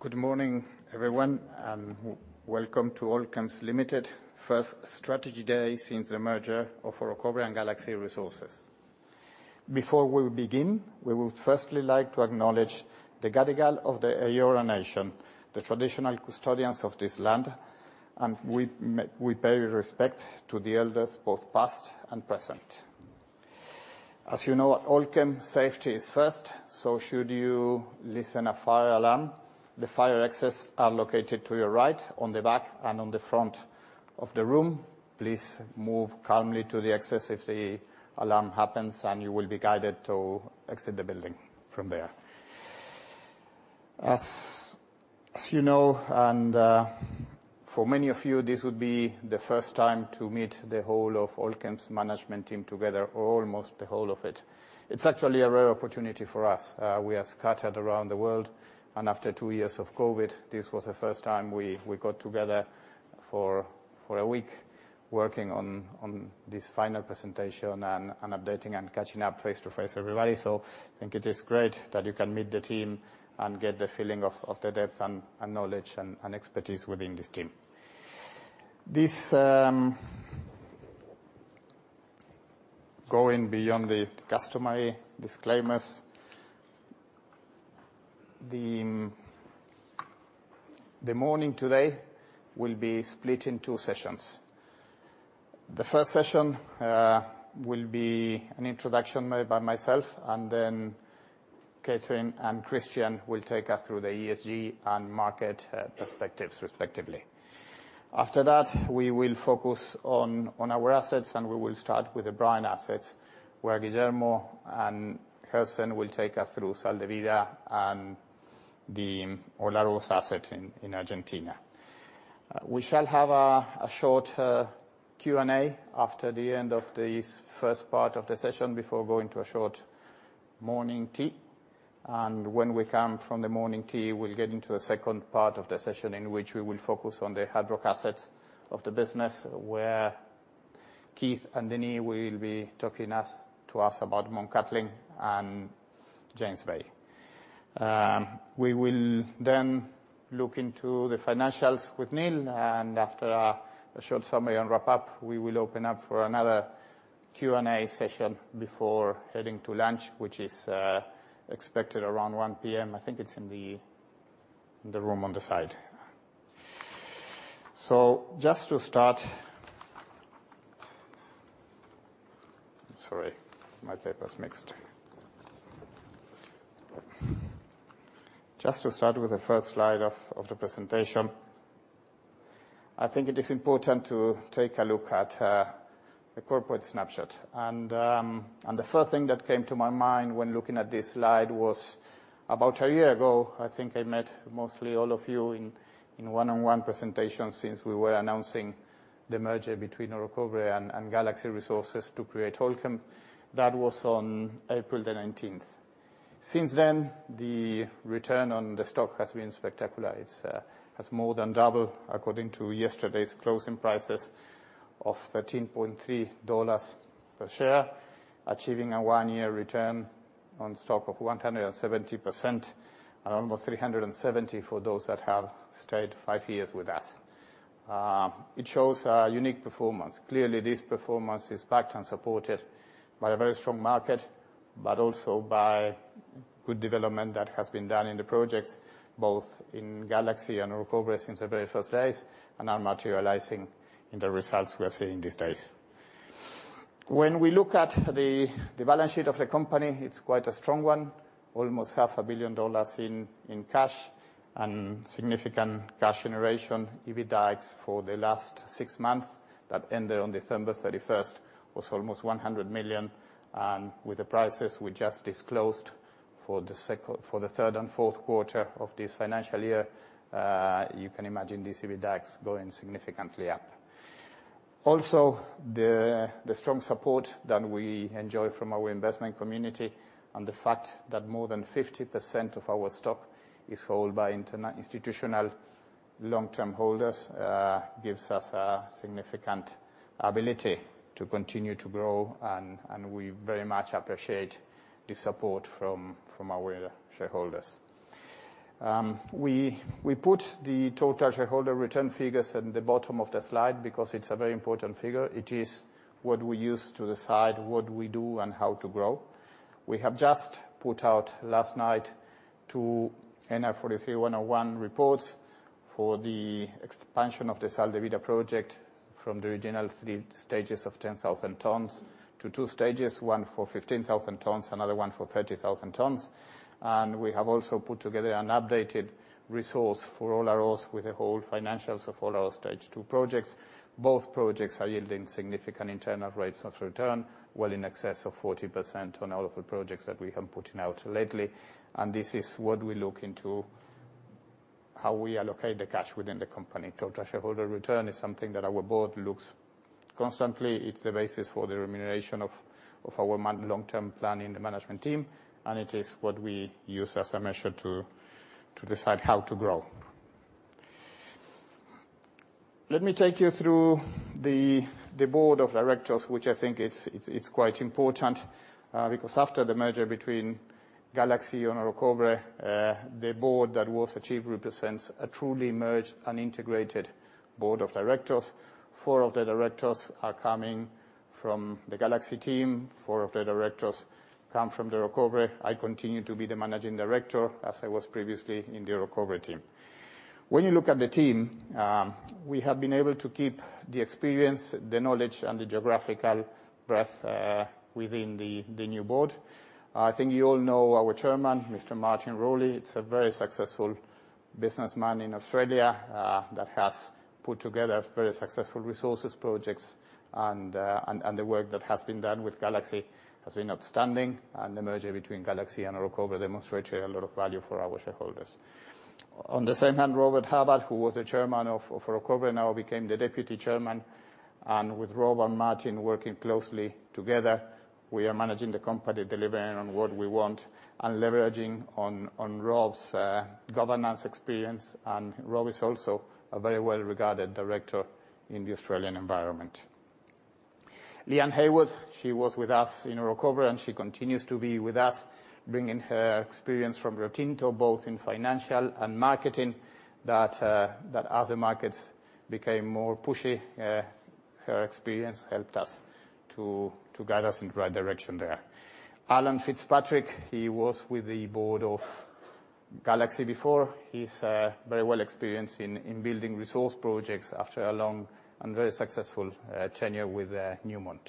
Good morning, everyone, and welcome to Allkem Limited first strategy day since the merger of Orocobre and Galaxy Resources. Before we begin, we would firstly like to acknowledge the Gadigal of the Eora Nation, the traditional custodians of this land, and we pay respect to the elders, both past and present. As you know, at Allkem, safety is first, so should you hear a fire alarm, the fire exits are located to your right on the back and on the front of the room. Please move calmly to the exits if the alarm happens, and you will be guided to exit the building from there. You know, for many of you, this would be the first time to meet the whole of Allkem's management team together, or almost the whole of it. It's actually a rare opportunity for us. We are scattered around the world, and after two years of COVID, this was the first time we got together for a week working on this final presentation and updating and catching up face-to-face everybody. I think it is great that you can meet the team and get the feeling of the depth and knowledge and expertise within this team. Going beyond the customary disclaimers, the morning today will be split in two sessions. The first session will be an introduction made by myself, and then Kathryn and Christian will take us through the ESG and market perspectives respectively. After that, we will focus on our assets, and we will start with the brine assets, where Guillermo and Hersen will take us through Sal de Vida and the Olaroz asset in Argentina. We shall have a short Q&A after the end of this first part of the session before going to a short morning tea. When we come from the morning tea, we'll get into a second part of the session in which we will focus on the hard-rock assets of the business, where Keith and Denis will be talking to us about Mt. Cattlin and James Bay. We will then look into the financials with Neil, and after a short summary and wrap-up, we will open up for another Q&A session before heading to lunch, which is expected around 1:00 P.M. I think it's in the room on the side. Just to start. Sorry, my paper's mixed. Just to start with the first slide of the presentation, I think it is important to take a look at the corporate snapshot. The first thing that came to my mind when looking at this slide was about a year ago, I think I met mostly all of you in one-on-one presentations since we were announcing the merger between Orocobre and Galaxy Resources to create Allkem. That was on April the 19th. Since then, the return on the stock has been spectacular. It has more than doubled according to yesterday's closing prices of 13.3 dollars per share, achieving a one-year return on stock of 170% and almost 370% for those that have stayed five years with us. It shows a unique performance. Clearly, this performance is backed and supported by a very strong market, but also by good development that has been done in the projects, both in Galaxy and Orocobre since the very first days, and are materializing in the results we are seeing these days. When we look at the balance sheet of the company, it's quite a strong one. Almost half a billion AUD in cash and significant cash generation. EBITDAs for the last six months that ended on 31 December was almost 100 million. With the prices we just disclosed for the third and fourth quarter of this financial year, you can imagine these EBITDAs going significantly up. The strong support that we enjoy from our investment community and the fact that more than 50% of our stock is held by institutional long-term holders gives us a significant ability to continue to grow, and we very much appreciate the support from our shareholders. We put the total shareholder return figures at the bottom of the slide because it's a very important figure. It is what we use to decide what we do and how to grow. We have just put out last night two NI 43-101 reports for the expansion of the Sal de Vida project from the original three stages of 10,000 tons to two stages, one for 15,000 tons, another one for 30,000 tons. We have also put together an updated resource for Olaroz with the whole financials of Olaroz Stage two projects. Both projects are yielding significant internal rates of return, well in excess of 40% on all of the projects that we have putting out lately. This is what we look into how we allocate the cash within the company. Total shareholder return is something that our board looks constantly. It's the basis for the remuneration of our long-term plan in the management team, and it is what we use as a measure to decide how to grow. Let me take you through the board of directors, which I think it's quite important, because after the merger between Galaxy and Orocobre, the board that was achieved represents a truly merged and integrated board of directors. Four of the directors are coming from the Galaxy team. Four of the directors come from the Orocobre. I continue to be the Managing Director as I was previously in the Orocobre team. When you look at the team, we have been able to keep the experience, the knowledge, and the geographical breadth within the new board. I think you all know our chairman, Mr. Martin Rowley. He's a very successful businessman in Australia that has put together very successful resources projects and the work that has been done with Galaxy has been outstanding, and the merger between Galaxy and Orocobre demonstrated a lot of value for our shareholders. On the other hand, Robert Hubbard, who was the chairman of Orocobre, now became the deputy chairman, and with Rob and Martin working closely together, we are managing the company, delivering on what we want, and leveraging on Rob's governance experience. Rob is also a very well-regarded director in the Australian environment. Leanne Heywood, she was with us in Orocobre, and she continues to be with us, bringing her experience from Rio Tinto, both in financial and marketing that other markets became more pushy. Her experience helped us to guide us in the right direction there. Alan Fitzpatrick, he was with the board of Galaxy before. He's very well experienced in building resource projects after a long and very successful tenure with Newmont.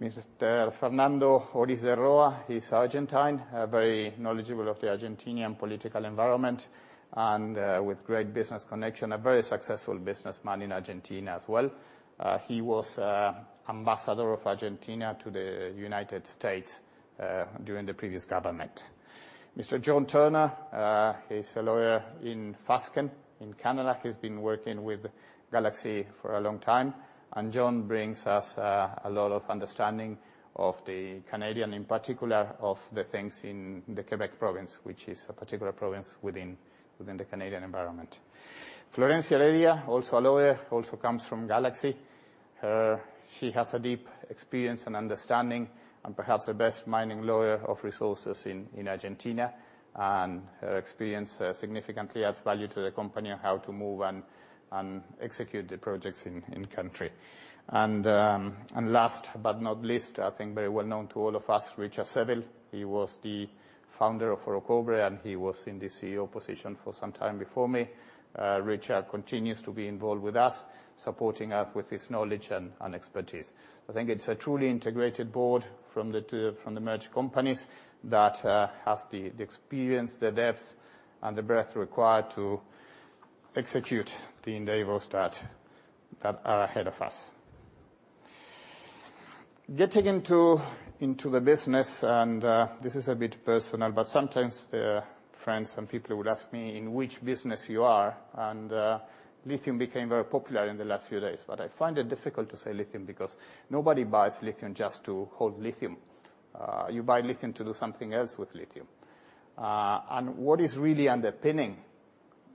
Mr. Fernando Oris de Roa, he's Argentine. Very knowledgeable of the Argentine political environment and, with great business connection. A very successful businessman in Argentina as well. He was ambassador of Argentina to the United States during the previous government. Mr. John Turner, he's a lawyer in Fasken in Canada. He's been working with Galaxy for a long time, and John brings us a lot of understanding of the Canadian, in particular, of the things in the Quebec province, which is a particular province within the Canadian environment. Florencia Heredia, also a lawyer, also comes from Galaxy. She has a deep experience and understanding and perhaps the best mining lawyer of resources in Argentina, and her experience significantly adds value to the company on how to move and execute the projects in country. Last but not least, I think very well known to all of us, Richard Seville. He was the founder of Orocobre, and he was in the CEO position for some time before me. Richard continues to be involved with us, supporting us with his knowledge and expertise. I think it's a truly integrated board from the merged companies that has the experience, the depth, and the breadth required to execute the endeavors that are ahead of us. Getting into the business and this is a bit personal, but sometimes the friends and people would ask me, "In which business you are?" Lithium became very popular in the last few days. But I find it difficult to say lithium because nobody buys lithium just to hold lithium. You buy lithium to do something else with lithium. What is really underpinning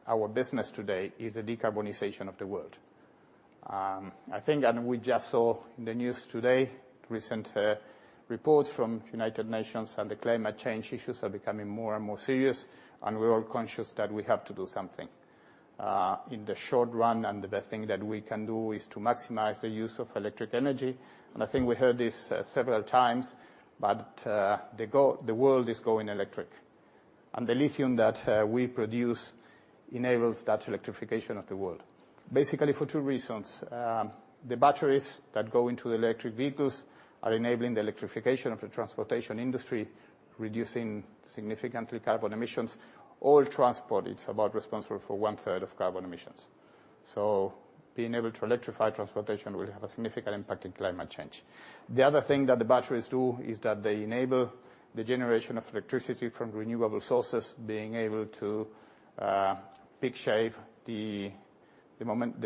our business today is the decarbonization of the world. I think we just saw in the news today recent reports from United Nations and the climate change issues are becoming more and more serious, and we're all conscious that we have to do something. In the short run, the best thing that we can do is to maximize the use of electric energy. I think we heard this several times, but the world is going electric. The lithium that we produce enables that electrification of the world. Basically for two reasons. The batteries that go into the electric vehicles are enabling the electrification of the transportation industry, reducing significantly carbon emissions. All transport is responsible for one-third of carbon emissions. Being able to electrify transportation will have a significant impact on climate change. The other thing that the batteries do is that they enable the generation of electricity from renewable sources, being able to peak shave the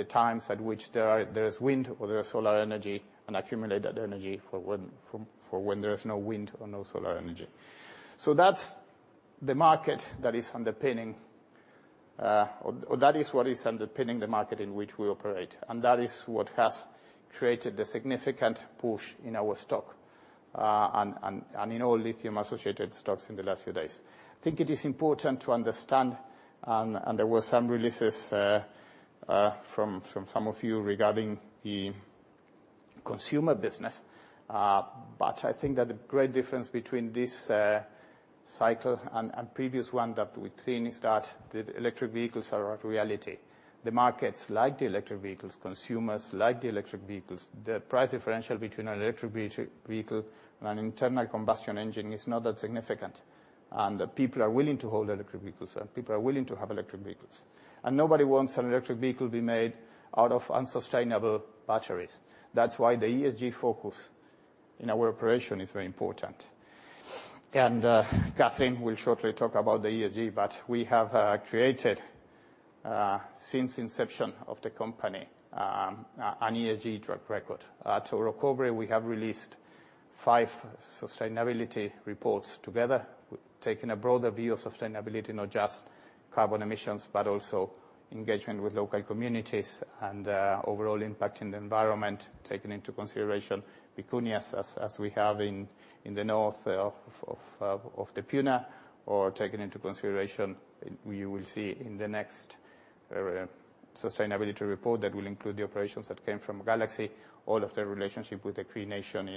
times at which there is wind or there is solar energy, and accumulate that energy for when there is no wind or no solar energy. That's the market that is underpinning, or that is what is underpinning the market in which we operate, and that is what has created the significant push in our stock and in all lithium-associated stocks in the last few days. I think it is important to understand, and there were some releases from some of you regarding the consumer business. I think that the great difference between this cycle and previous one that we've seen is that the electric vehicles are a reality. The markets like the electric vehicles. Consumers like the electric vehicles. The price differential between an electric vehicle and an internal combustion engine is not that significant. People are willing to hold electric vehicles, and people are willing to have electric vehicles. Nobody wants an electric vehicle be made out of unsustainable batteries. That's why the ESG focus in our operation is very important. Kathryn will shortly talk about the ESG, but we have created since inception of the company an ESG track record. To recovery, we have released five sustainability reports together, taking a broader view of sustainability, not just carbon emissions, but also engagement with local communities and overall impact in the environment, taking into consideration vicuña as we have in the north of the Puna, or taking into consideration, we will see in the next sustainability report that will include the operations that came from Galaxy, all of their relationship with the Cree Nation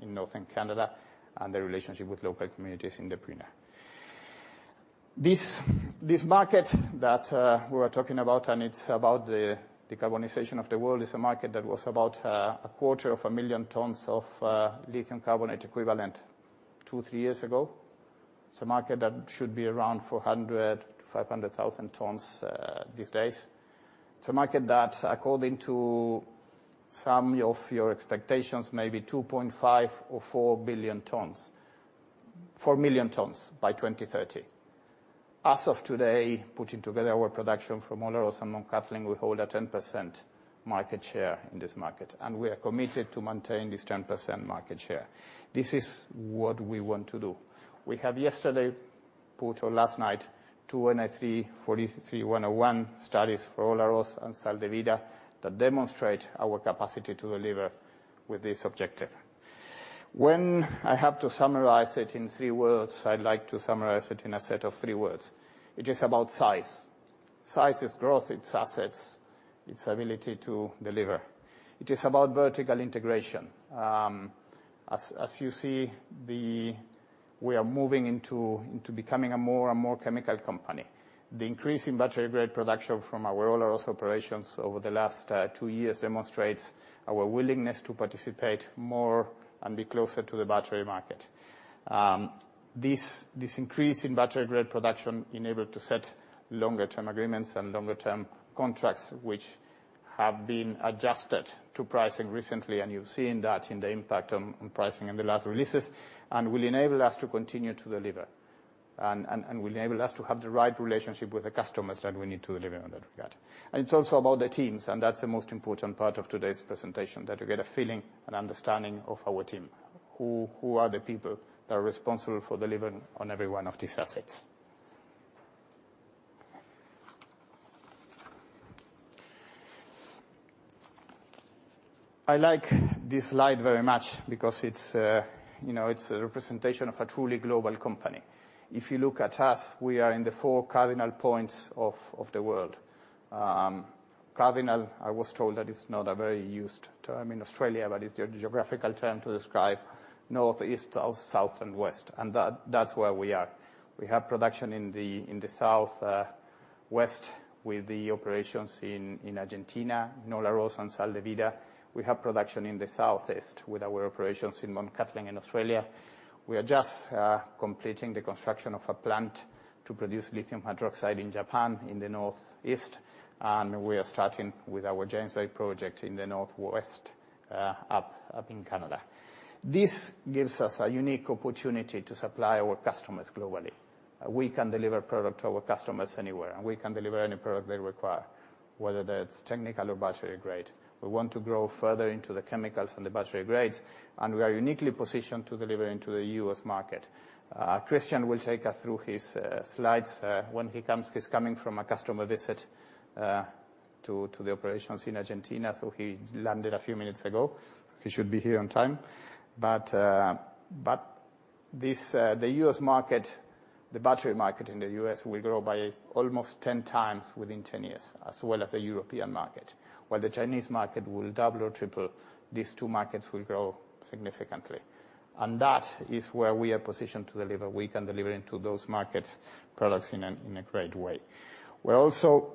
in Northern Canada and the relationship with local communities in the Puna. This market that we're talking about and it's about the decarbonization of the world is a market that was about a quarter of a million tons of lithium carbonate equivalent 2-3 years ago. It's a market that should be around 400-500 thousand tons these days. It's a market that according to some of your expectations, maybe 2.5 or 4 million tons by 2030. As of today, putting together our production from Olaroz and Mt Cattlin, we hold a 10% market share in this market, and we are committed to maintain this 10% market share. This is what we want to do. We have yesterday put, or last night, two NI 43-101 studies for Olaroz and Sal de Vida that demonstrate our capacity to deliver with this objective. When I have to summarize it in three words, I'd like to summarize it in a set of three words. It is about size. Size is growth, it's assets, it's ability to deliver. It is about vertical integration. As you see, we are moving into becoming a more and more chemical company. The increase in battery grade production from our Olaroz operations over the last two years demonstrates our willingness to participate more and be closer to the battery market. This increase in battery grade production enabled to set longer term agreements and longer term contracts, which have been adjusted to pricing recently, and you've seen that in the impact on pricing in the last releases and will enable us to continue to deliver and will enable us to have the right relationship with the customers that we need to deliver on that regard. It's also about the teams, and that's the most important part of today's presentation, that you get a feeling and understanding of our team, who are the people that are responsible for delivering on every one of these assets. I like this slide very much because it's, you know, it's a representation of a truly global company. If you look at us, we are in the four cardinal points of the world. Cardinal, I was told that it's not a very used term in Australia, but it's the geographical term to describe north, east, south and west, and that's where we are. We have production in the south west with the operations in Argentina, in Olaroz and Sal de Vida. We have production in the southeast with our operations in Mt Cattlin in Australia. We are just completing the construction of a plant to produce lithium hydroxide in Japan in the northeast, and we are starting with our James Bay project in the northwest up in Canada. This gives us a unique opportunity to supply our customers globally. We can deliver product to our customers anywhere, and we can deliver any product they require, whether that's technical or battery grade. We want to grow further into the chemicals and the battery grades, and we are uniquely positioned to deliver into the U.S. market. Christian will take us through his slides when he comes. He's coming from a customer visit to the operations in Argentina, so he's landed a few minutes ago. He should be here on time. The U.S. market, the battery market in the U.S. will grow by almost 10 times within 10 years, as well as the European market. While the Chinese market will double or triple, these two markets will grow significantly. That is where we are positioned to deliver. We can deliver into those markets products in a great way. We're also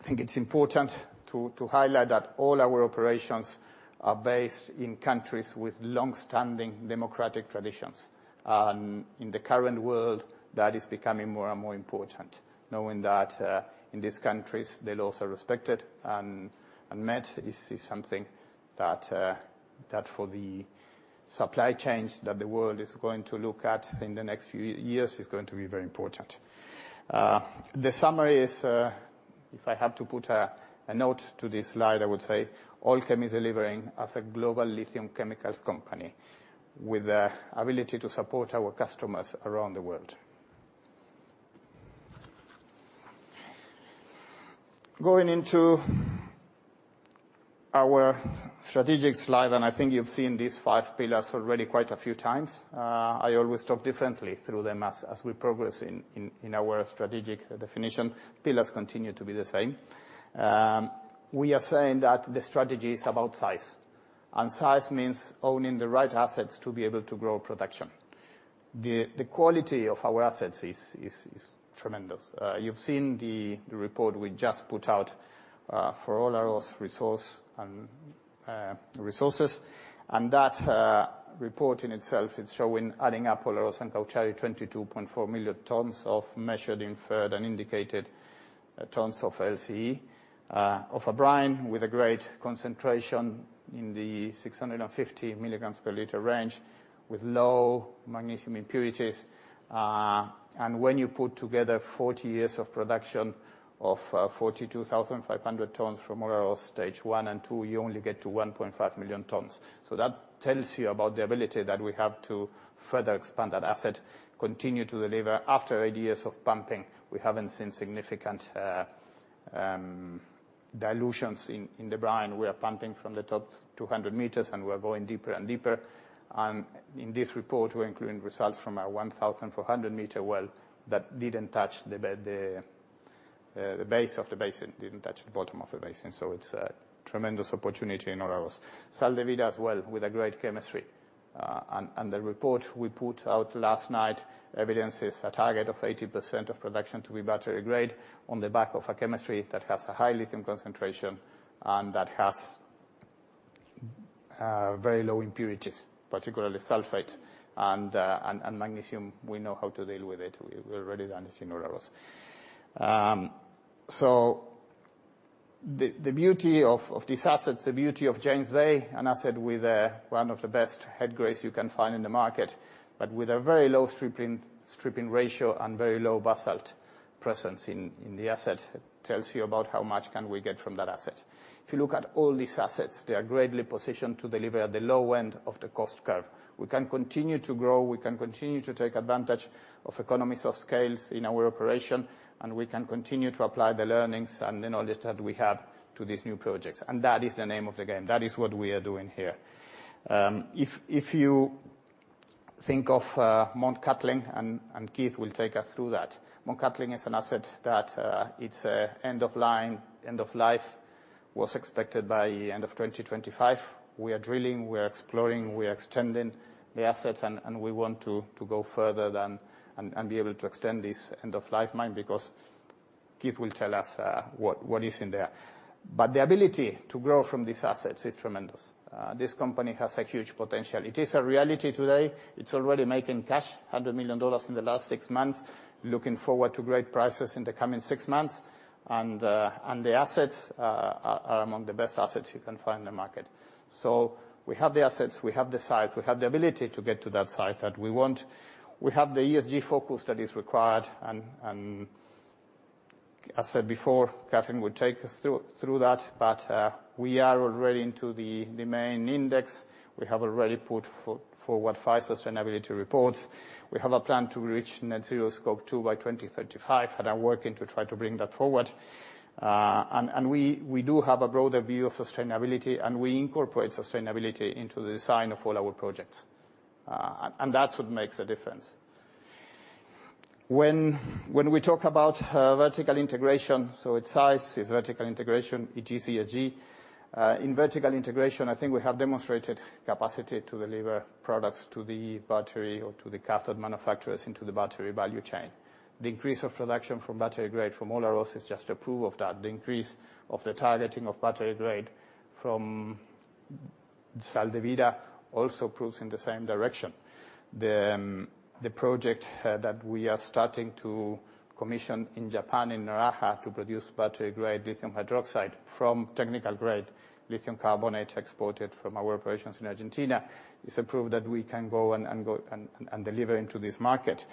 I think it's important to highlight that all our operations are based in countries with long-standing democratic traditions. In the current world, that is becoming more and more important. Knowing that in these countries, the laws are respected and met is something that for the supply chains that the world is going to look at in the next few years is going to be very important. The summary is, if I have to put a note to this slide, I would say Allkem is delivering as a global lithium chemicals company with the ability to support our customers around the world. Going into our strategic slide, I think you've seen these five pillars already quite a few times. I always talk differently through them as we progress in our strategic definition. Pillars continue to be the same. We are saying that the strategy is about size. Size means owning the right assets to be able to grow production. The quality of our assets is tremendous. You've seen the report we just put out for Olaroz resource and resources. That report in itself it's showing adding up Olaroz and Cauchari 22.4 million tons of measured, inferred, and indicated tons of LCE of a brine with a great concentration in the 650 milligrams per liter range with low magnesium impurities. When you put together 40 years of production of 42,500 tons from Olaroz stage one and two, you only get to 1.5 million tons. That tells you about the ability that we have to further expand that asset, continue to deliver. After 80 years of pumping, we haven't seen significant dilutions in the brine. We are pumping from the top 200 meters, and we are going deeper and deeper. In this report, we're including results from our 1,400-meter well that didn't touch the base of the basin. Didn't touch the bottom of the basin, so it's a tremendous opportunity in Olaroz, Sal de Vida as well with a great chemistry. The report we put out last night evidences a target of 80% of production to be battery grade on the back of a chemistry that has a high lithium concentration and that has very low impurities, particularly sulfate and magnesium. We know how to deal with it. We've already done this in Olaroz. The beauty of these assets, the beauty of James Bay, an asset with one of the best head grades you can find in the market, but with a very low stripping ratio and very low basalt presence in the asset tells you about how much can we get from that asset. If you look at all these assets, they are greatly positioned to deliver at the low end of the cost curve. We can continue to grow, we can continue to take advantage of economies of scales in our operation, and we can continue to apply the learnings and the knowledge that we have to these new projects. That is the name of the game. That is what we are doing here. If you think of Mt Cattlin, and Keith will take us through that. Mt Cattlin is an asset that its end of life was expected by end of 2025. We are drilling, we are exploring, we are extending the asset, and we want to go further than, and be able to extend this end-of-life mine because Keith will tell us what is in there. But the ability to grow from these assets is tremendous. This company has a huge potential. It is a reality today. It's already making cash, 100 million dollars in the last six months. Looking forward to great prices in the coming six months. The assets are among the best assets you can find in the market. We have the assets, we have the size, we have the ability to get to that size that we want. We have the ESG focus that is required. As said before, Kathryn will take us through that. We are already into the main index. We have already put forward five sustainability reports. We have a plan to reach net zero scope two by 2035, and I'm working to try to bring that forward. We do have a broader view of sustainability, and we incorporate sustainability into the design of all our projects. That's what makes a difference. When we talk about vertical integration, it's size, it's vertical integration, ESG. In vertical integration, I think we have demonstrated capacity to deliver products to the battery or to the cathode manufacturers into the battery value chain. The increase of production from battery-grade from Olaroz is just a proof of that. The increase of the targeting of battery-grade from Sal de Vida also proves in the same direction. The project that we are starting to commission in Japan, in Naraha, to produce battery-grade lithium hydroxide from technical-grade lithium carbonate exported from our operations in Argentina is a proof that we can go and deliver into this market.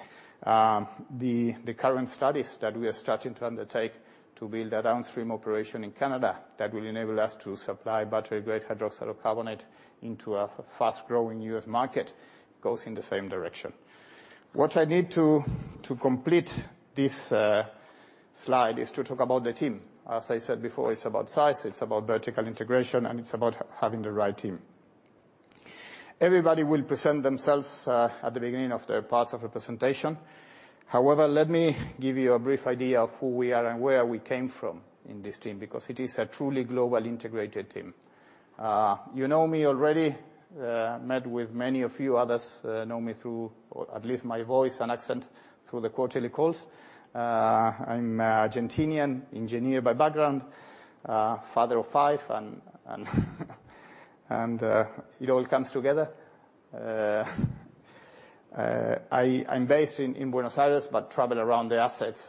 The current studies that we are starting to undertake to build a downstream operation in Canada that will enable us to supply battery-grade lithium hydroxide into a fast-growing U.S. market goes in the same direction. What I need to complete this slide is to talk about the team. As I said before, it's about size, it's about vertical integration, and it's about having the right team. Everybody will present themselves at the beginning of their parts of the presentation. However, let me give you a brief idea of who we are and where we came from in this team, because it is a truly global integrated team. You know me already, met with many of you. Others know me through or at least my voice and accent through the quarterly calls. I'm Argentine, engineer by background, father of five, and it all comes together. I'm based in Buenos Aires but travel around the assets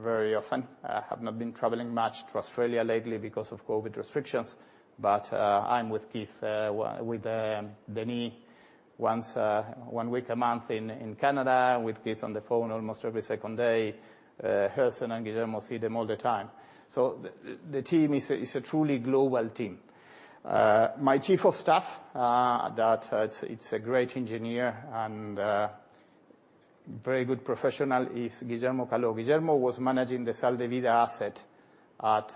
very often. I have not been traveling much to Australia lately because of COVID restrictions. I'm with Keith with Denis one week a month in Canada, with Keith on the phone almost every second day. Harrison and Guillermo, see them all the time. The team is a truly global team. My chief of staff that it's a great engineer and very good professional is Guillermo Caló. Guillermo was managing the Sal de Vida asset at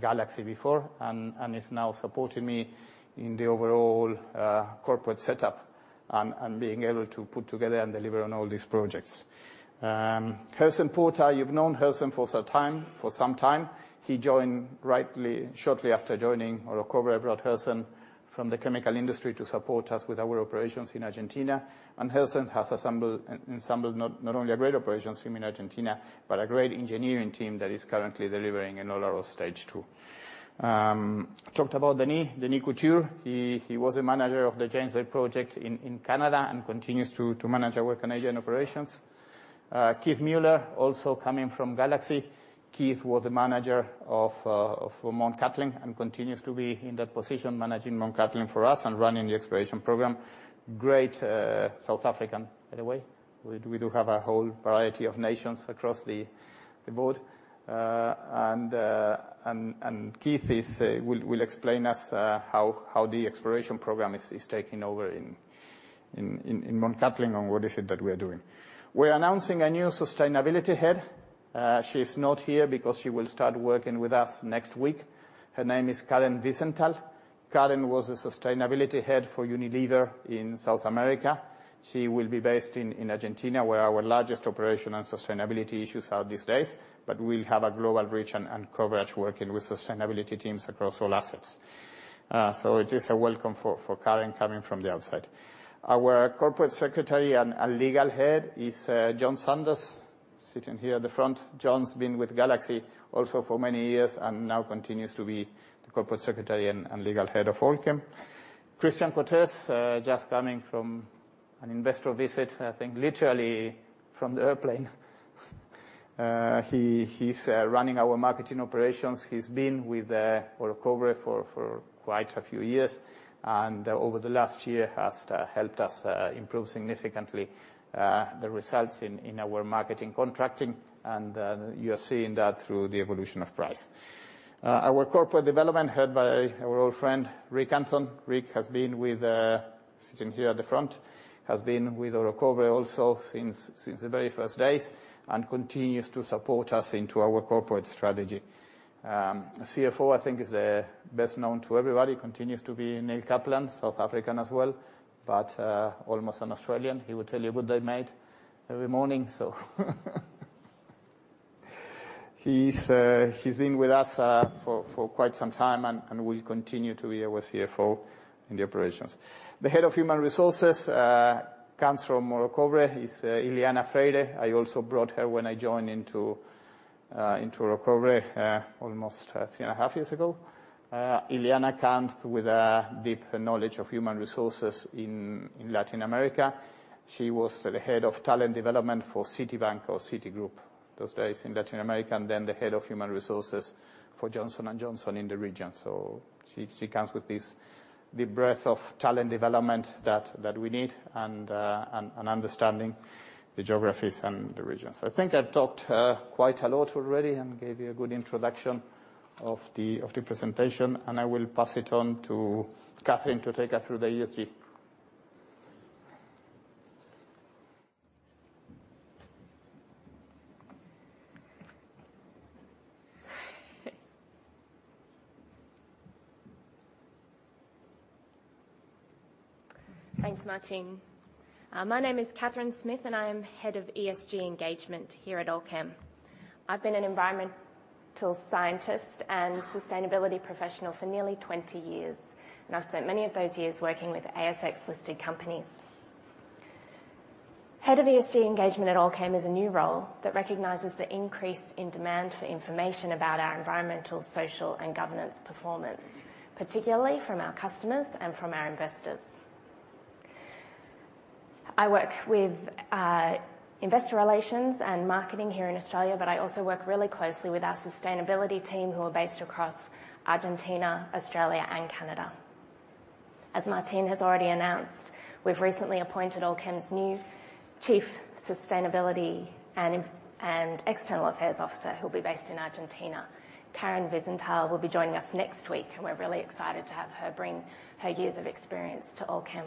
Galaxy before and is now supporting me in the overall corporate setup and being able to put together and deliver on all these projects. Hersen Porta, you've known Hersen for some time. Shortly after joining Orocobre, I brought Hersen from the chemical industry to support us with our operations in Argentina. Hersen has assembled not only a great operations team in Argentina, but a great engineering team that is currently delivering in Olaroz Stage two. Talked about Denis. Denis Couture, he was the manager of the James Bay project in Canada and continues to manage our Canadian operations. Keith Muller, also coming from Galaxy. Keith was the manager of Mt Cattlin, and continues to be in that position, managing Mt Cattlin for us and running the exploration program. Great South African, by the way. We do have a whole variety of nations across the board. Will explain us how the exploration program is taking over in Mt. Cattlin and what is it that we are doing. We're announcing a new sustainability head. She is not here because she will start working with us next week. Her name is Karen Wiesenthal. Karen was the sustainability head for Unilever in South America. She will be based in Argentina, where our largest operation and sustainability issues are these days. We'll have a global reach and coverage working with sustainability teams across all assets. It is a welcome for Karen coming from the outside. Our corporate secretary and legal head is John Sanders, sitting here at the front. John's been with Galaxy also for many years and now continues to be the corporate secretary and legal head of Allkem. Christian Cortes, just coming from an investor visit, I think literally from the airplane. He is running our marketing operations. He has been with Orocobre for quite a few years. Over the last year he has helped us improve significantly the results in our marketing contracting. You are seeing that through the evolution of price. Our corporate development head, our old friend, Rick Anthon. Rick, sitting here at the front, has been with Orocobre also since the very first days and continues to support us in our corporate strategy. CFO, I think is best known to everybody, continues to be Neil Kaplan, South African as well, but almost an Australian. He will tell you, "Good day, mate," every morning, so. He's been with us for quite some time and will continue to be our CFO in the operations. The Head of Human Resources comes from Orocobre, is Ileana Freire. I also brought her when I joined into Orocobre almost three and a half years ago. Ileana comes with a deep knowledge of human resources in Latin America. She was the head of talent development for Citibank or Citigroup, those days in Latin America, and then the head of human resources for Johnson & Johnson in the region. She comes with this deep breadth of talent development that we need and understanding the geographies and the regions. I think I've talked quite a lot already and gave you a good introduction of the presentation, and I will pass it on to Kathryn to take us through the ESG. Thanks, Martin. My name is Kathryn Smith, and I am Head of ESG Engagement here at Allkem. I've been an environmental scientist and sustainability professional for nearly 20 years, and I've spent many of those years working with ASX listed companies. Head of ESG Engagement at Allkem is a new role that recognizes the increase in demand for information about our environmental, social and governance performance, particularly from our customers and from our investors. I work with investor relations and marketing here in Australia, but I also work really closely with our sustainability team who are based across Argentina, Australia, and Canada. As Martin has already announced, we've recently appointed Allkem's new chief sustainability and external affairs officer, who'll be based in Argentina. Karen Wiesenthal will be joining us next week and we're really excited to have her bring her years of experience to Allkem.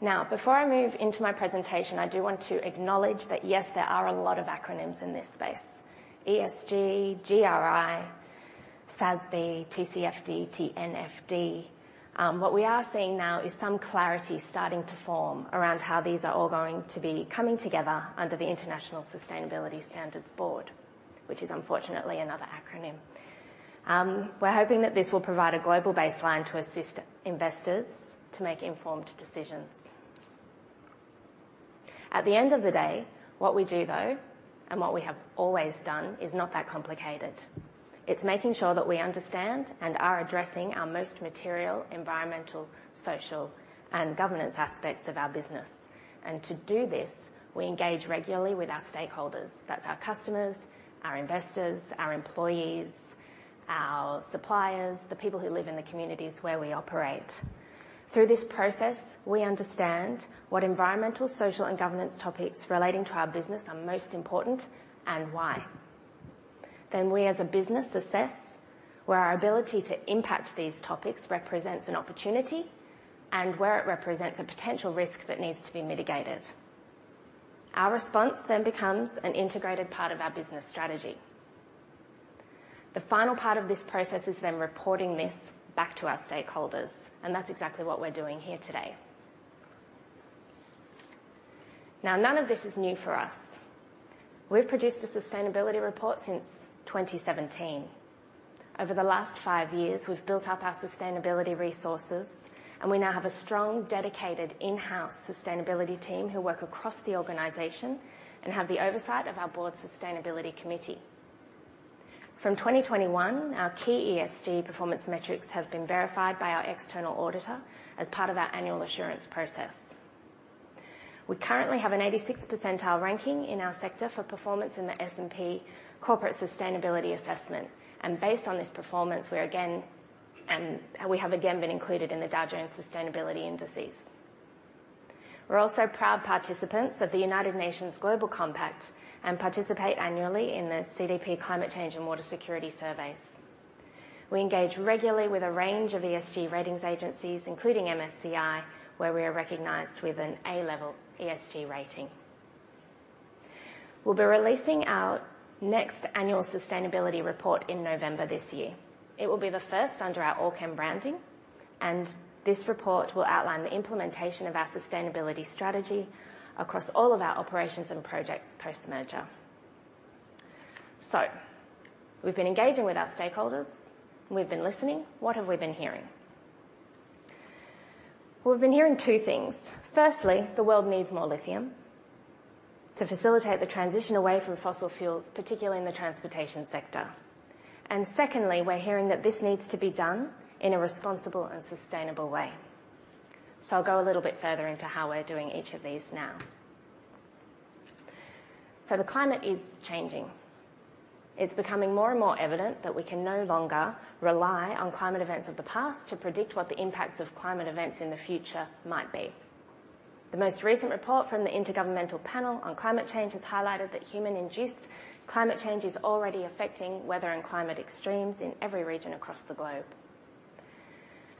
Now, before I move into my presentation, I do want to acknowledge that, yes, there are a lot of acronyms in this space. ESG, GRI, SASB, TCFD, TNFD. What we are seeing now is some clarity starting to form around how these are all going to be coming together under the International Sustainability Standards Board, which is unfortunately another acronym. We're hoping that this will provide a global baseline to assist investors to make informed decisions. At the end of the day, what we do though, and what we have always done is not that complicated. It's making sure that we understand and are addressing our most material, environmental, social and governance aspects of our business. To do this, we engage regularly with our stakeholders. That's our customers, our investors, our employees, our suppliers, the people who live in the communities where we operate. Through this process, we understand what environmental, social and governance topics relating to our business are most important and why. We, as a business, assess where our ability to impact these topics represents an opportunity and where it represents a potential risk that needs to be mitigated. Our response then becomes an integrated part of our business strategy. The final part of this process is then reporting this back to our stakeholders, and that's exactly what we're doing here today. Now, none of this is new for us. We've produced a sustainability report since 2017. Over the last five years, we've built up our sustainability resources, and we now have a strong, dedicated in-house sustainability team who work across the organization and have the oversight of our board sustainability committee. From 2021, our key ESG performance metrics have been verified by our external auditor as part of our annual assurance process. We currently have an 86th percentile ranking in our sector for performance in the S&P Global Corporate Sustainability Assessment, and based on this performance, we have again been included in the Dow Jones Sustainability Indices. We're also proud participants of the United Nations Global Compact and participate annually in the CDP Climate Change and Water Security Surveys. We engage regularly with a range of ESG ratings agencies, including MSCI, where we are recognized with an A-level ESG rating. We'll be releasing our next annual sustainability report in November this year. It will be the first under our Allkem branding, and this report will outline the implementation of our sustainability strategy across all of our operations and projects post-merger. We've been engaging with our stakeholders. We've been listening. What have we been hearing? We've been hearing two things. Firstly, the world needs more lithium to facilitate the transition away from fossil fuels, particularly in the transportation sector. Secondly, we're hearing that this needs to be done in a responsible and sustainable way. I'll go a little bit further into how we're doing each of these now. The climate is changing. It's becoming more and more evident that we can no longer rely on climate events of the past to predict what the impacts of climate events in the future might be. The most recent report from the Intergovernmental Panel on Climate Change has highlighted that human-induced climate change is already affecting weather and climate extremes in every region across the globe.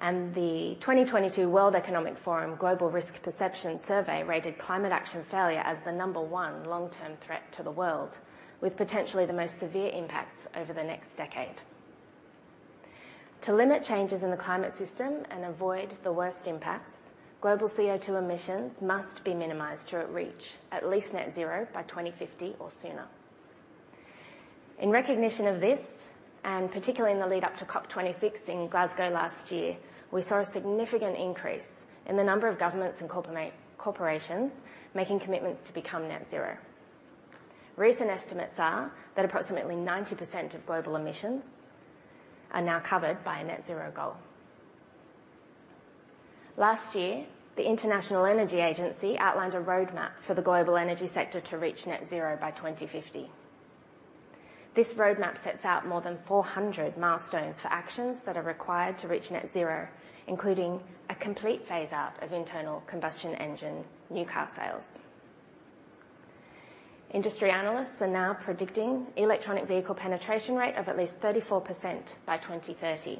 The 2022 World Economic Forum Global Risk Perception Survey rated climate action failure as the number one long-term threat to the world, with potentially the most severe impacts over the next decade. To limit changes in the climate system and avoid the worst impacts, global CO2 emissions must be minimized to reach at least net zero by 2050 or sooner. In recognition of this, and particularly in the lead up to COP26 in Glasgow last year, we saw a significant increase in the number of governments and corporations making commitments to become net zero. Recent estimates are that approximately 90% of global emissions are now covered by a net zero goal. Last year, the International Energy Agency outlined a roadmap for the global energy sector to reach net zero by 2050. This roadmap sets out more than 400 milestones for actions that are required to reach net zero, including a complete phase out of internal combustion engine new car sales. Industry analysts are now predicting electric vehicle penetration rate of at least 34% by 2030,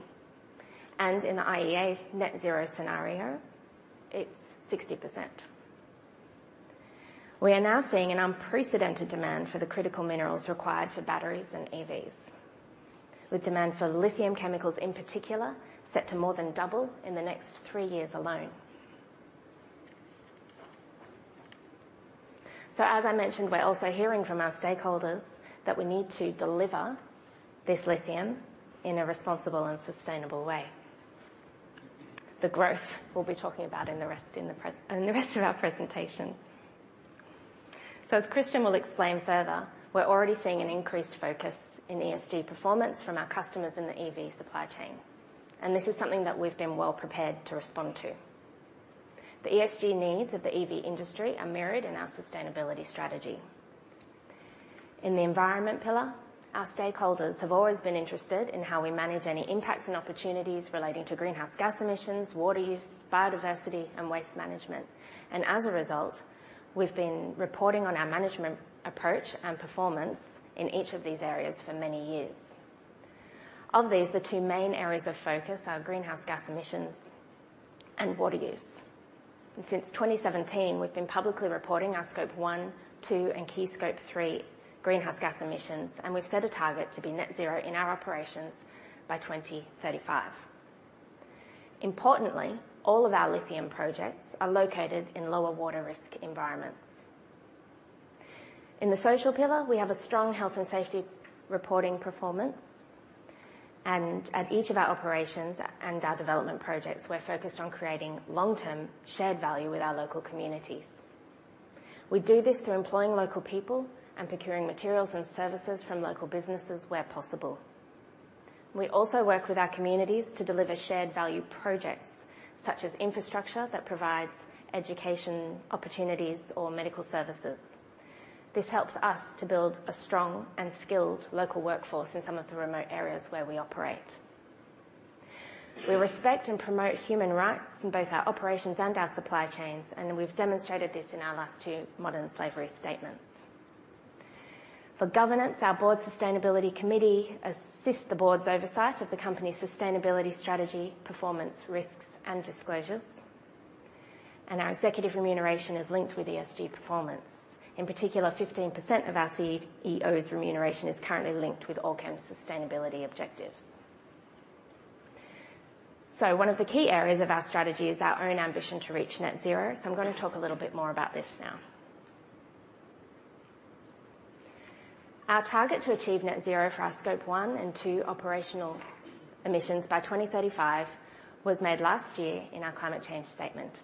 and in the IEA net zero scenario, it's 60%. We are now seeing an unprecedented demand for the critical minerals required for batteries and EVs, with demand for lithium chemicals in particular set to more than double in the next three years alone. As I mentioned, we're also hearing from our stakeholders that we need to deliver this lithium in a responsible and sustainable way. The growth we'll be talking about in the rest of our presentation. As Christian will explain further, we're already seeing an increased focus in ESG performance from our customers in the EV supply chain, and this is something that we've been well prepared to respond to. The ESG needs of the EV industry are mirrored in our sustainability strategy. In the environment pillar, our stakeholders have always been interested in how we manage any impacts and opportunities relating to greenhouse gas emissions, water use, biodiversity, and waste management. As a result, we've been reporting on our management approach and performance in each of these areas for many years. Of these, the two main areas of focus are greenhouse gas emissions and water use. Since 2017, we've been publicly reporting our Scope 1, 2, and Key Scope 3 greenhouse gas emissions, and we've set a target to be net zero in our operations by 2035. Importantly, all of our lithium projects are located in lower water risk environments. In the social pillar, we have a strong health and safety reporting performance, and at each of our operations and our development projects, we're focused on creating long-term shared value with our local communities. We do this through employing local people and procuring materials and services from local businesses where possible. We also work with our communities to deliver shared value projects such as infrastructure that provides education opportunities or medical services. This helps us to build a strong and skilled local workforce in some of the remote areas where we operate. We respect and promote human rights in both our operations and our supply chains, and we've demonstrated this in our last two modern slavery statements. For governance, our board sustainability committee assists the board's oversight of the company's sustainability strategy, performance, risks, and disclosures. Our executive remuneration is linked with ESG performance. In particular, 15% of our CEO's remuneration is currently linked with Allkem's sustainability objectives. One of the key areas of our strategy is our own ambition to reach net zero, so I'm gonna talk a little bit more about this now. Our target to achieve net zero for our scope one and two operational emissions by 2035 was made last year in our climate change statement.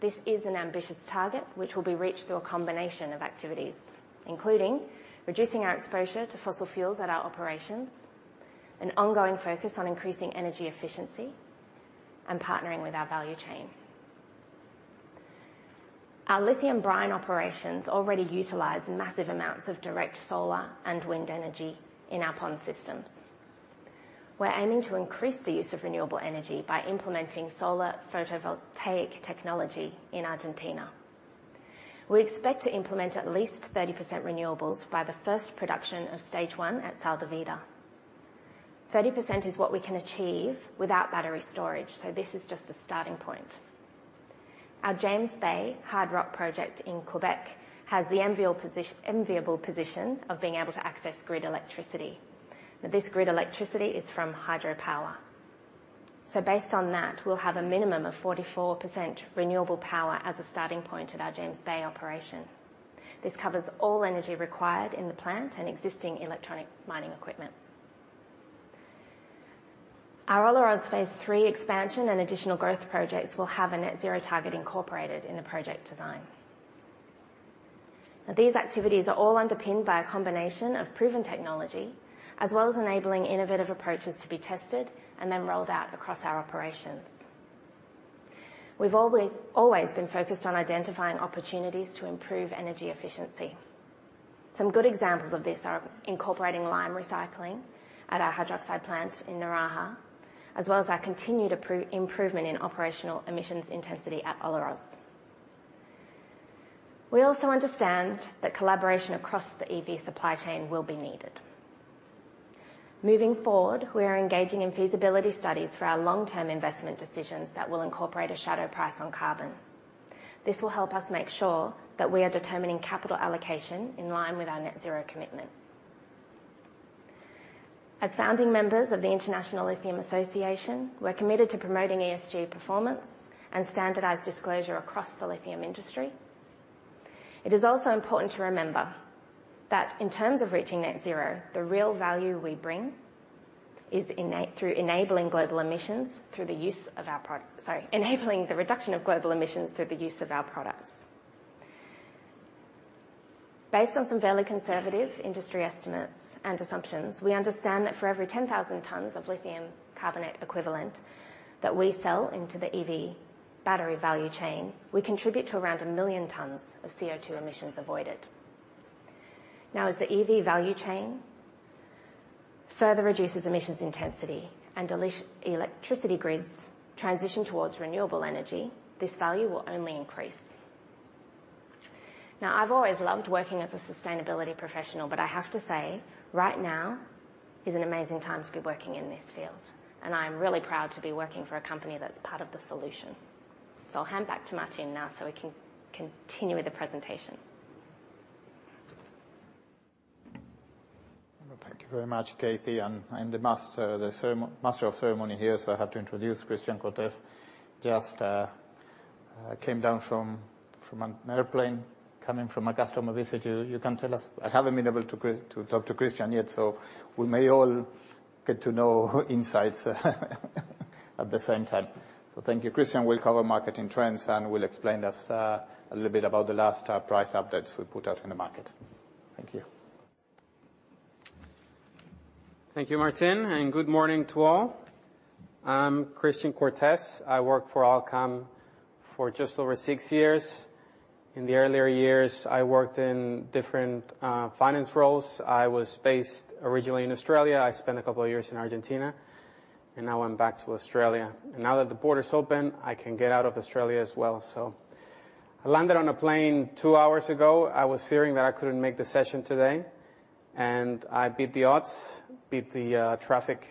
This is an ambitious target which will be reached through a combination of activities, including reducing our exposure to fossil fuels at our operations, an ongoing focus on increasing energy efficiency, and partnering with our value chain. Our lithium brine operations already utilize massive amounts of direct solar and wind energy in our pond systems. We're aiming to increase the use of renewable energy by implementing solar photovoltaic technology in Argentina. We expect to implement at least 30% renewables by the first production of Stage 1 at Sal de Vida. 30% is what we can achieve without battery storage, so this is just a starting point. Our James Bay hard rock project in Quebec has the enviable position of being able to access grid electricity. Now, this grid electricity is from hydropower. Based on that, we'll have a minimum of 44% renewable power as a starting point at our James Bay operation. This covers all energy required in the plant and existing electronic mining equipment. Our Olaroz phase three expansion and additional growth projects will have a net zero target incorporated in the project design. Now, these activities are all underpinned by a combination of proven technology, as well as enabling innovative approaches to be tested and then rolled out across our operations. We've always been focused on identifying opportunities to improve energy efficiency. Some good examples of this are incorporating lime recycling at our hydroxide plant in Neuquén, as well as our continued improvement in operational emissions intensity at Olaroz. We also understand that collaboration across the EV supply chain will be needed. Moving forward, we are engaging in feasibility studies for our long-term investment decisions that will incorporate a shadow price on carbon. This will help us make sure that we are determining capital allocation in line with our net zero commitment. As founding members of the International Lithium Association, we're committed to promoting ESG performance and standardized disclosure across the lithium industry. It is also important to remember that in terms of reaching net zero, the real value we bring is enabling the reduction of global emissions through the use of our products. Based on some fairly conservative industry estimates and assumptions, we understand that for every 10,000 tons of lithium carbonate equivalent that we sell into the EV battery value chain, we contribute to around 1 million tons of CO2 emissions avoided. Now, as the EV value chain further reduces emissions intensity and electricity grids transition towards renewable energy, this value will only increase. Now, I've always loved working as a sustainability professional, but I have to say, right now is an amazing time to be working in this field, and I'm really proud to be working for a company that's part of the solution. I'll hand back to Martín now, so we can continue with the presentation. Thank you very much, Kathryn. I'm the master of ceremony here, so I have to introduce Christian Cortes. Just came down from an airplane coming from a customer visit. You can tell us. I haven't been able to talk to Christian Cortes yet, so we may all get to know insights at the same time. Thank you. Christian Cortes will cover marketing trends and will explain us a little bit about the last price updates we put out in the market. Thank you. Thank you, Martín, and good morning to all. I'm Christian Cortes. I work for Allkem for just over six years. In the earlier years, I worked in different finance roles. I was based originally in Australia. I spent a couple of years in Argentina, and now I'm back to Australia. Now that the border is open, I can get out of Australia as well, so. I landed on a plane two hours ago. I was fearing that I couldn't make the session today, and I beat the odds, beat the traffic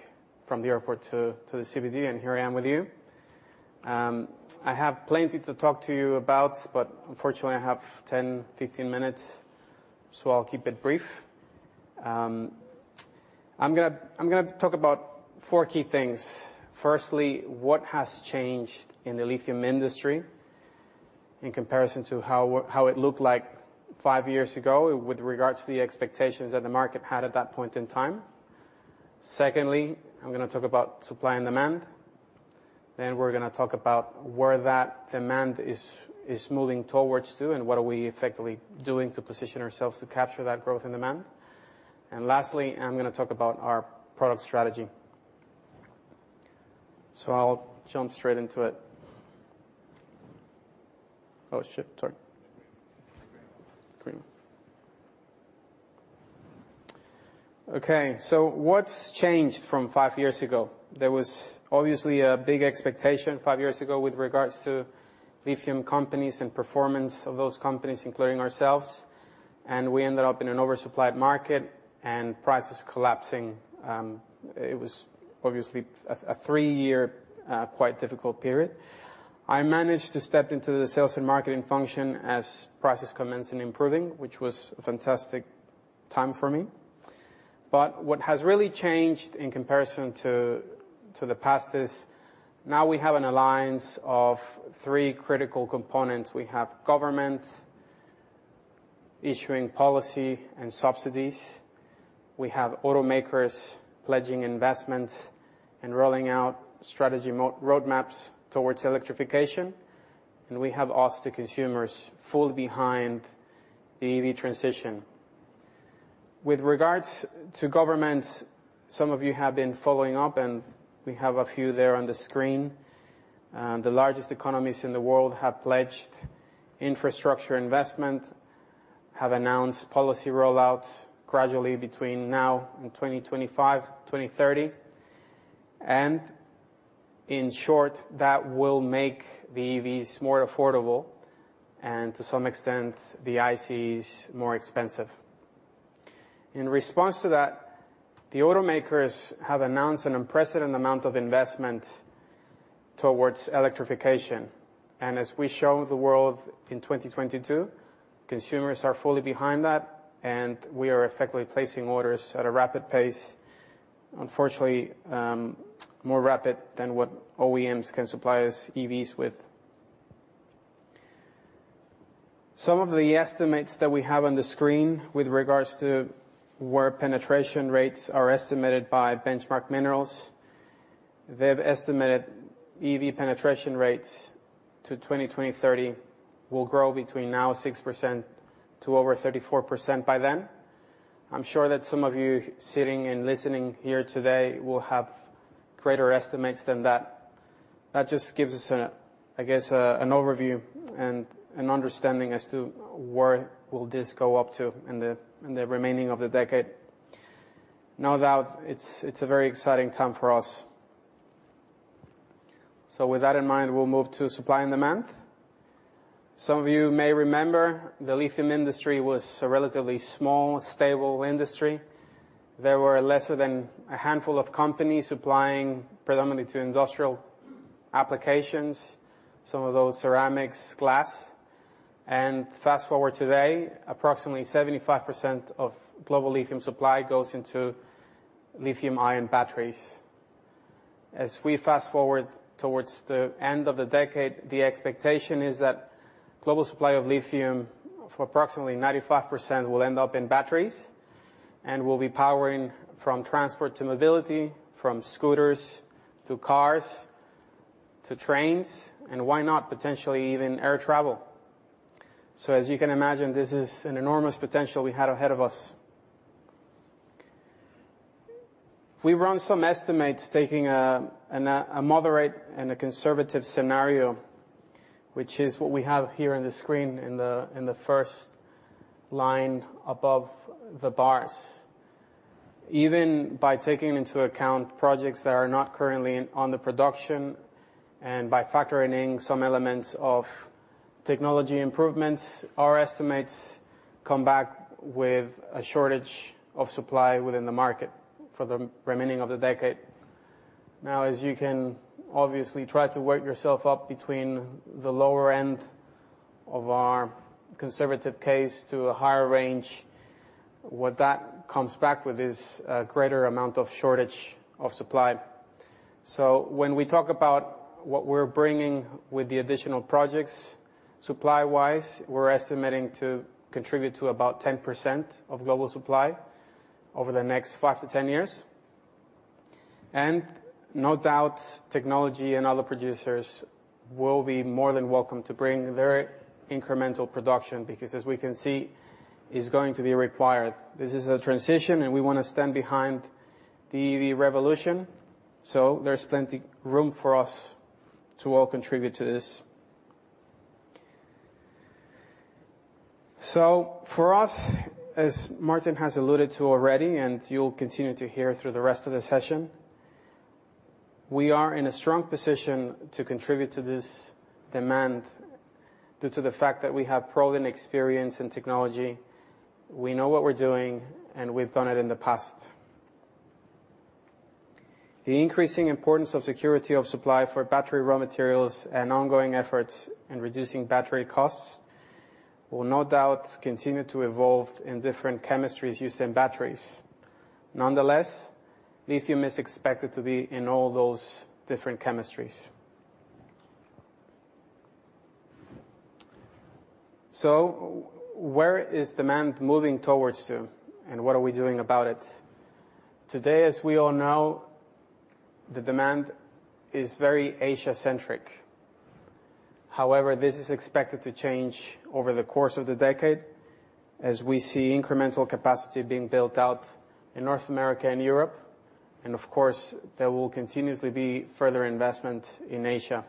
from the airport to the CBD, and here I am with you. I have plenty to talk to you about, but unfortunately I have 10, 15 minutes, so I'll keep it brief. I'm gonna talk about four key things. Firstly, what has changed in the lithium industry in comparison to how it looked like five years ago with regards to the expectations that the market had at that point in time. Secondly, I'm gonna talk about supply and demand. Then we're gonna talk about where that demand is moving towards to, and what are we effectively doing to position ourselves to capture that growth and demand. And lastly, I'm gonna talk about our product strategy. Green. Green. Okay. What's changed from five years ago? There was obviously a big expectation five years ago with regards to lithium companies and performance of those companies, including ourselves. We ended up in an oversupplied market and prices collapsing. It was obviously a three-year quite difficult period. I managed to step into the sales and marketing function as prices commenced in improving, which was a fantastic time for me. What has really changed in comparison to the past is now we have an alliance of three critical components. We have government issuing policy and subsidies. We have automakers pledging investments and rolling out strategy roadmaps towards electrification. We have us, the consumers, fully behind the EV transition. With regards to governments, some of you have been following up, and we have a few there on the screen. The largest economies in the world have pledged infrastructure investment, have announced policy rollouts gradually between now and 2025, 2030, and in short, that will make the EVs more affordable and to some extent, the ICEs more expensive. In response to that, the automakers have announced an unprecedented amount of investment towards electrification. As we shown the world in 2022, consumers are fully behind that, and we are effectively placing orders at a rapid pace. Unfortunately, more rapid than what OEMs can supply us EVs with. Some of the estimates that we have on the screen with regards to where penetration rates are estimated by Benchmark Minerals, they've estimated EV penetration rates to 2030 will grow between now 6% to over 34% by then. I'm sure that some of you sitting and listening here today will have greater estimates than that. That just gives us a, I guess, an overview and an understanding as to where will this go up to in the, in the remaining of the decade. No doubt, it's a very exciting time for us. With that in mind, we'll move to supply and demand. Some of you may remember the lithium industry was a relatively small, stable industry. There were lesser than a handful of companies supplying predominantly to industrial applications, some of those ceramics, glass. Fast-forward today, approximately 75% of global lithium supply goes into lithium-ion batteries. As we fast-forward towards the end of the decade, the expectation is that global supply of lithium for approximately 95% will end up in batteries and will be powering from transport to mobility, from scooters to cars, to trains, and why not potentially even air travel. As you can imagine, this is an enormous potential we had ahead of us. We run some estimates taking a moderate and a conservative scenario, which is what we have here on the screen in the first line above the bars. Even by taking into account projects that are not currently in production and by factoring in some elements of technology improvements, our estimates come back with a shortage of supply within the market for the remaining of the decade. Now, as you can obviously try to work yourself up between the lower end of our conservative case to a higher range, what that comes back with is a greater amount of shortage of supply. When we talk about what we're bringing with the additional projects supply-wise, we're estimating to contribute to about 10% of global supply over the next 5-10 years. No doubt, technology and other producers will be more than welcome to bring their incremental production because as we can see is going to be required. This is a transition and we wanna stand behind the EV revolution, so there's plenty room for us to all contribute to this. For us, as Martin has alluded to already, and you'll continue to hear through the rest of the session, we are in a strong position to contribute to this demand due to the fact that we have proven experience in technology. We know what we're doing, and we've done it in the past. The increasing importance of security of supply for battery raw materials and ongoing efforts in reducing battery costs will no doubt continue to evolve in different chemistries used in batteries. Nonetheless, lithium is expected to be in all those different chemistries. Where is demand moving towards to, and what are we doing about it? Today, as we all know, the demand is very Asia-centric. However, this is expected to change over the course of the decade as we see incremental capacity being built out in North America and Europe, and of course, there will continuously be further investment in Asia.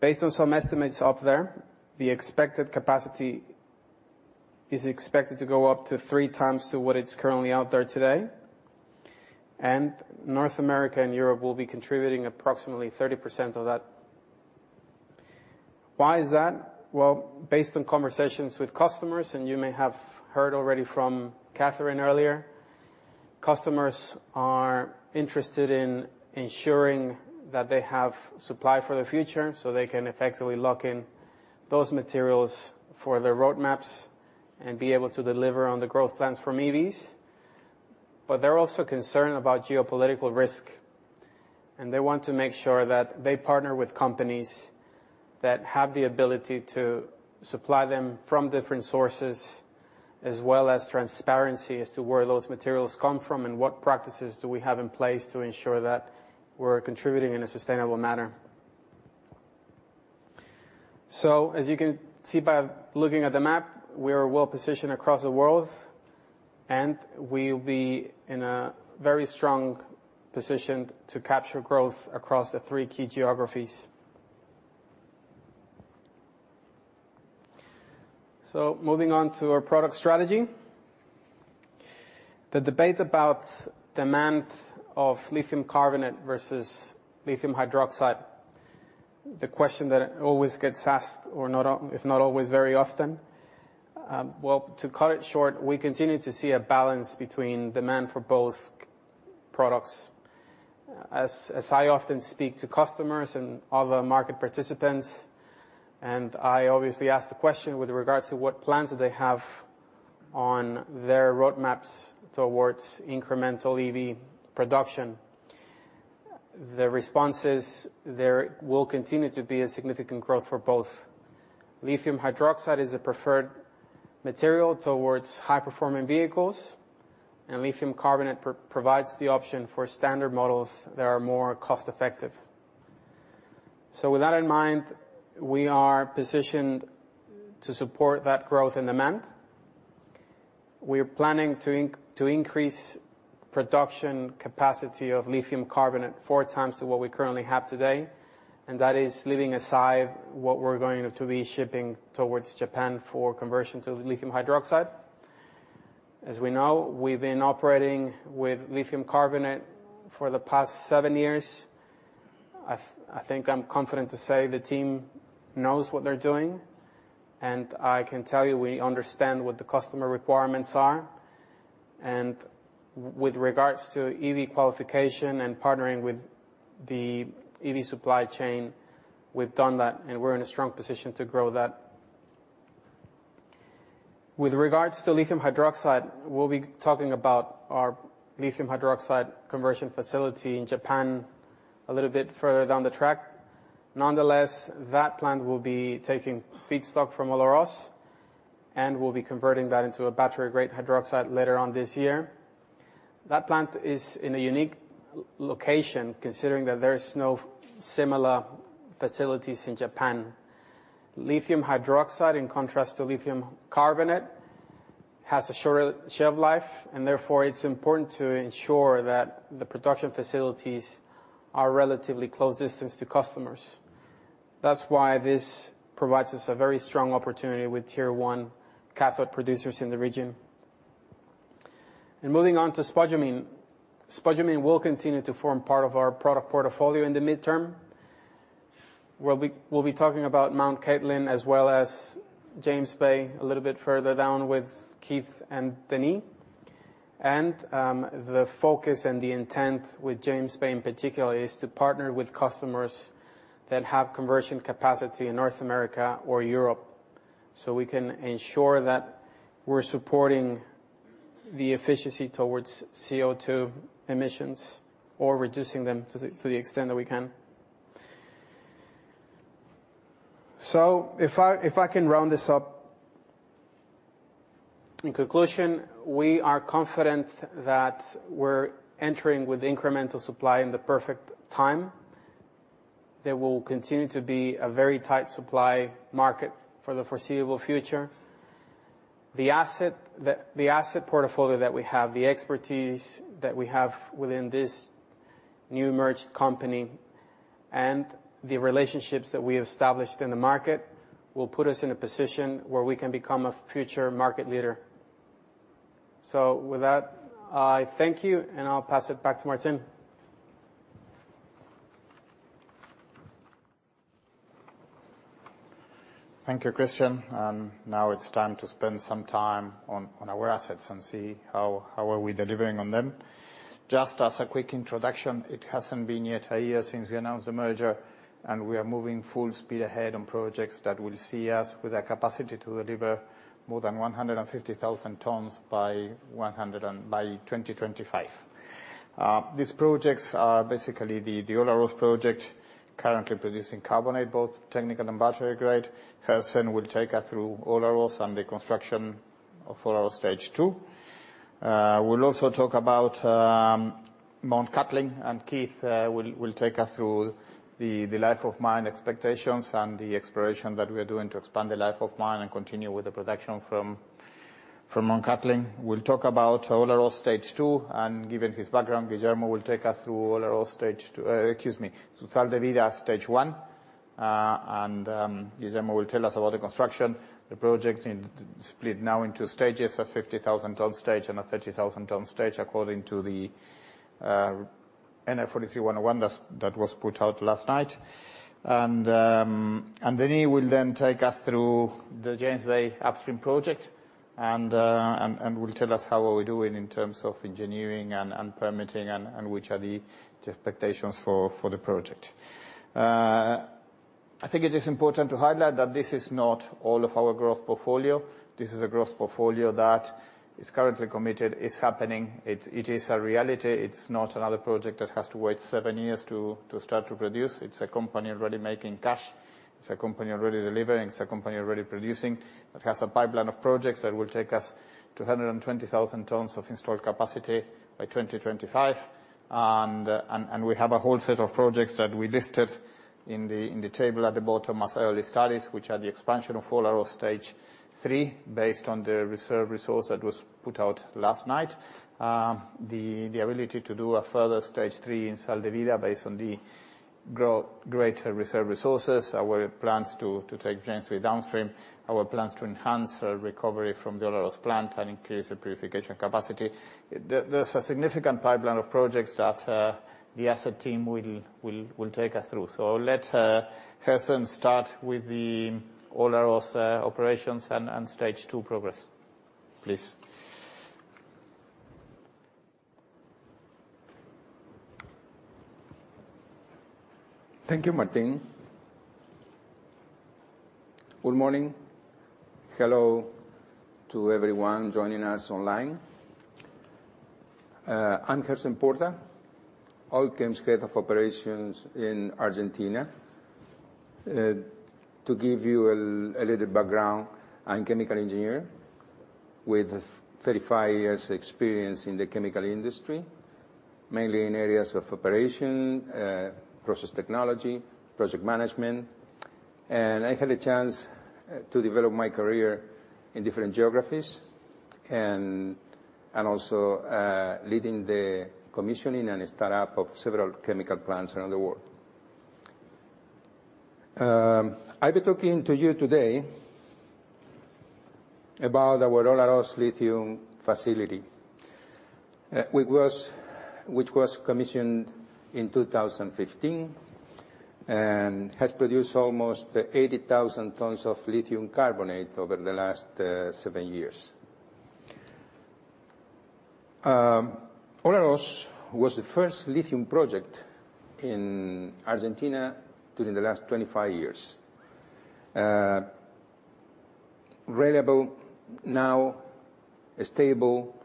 Based on some estimates up there, the expected capacity is expected to go up to three times to what it's currently out there today. North America and Europe will be contributing approximately 30% of that. Why is that? Well, based on conversations with customers, and you may have heard already from Kathryn earlier, customers are interested in ensuring that they have supply for the future, so they can effectively lock in those materials for their road maps and be able to deliver on the growth plans from EVs. They're also concerned about geopolitical risk, and they want to make sure that they partner with companies that have the ability to supply them from different sources, as well as transparency as to where those materials come from and what practices do we have in place to ensure that we're contributing in a sustainable manner. As you can see by looking at the map, we are well-positioned across the world, and we will be in a very strong position to capture growth across the three key geographies. Moving on to our product strategy. The debate about demand of lithium carbonate versus lithium hydroxide, the question that always gets asked or not, if not always very often. Well, to cut it short, we continue to see a balance between demand for both products. As I often speak to customers and other market participants, and I obviously ask the question with regards to what plans do they have on their road maps towards incremental EV production. The response is there will continue to be a significant growth for both. lithium hydroxide is a preferred material towards high-performing vehicles, and lithium carbonate provides the option for standard models that are more cost-effective. With that in mind, we are positioned to support that growth and demand. We're planning to increase production capacity of lithium carbonate four times to what we currently have today, and that is leaving aside what we're going to be shipping towards Japan for conversion to lithium hydroxide. As we know, we've been operating with lithium carbonate for the past seven years. I th I think I'm confident to say the team knows what they're doing, and I can tell you we understand what the customer requirements are. With regards to EV qualification and partnering with the EV supply chain, we've done that, and we're in a strong position to grow that. With regards to lithium hydroxide, we'll be talking about our lithium hydroxide conversion facility in Japan a little bit further down the track. Nonetheless, that plant will be taking feedstock from Olaroz, and we'll be converting that into a battery-grade hydroxide later on this year. That plant is in a unique location, considering that there's no similar facilities in Japan. Lithium hydroxide, in contrast to lithium carbonate, has a shorter shelf life, and therefore it's important to ensure that the production facilities are relatively close distance to customers. That's why this provides us a very strong opportunity with tier one cathode producers in the region. Moving on to spodumene. Spodumene will continue to form part of our product portfolio in the midterm. We'll be talking about Mt Cattlin as well as James Bay a little bit further down with Keith and Denis. The focus and the intent with James Bay in particular is to partner with customers that have conversion capacity in North America or Europe, so we can ensure that we're supporting the efficiency towards CO2 emissions or reducing them to the extent that we can. If I can round this up. In conclusion, we are confident that we're entering with incremental supply in the perfect time. There will continue to be a very tight supply market for the foreseeable future. The asset that... The asset portfolio that we have, the expertise that we have within this new merged company, and the relationships that we established in the market, will put us in a position where we can become a future market leader. With that, I thank you, and I'll pass it back to Martín. Thank you, Christian. Now it's time to spend some time on our assets and see how we are delivering on them. Just as a quick introduction, it hasn't been yet a year since we announced the merger, and we are moving full speed ahead on projects that will see us with a capacity to deliver more than 150,000 tons by 2025. These projects are basically the Olaroz project, currently producing carbonate, both technical and battery grade. Hersen will take us through Olaroz and the construction of Olaroz Stage 2. We'll also talk about Mt Cattlin, and Keith will take us through the life of mine expectations and the exploration that we're doing to expand the life of mine and continue with the production from Mt Cattlin. We'll talk about Olaroz stage two, and given his background, Guillermo will take us through Sal de Vida stage one. Guillermo will tell us about the construction, the project split now into stages, a 50,000-ton stage and a 30,000-ton stage according to the NI 43-101 that was put out last night. He will take us through the James Bay upstream project and will tell us how we are doing in terms of engineering and permitting and which are the expectations for the project. I think it is important to highlight that this is not all of our growth portfolio. This is a growth portfolio that is currently committed. It's happening. It is a reality. It's not another project that has to wait seven years to start to produce. It's a company already making cash. It's a company already delivering. It's a company already producing. It has a pipeline of projects that will take us to 120,000 tons of installed capacity by 2025. We have a whole set of projects that we listed in the table at the bottom as early studies, which are the expansion of Olaroz Stage three, based on the reserve resource that was put out last night. The ability to do a further Stage three in Sal de Vida based on the grown, greater reserve resources, our plans to take James Bay downstream, our plans to enhance recovery from the Olaroz plant and increase the purification capacity. There's a significant pipeline of projects that the asset team will take us through. I'll let Gerson start with the Olaroz operations and stage two progress. Please. Thank you, Martin. Good morning. Hello to everyone joining us online. I'm Hersen Porta, Allkem's Head of Operations in Argentina. To give you a little background, I'm chemical engineer with 35 years experience in the chemical industry, mainly in areas of operation, process technology, project management. I had a chance to develop my career in different geographies and also leading the commissioning and startup of several chemical plants around the world. I'll be talking to you today about our Olaroz lithium facility, which was commissioned in 2015, and has produced almost 80,000 tons of lithium carbonate over the last 7 years. Olaroz was the first lithium project in Argentina during the last 25 years. Reliable now, stable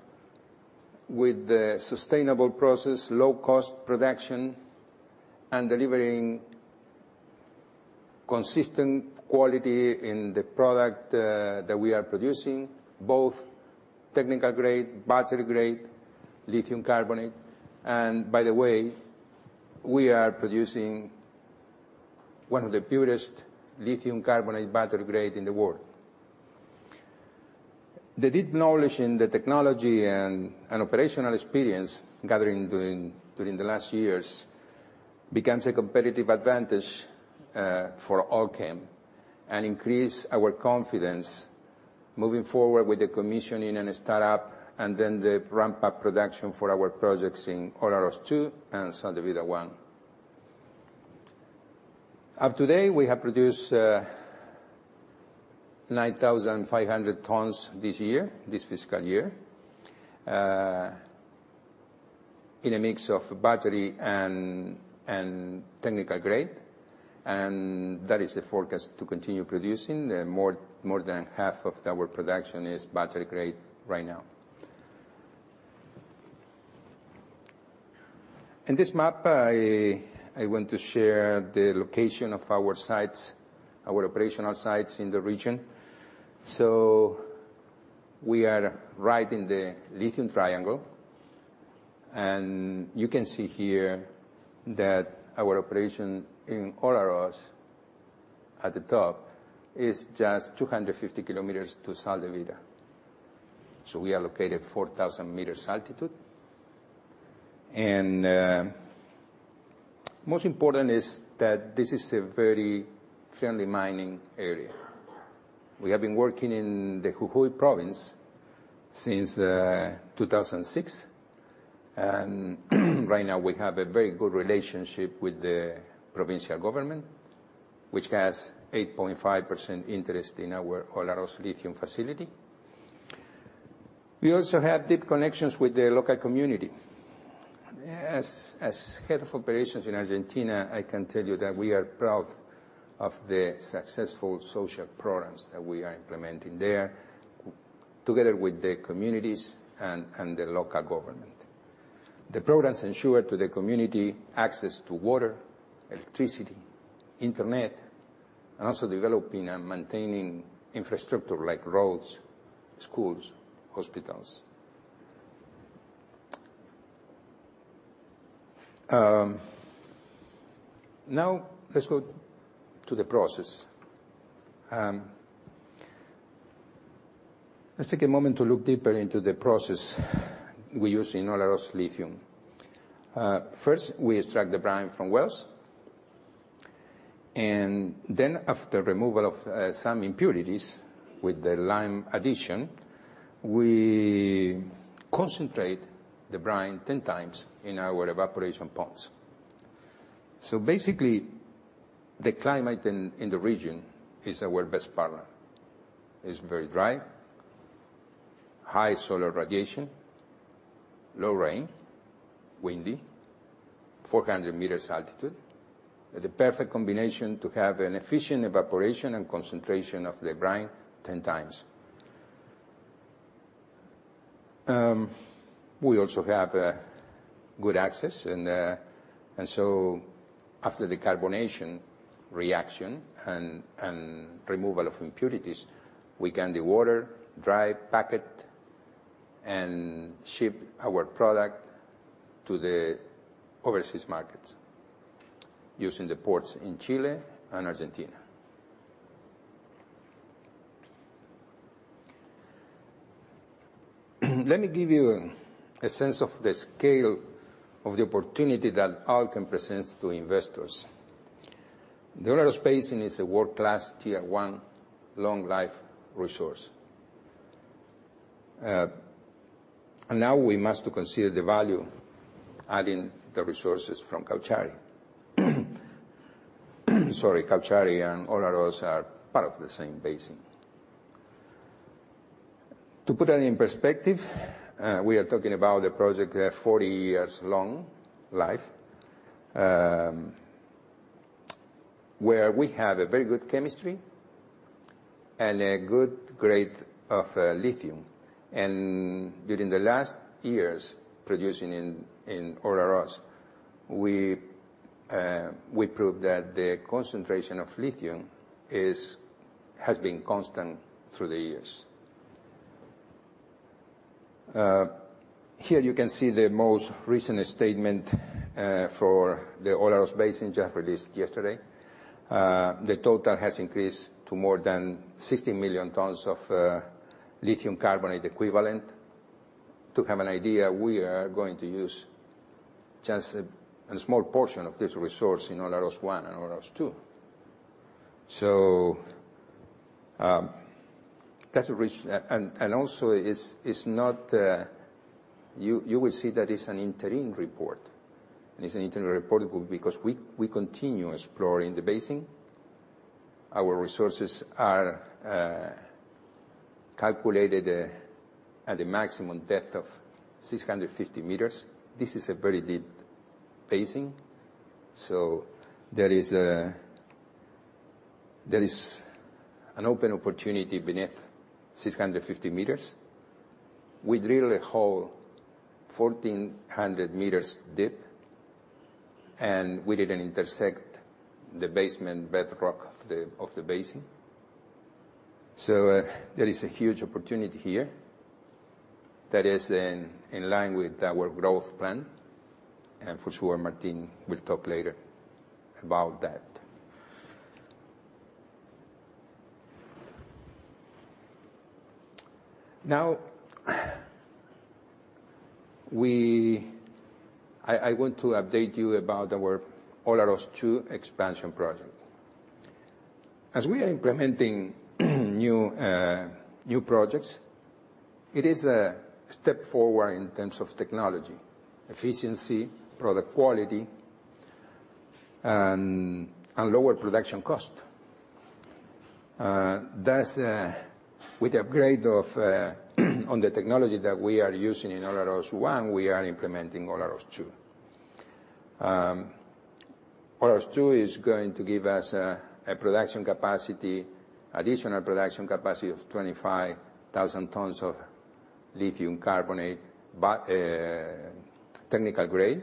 with a sustainable process, low cost production, and delivering consistent quality in the product that we are producing, both technical grade, battery grade, lithium carbonate. By the way, we are producing one of the purest lithium carbonate battery grade in the world. The deep knowledge in the technology and operational experience gathered during the last years becomes a competitive advantage for Allkem and increase our confidence moving forward with the commissioning and startup, and then the ramp-up production for our projects in Olaroz 2 and Sal de Vida 1. As of today, we have produced 9,500 tons this year, this fiscal year, in a mix of battery and technical grade, and that is the forecast to continue producing. More than half of our production is battery grade right now. In this map, I want to share the location of our sites, our operational sites in the region. We are right in the lithium triangle, and you can see here that our operation in Olaroz at the top is just 250 km to Sal de Vida. We are located 4,000 m altitude. Most important is that this is a very friendly mining area. We have been working in the Jujuy Province since 2006, and right now we have a very good relationship with the provincial government, which has 8.5% interest in our Olaroz lithium facility. We also have deep connections with the local community. As head of operations in Argentina, I can tell you that we are proud of the successful social programs that we are implementing there together with the communities and the local government. The programs ensure to the community access to water, electricity, internet, and also developing and maintaining infrastructure like roads, schools, hospitals. Now let's go to the process. Let's take a moment to look deeper into the process we use in Olaroz Lithium. First, we extract the brine from wells. Then after removal of some impurities with the lime addition, we concentrate the brine 10 times in our evaporation ponds. Basically, the climate in the region is our best partner. It's very dry, high solar radiation, low rain, windy, 400 meters altitude. The perfect combination to have an efficient evaporation and concentration of the brine 10 times. We also have good access and so after the carbonation reaction and removal of impurities, we can dewater, dry, pack it, and ship our product to the overseas markets using the ports in Chile and Argentina. Let me give you a sense of the scale of the opportunity that Allkem presents to investors. The Olaroz basin is a world-class tier one long-life resource. Now we must consider the value adding the resources from Cauchari. Sorry, Cauchari and Olaroz are part of the same basin. To put it in perspective, we are talking about a project, 40 years long life, where we have a very good chemistry and a good grade of lithium. During the last years producing in Olaroz, we proved that the concentration of lithium has been constant through the years. Here you can see the most recent statement for the Olaroz basin just released yesterday. The total has increased to more than 60 million tons of lithium carbonate equivalent. To have an idea, we are going to use just a small portion of this resource in Olaroz one and Olaroz two. That's a rich and also it's not. You will see that it's an interim report. It's an interim report because we continue exploring the basin. Our resources are calculated at a maximum depth of 650 meters. This is a very deep basin, so there is an open opportunity beneath 650 meters. We drilled a hole 1,400 meters deep, and we didn't intersect the basement bedrock of the basin. There is a huge opportunity here that is in line with our growth plan, and for sure, Martin will talk later about that. Now, I want to update you about our Olaroz two expansion project. As we are implementing new projects, it is a step forward in terms of technology, efficiency, product quality, and lower production cost. That's with the upgrade of on the technology that we are using in Olaroz one, we are implementing Olaroz two. Olaroz two is going to give us a production capacity, additional production capacity of 25,000 tons of lithium carbonate by technical grade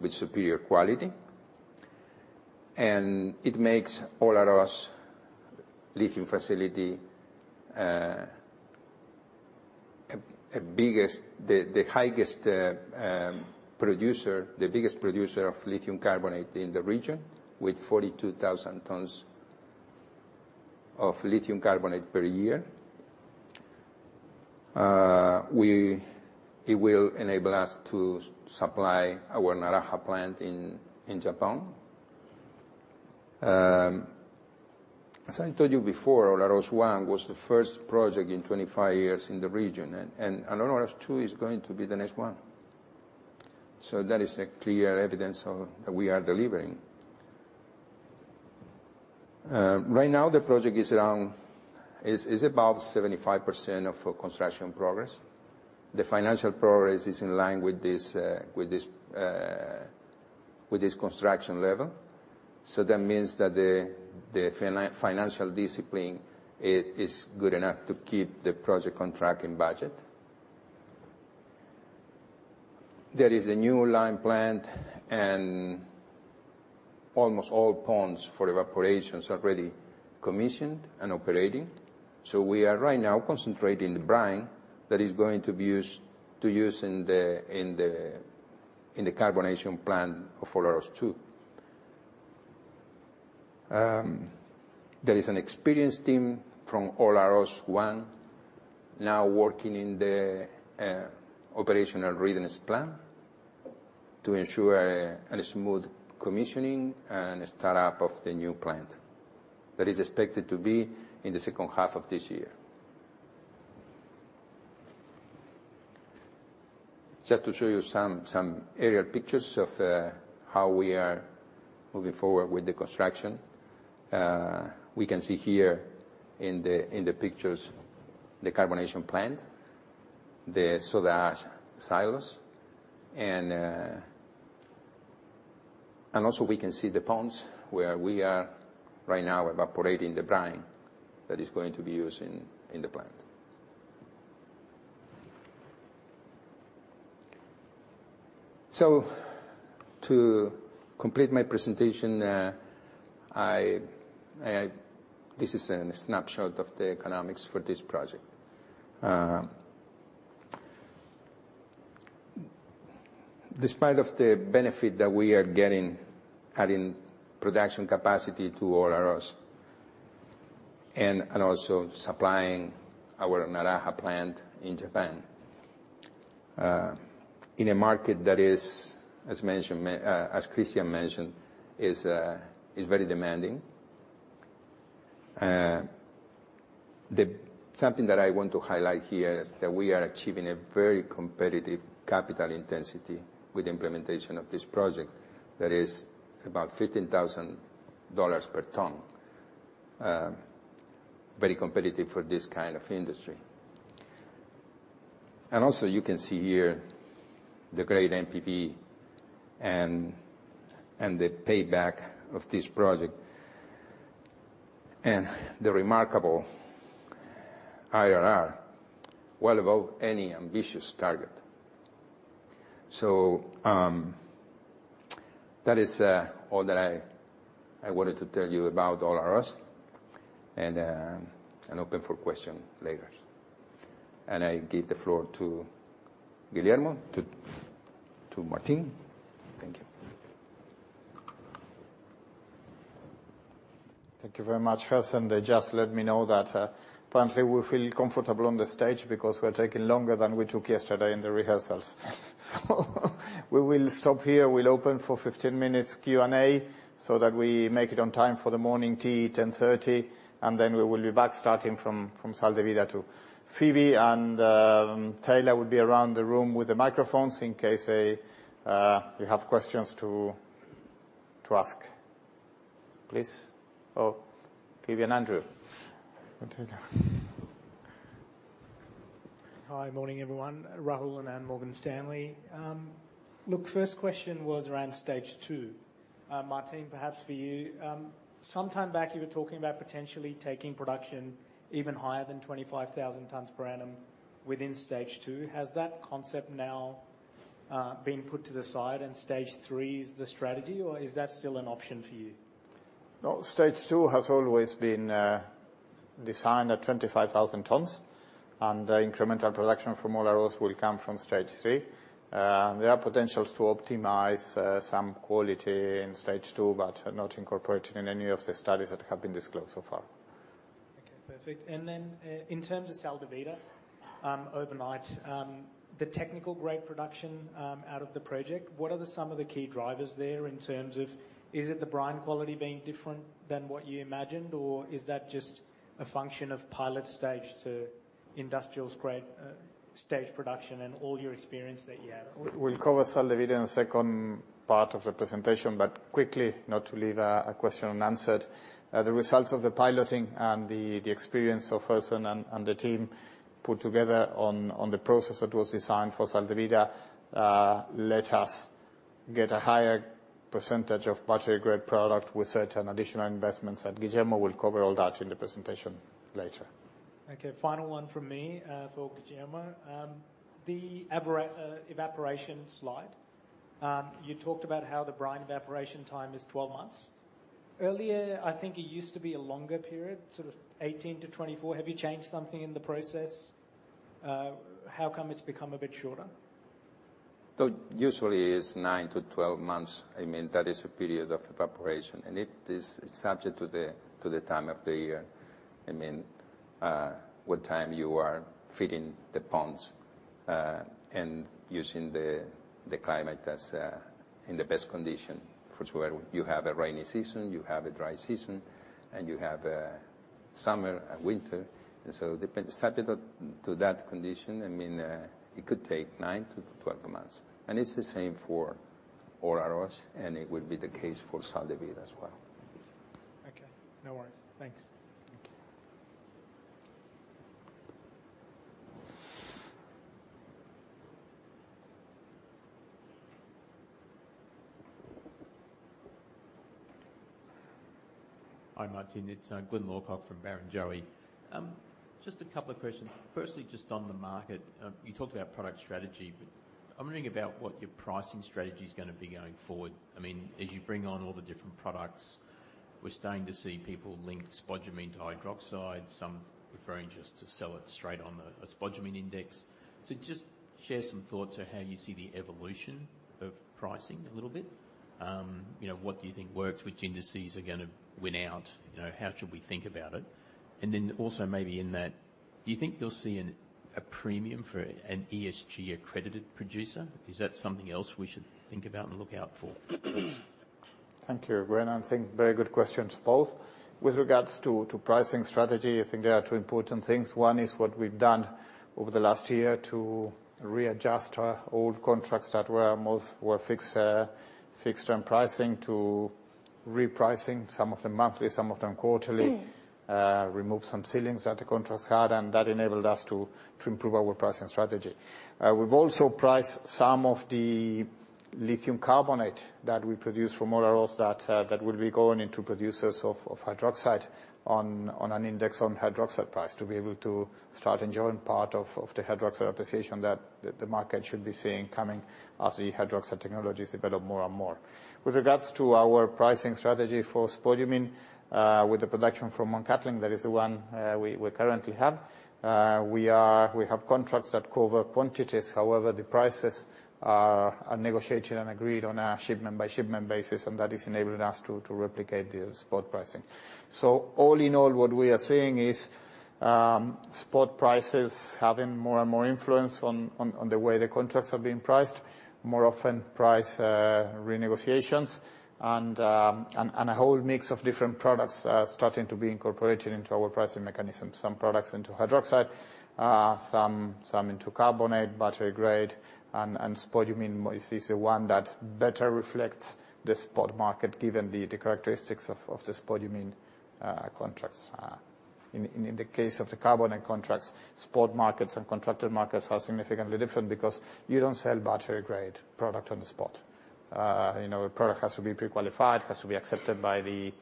with superior quality. It makes Olaroz Lithium Facility the biggest producer of lithium carbonate in the region with 42,000 tons of lithium carbonate per year. It will enable us to supply our Naraha plant in Japan. As I told you before, Olaroz 1 was the first project in 25 years in the region, and Olaroz 2 is going to be the next one. That is clear evidence that we are delivering. Right now the project is about 75% of construction progress. The financial progress is in line with this construction level. That means that the financial discipline is good enough to keep the project on track and budget. There is a new lime plant and almost all ponds for evaporation already commissioned and operating. We are right now concentrating the brine that is going to be used in the carbonation plant of Olaroz Two. There is an experienced team from Olaroz One now working on the operational readiness plan to ensure a smooth commissioning and startup of the new plant that is expected to be in the second half of this year. Just to show you some aerial pictures of how we are moving forward with the construction. We can see here in the pictures the carbonation plant, the soda ash silos, and also we can see the ponds where we are right now evaporating the brine that is going to be used in the plant. To complete my presentation, this is a snapshot of the economics for this project. Despite the benefit that we are getting, adding production capacity to Olaroz and also supplying our Naraha plant in Japan, in a market that is, as Christian mentioned, very demanding. Something that I want to highlight here is that we are achieving a very competitive capital intensity with implementation of this project that is about $15,000 per ton. Very competitive for this kind of industry. You can see here the great NPV and the payback of this project, and the remarkable IRR well above any ambitious target. That is all that I wanted to tell you about Olaroz and open for question later. I give the floor to Guillermo, to Martín. Thank you. Thank you very much, Gerson. They just let me know that finally we feel comfortable on the stage because we're taking longer than we took yesterday in the rehearsals. We will stop here. We'll open for 15 minutes Q&A so that we make it on time for the morning tea, 10:30 A.M., and then we will be back starting from Sal de Vida to Phoebe, and Taylor will be around the room with the microphones in case you have questions to ask. Please. Oh, Phoebe and Andrew. Hi. Morning, everyone. Rahul Anand, Morgan Stanley. Look, first question was around stage two. Martin, perhaps for you. Sometime back you were talking about potentially taking production even higher than 25,000 tons per annum within stage two. Has that concept now been put to the side and stage three is the strategy, or is that still an option for you? No, Stage Two has always been designed at 25,000 tons, and the incremental production from Olaroz will come from Stage Three. There are potentials to optimize some quality in Stage Two, but are not incorporated in any of the studies that have been disclosed so far. Okay, perfect. In terms of Sal de Vida, overnight, the technical grade production out of the project, what are some of the key drivers there in terms of is it the brine quality being different than what you imagined, or is that just a function of pilot stage to industrial grade stage production and all your experience that you have? We'll cover Sal de Vida in the second part of the presentation. Quickly, not to leave a question unanswered, the results of the piloting and the experience of Gerson and the team put together on the process that was designed for Sal de Vida let us get a higher percentage of battery grade product with certain additional investments. Guillermo Caló will cover all that in the presentation later. Okay, final one from me, for Guillermo. The evaporation slide, you talked about how the brine evaporation time is 12 months. Earlier, I think it used to be a longer period, sort of 18-24. Have you changed something in the process? How come it's become a bit shorter? Usually it's 9-12 months. I mean, that is a period of evaporation, and it is subject to the time of the year. I mean, what time you are filling the ponds, and using the climate that's in the best condition for sure. You have a rainy season, you have a dry season, and you have a summer and winter. Subject to that condition, I mean, it could take nine to 12 months. It's the same for Olaroz, and it would be the case for Sal de Vida as well. Okay, no worries. Thanks. Thank you. Hi, Martin. It's Glyn Lawcock from Barrenjoey. Just a couple of questions. Firstly, just on the market, you talked about product strategy. I'm wondering about what your pricing strategy is gonna be going forward. I mean, as you bring on all the different products, we're starting to see people link spodumene to hydroxide, some preferring just to sell it straight on the spodumene index. Just share some thoughts on how you see the evolution of pricing a little bit. You know, what do you think works? Which indices are gonna win out? You know, how should we think about it? And then also maybe do you think you'll see a premium for an ESG-accredited producer? Is that something else we should think about and look out for? Thank you, Glyn. I think very good questions both. With regards to pricing strategy, I think there are two important things. One is what we've done over the last year to readjust our old contracts that were fixed in pricing to repricing some of them monthly, some of them quarterly. Remove some ceilings that the contracts had, and that enabled us to improve our pricing strategy. We've also priced some of the lithium carbonate that we produce from Olaroz that will be going into producers of hydroxide on an index on hydroxide price to be able to start enjoying part of the hydroxide appreciation that the market should be seeing coming as the hydroxide technologies develop more and more. With regards to our pricing strategy for spodumene, with the production from Mt. Cattlin, that is the one we currently have. We have contracts that cover quantities, however, the prices are negotiated and agreed on a shipment-by-shipment basis, and that is enabling us to replicate the spot pricing. All in all, what we are seeing is spot prices having more and more influence on the way the contracts are being priced. More often price renegotiations and a whole mix of different products starting to be incorporated into our pricing mechanism. Some products into hydroxide, some into carbonate, battery grade and spodumene is the one that better reflects the spot market given the characteristics of the spodumene contracts. In the case of the carbonate contracts, spot markets and contracted markets are significantly different because you don't sell battery grade product on the spot. You know, a product has to be pre-qualified, has to be accepted by the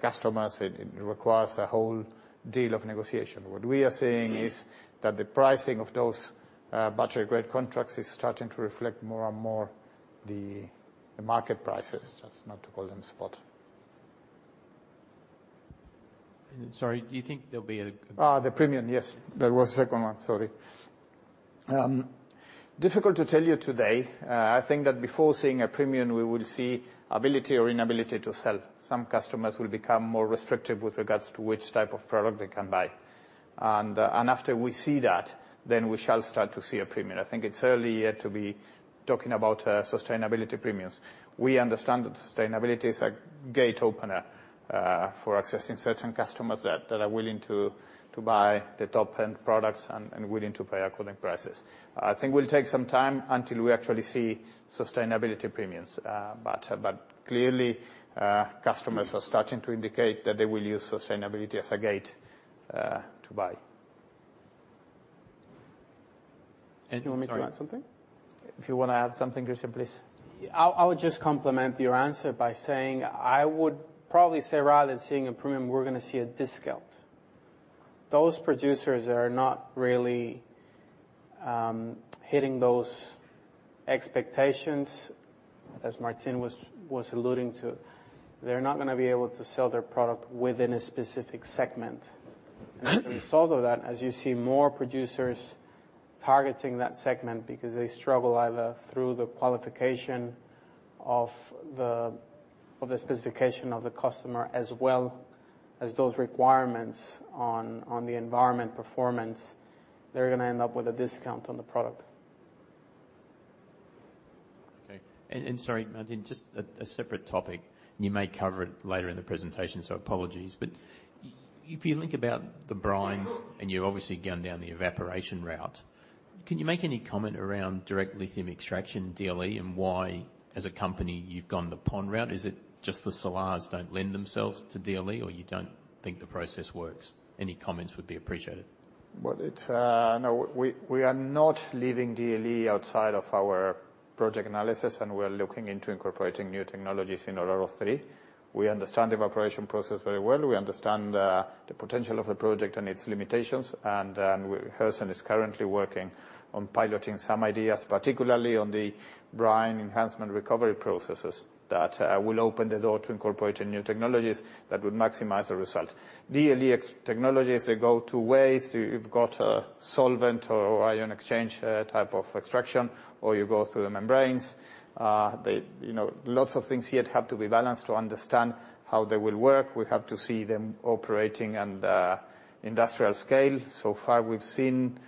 customers. It requires a whole deal of negotiation. What we are seeing is that the pricing of those battery grade contracts is starting to reflect more and more the market prices, just not to call them spot. Sorry, do you think there'll be a? The premium? Yes. There was a second one, sorry. It's difficult to tell you today. I think that before seeing a premium, we would see ability or inability to sell. Some customers will become more restrictive with regards to which type of product they can buy. After we see that, then we shall start to see a premium. I think it's early yet to be talking about sustainability premiums. We understand that sustainability is a gate opener for accessing certain customers that are willing to buy the top-end products and willing to pay a premium. I think it will take some time until we actually see sustainability premiums. Clearly, customers are starting to indicate that they will use sustainability as a gate to buy. Sorry. Do you want me to add something? If you wanna add something, Christian, please. I would just complement your answer by saying I would probably say rather than seeing a premium, we're gonna see a discount. Those producers are not really hitting those expectations, as Martin was alluding to. They're not gonna be able to sell their product within a specific segment. As a result of that, as you see more producers targeting that segment because they struggle either through the qualification of the specification of the customer as well as those requirements on the environmental performance, they're gonna end up with a discount on the product. Okay. Sorry, Martin, just a separate topic, and you may cover it later in the presentation, so apologies. If you think about the brines, and you've obviously gone down the evaporation route, can you make any comment around direct lithium extraction, DLE, and why, as a company, you've gone the pond route? Is it just the salars don't lend themselves to DLE or you don't think the process works? Any comments would be appreciated. No. We are not leaving DLE outside of our project analysis, and we're looking into incorporating new technologies in Olaroz three. We understand evaporation process very well. We understand the potential of a project and its limitations. Harrison is currently working on piloting some ideas, particularly on the brine enhancement recovery processes that will open the door to incorporating new technologies that would maximize the result. DLE extraction technologies, they go two ways. You've got a solvent or ion exchange type of extraction, or you go through the membranes. They, you know, lots of things here have to be balanced to understand how they will work. We have to see them operating in industrial scale. So far we've seen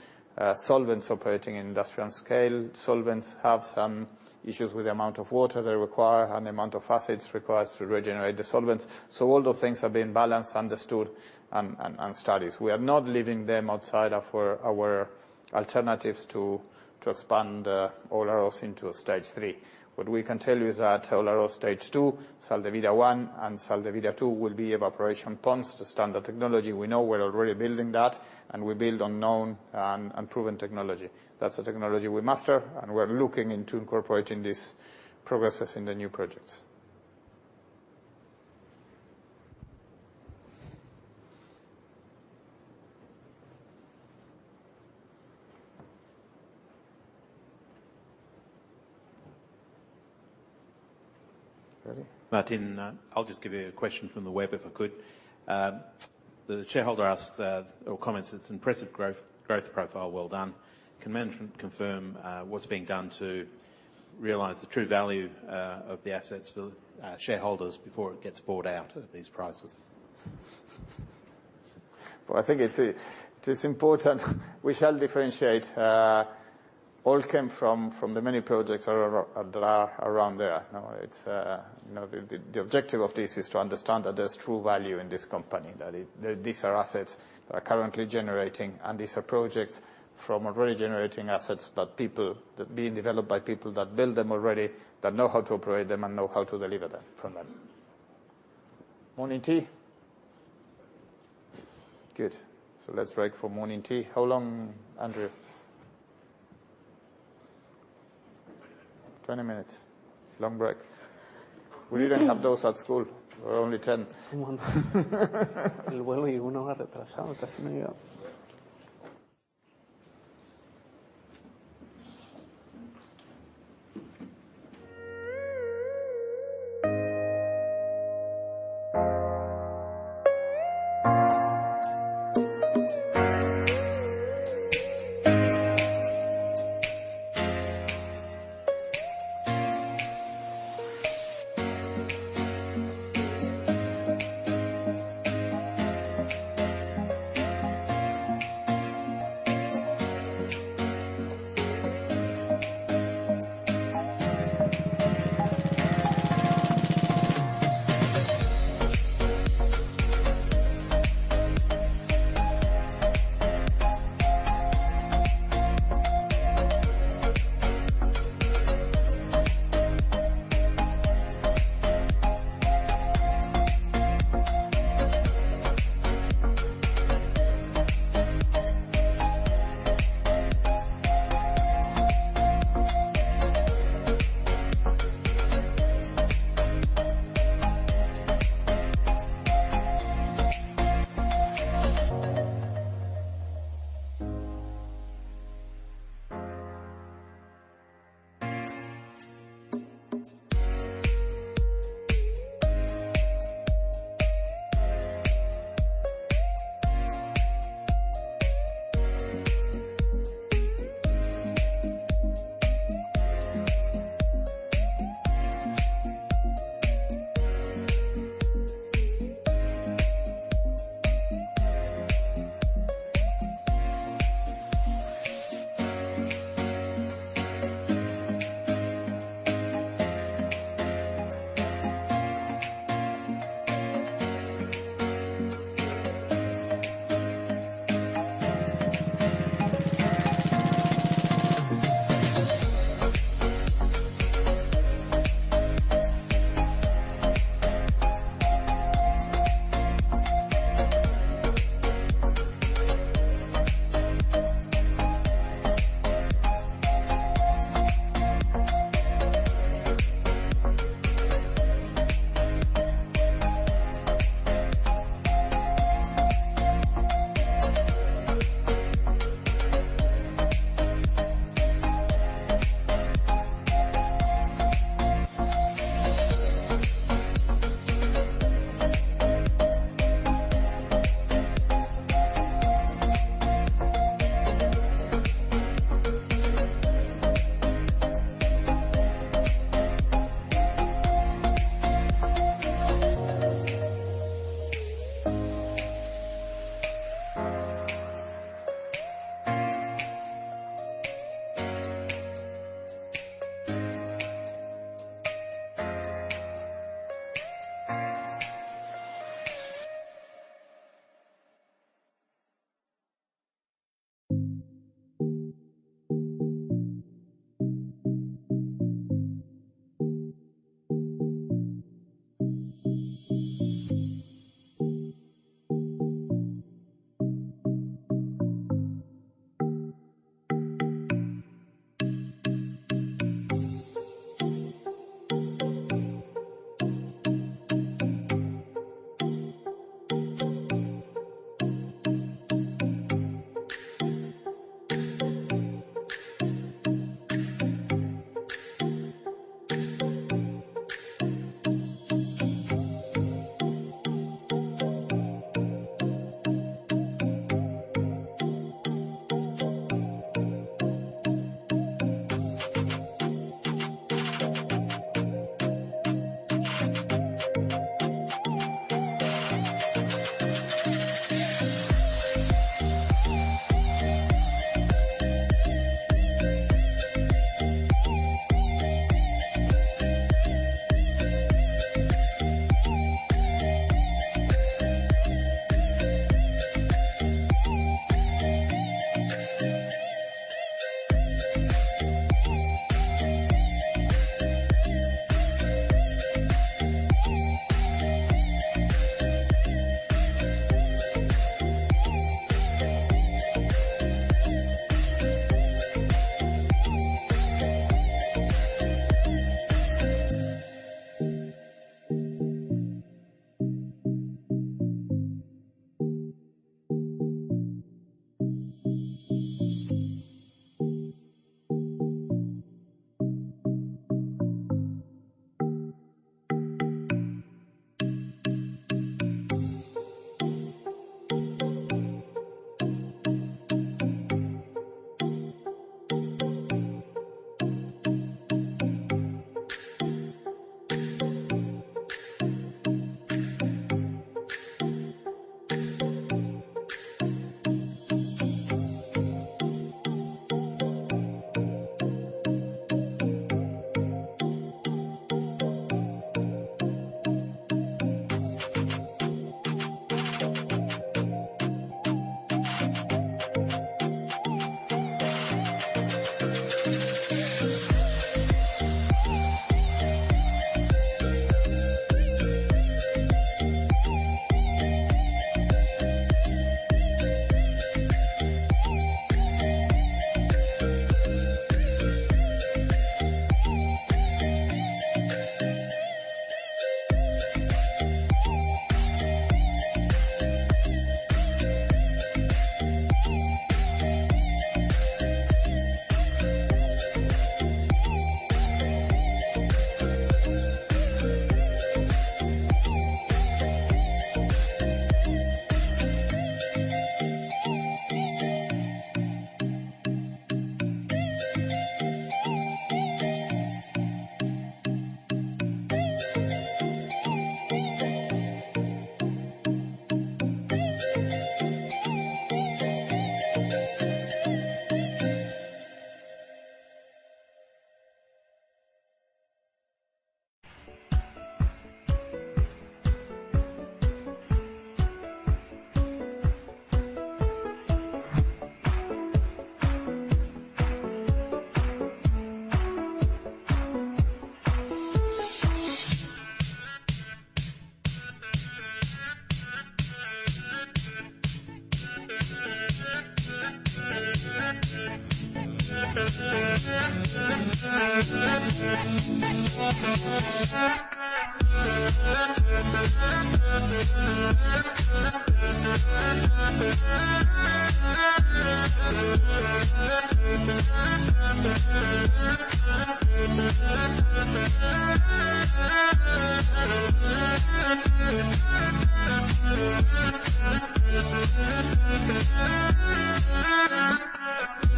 solvents operating in industrial scale. Solvents have some issues with the amount of water they require and the amount of acids required to regenerate the solvents. All those things are being balanced, understood, and studied. We are not leaving them outside of our alternatives to expand Olaroz into stage 3. What we can tell you is that Olaroz stage 2, Sal de Vida 1 and Sal de Vida 2 will be evaporation ponds, the standard technology. We know we're already building that, and we build on known and proven technology. That's the technology we master, and we're looking into incorporating these progresses in the new projects. Ready? Martin, I'll just give you a question from the web, if I could. The shareholder asked, or comments it's impressive growth profile. Well done. Can management confirm, what's being done to- Realize the true value of the assets for shareholders before it gets bought out at these prices. Well, I think it is important we shall differentiate Allkem from the many projects that are around there. No, it's you know, the objective of this is to understand that there's true value in this company. That these are assets that are currently generating, and these are projects from already generating assets that are being developed by people that build them already, that know how to operate them and know how to deliver them from them. Morning tea? Good. Let's break for morning tea. How long, Andrew? 20 minutes. 20 minutes. Long break. We didn't have those at school. We were only 10. We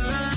will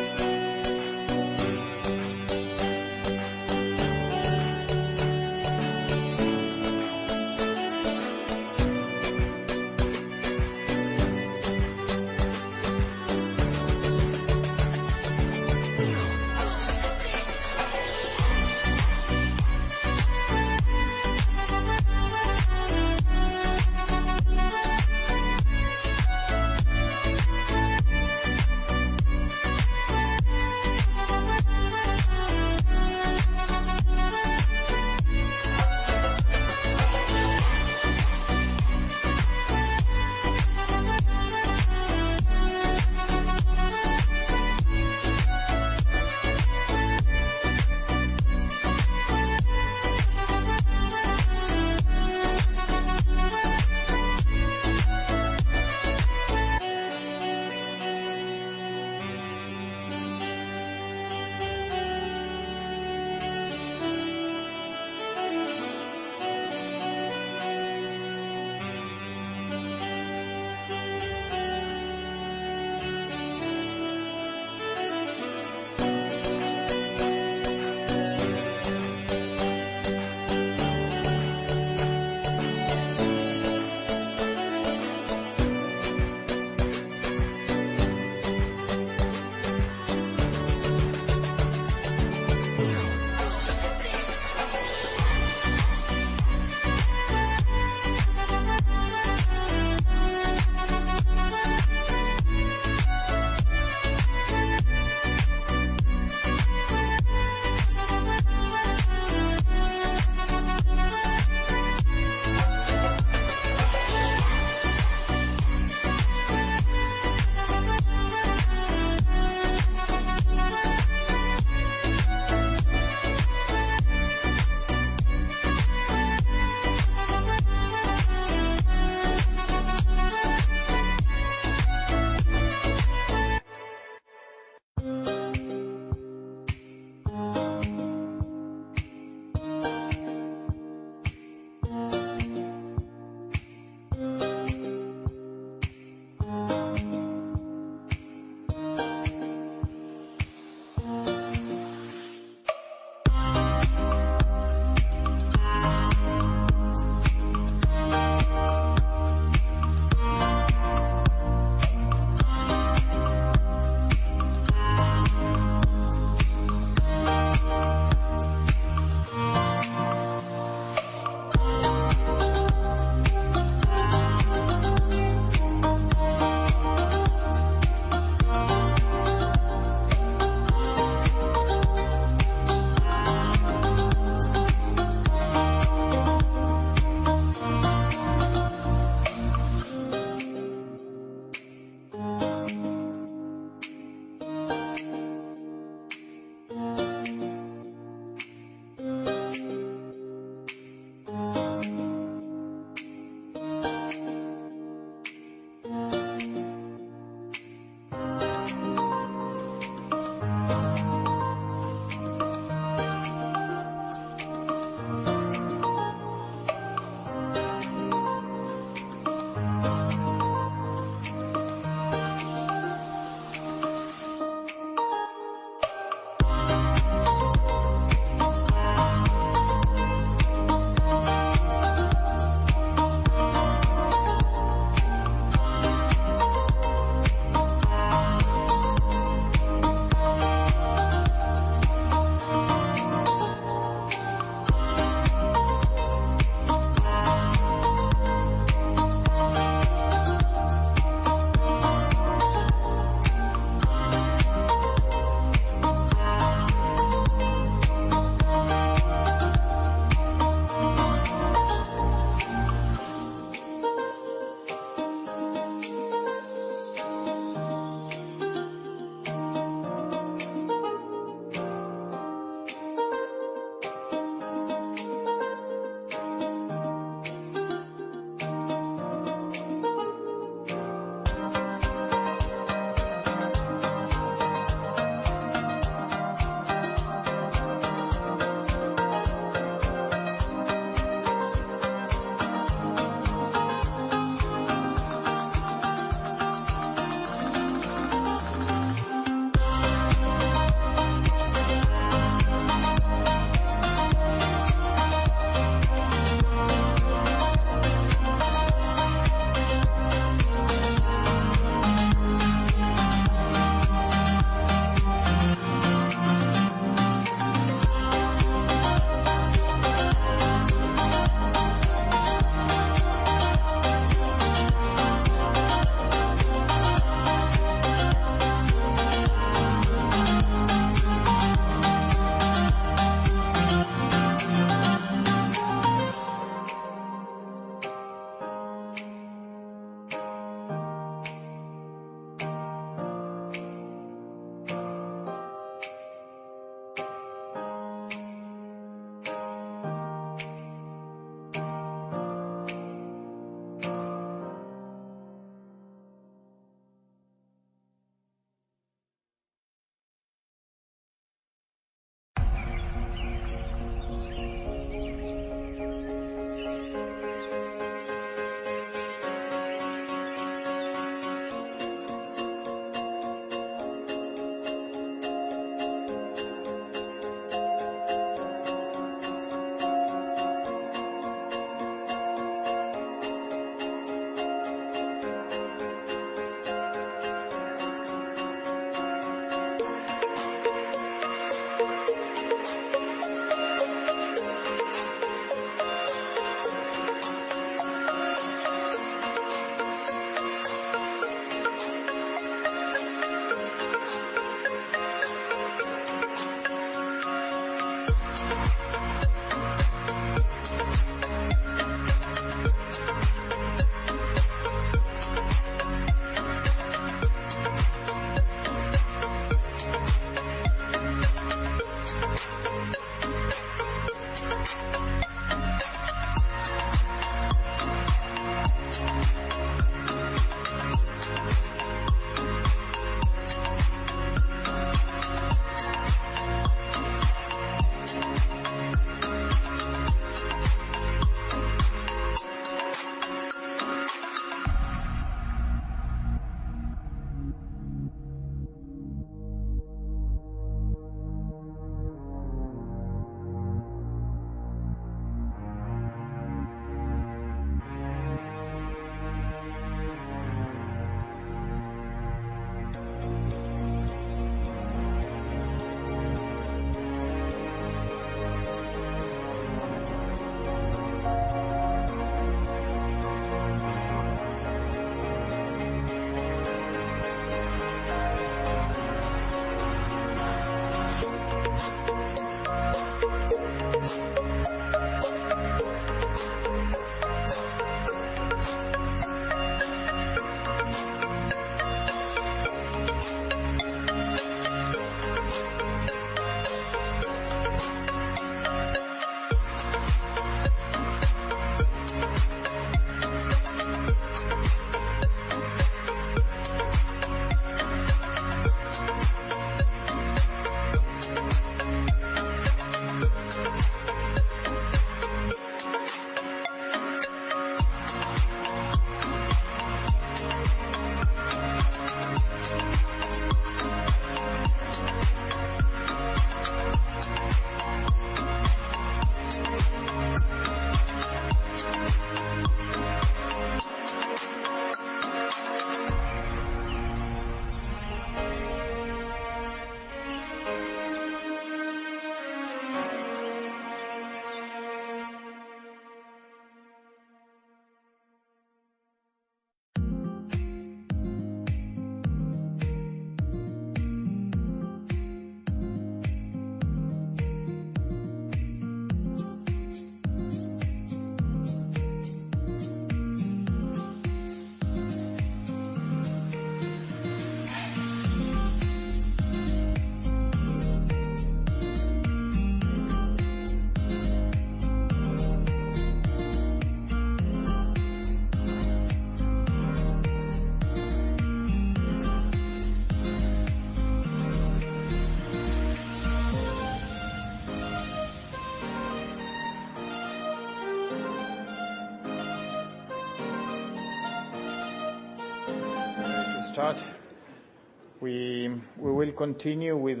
continue with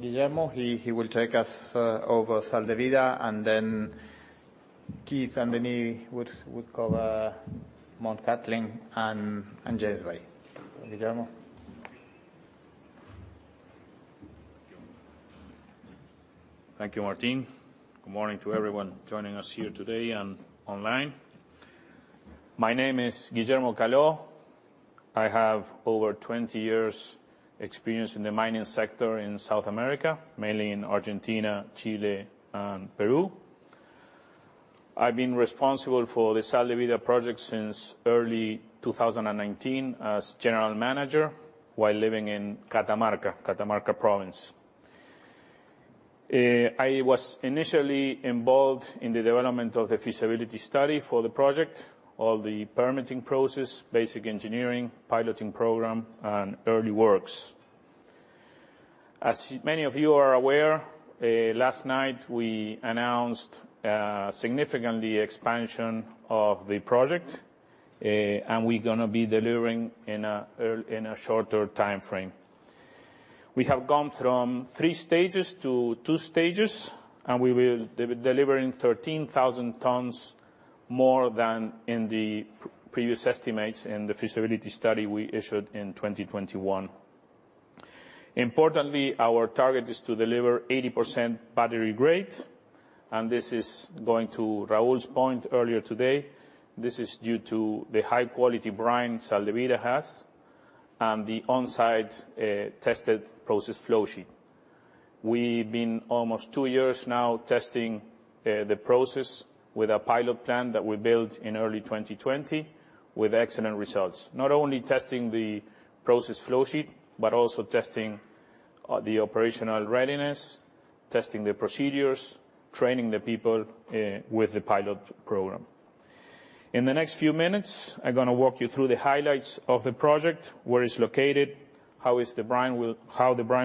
Guillermo. He will take us over Sal de Vida, and then Keith and Denis would cover Mt Cattlin and James Bay. Guillermo. Thank you, Martin. Good morning to everyone joining us here today and online. My name is Guillermo Caló. I have over 20 years experience in the mining sector in South America, mainly in Argentina, Chile, and Peru. I've been responsible for the Sal de Vida project since early 2019 as General Manager while living in Catamarca Province. I was initially involved in the development of the feasibility study for the project, all the permitting process, basic engineering, piloting program, and early works. As many of you are aware, last night we announced significantly expansion of the project, and we're gonna be delivering in a shorter timeframe. We have gone from three stages to two stages, and we will be delivering 13,000 tons more than in the previous estimates in the feasibility study we issued in 2021. Importantly, our target is to deliver 80% battery grade, and this is going to Rahul's point earlier today. This is due to the high quality brine Sal de Vida has and the on-site tested process flow sheet. We've been almost two years now testing the process with a pilot plant that we built in early 2020 with excellent results. Not only testing the process flow sheet, but also testing the operational readiness, testing the procedures, training the people with the pilot program. In the next few minutes, I'm gonna walk you through the highlights of the project, where it's located, how the brine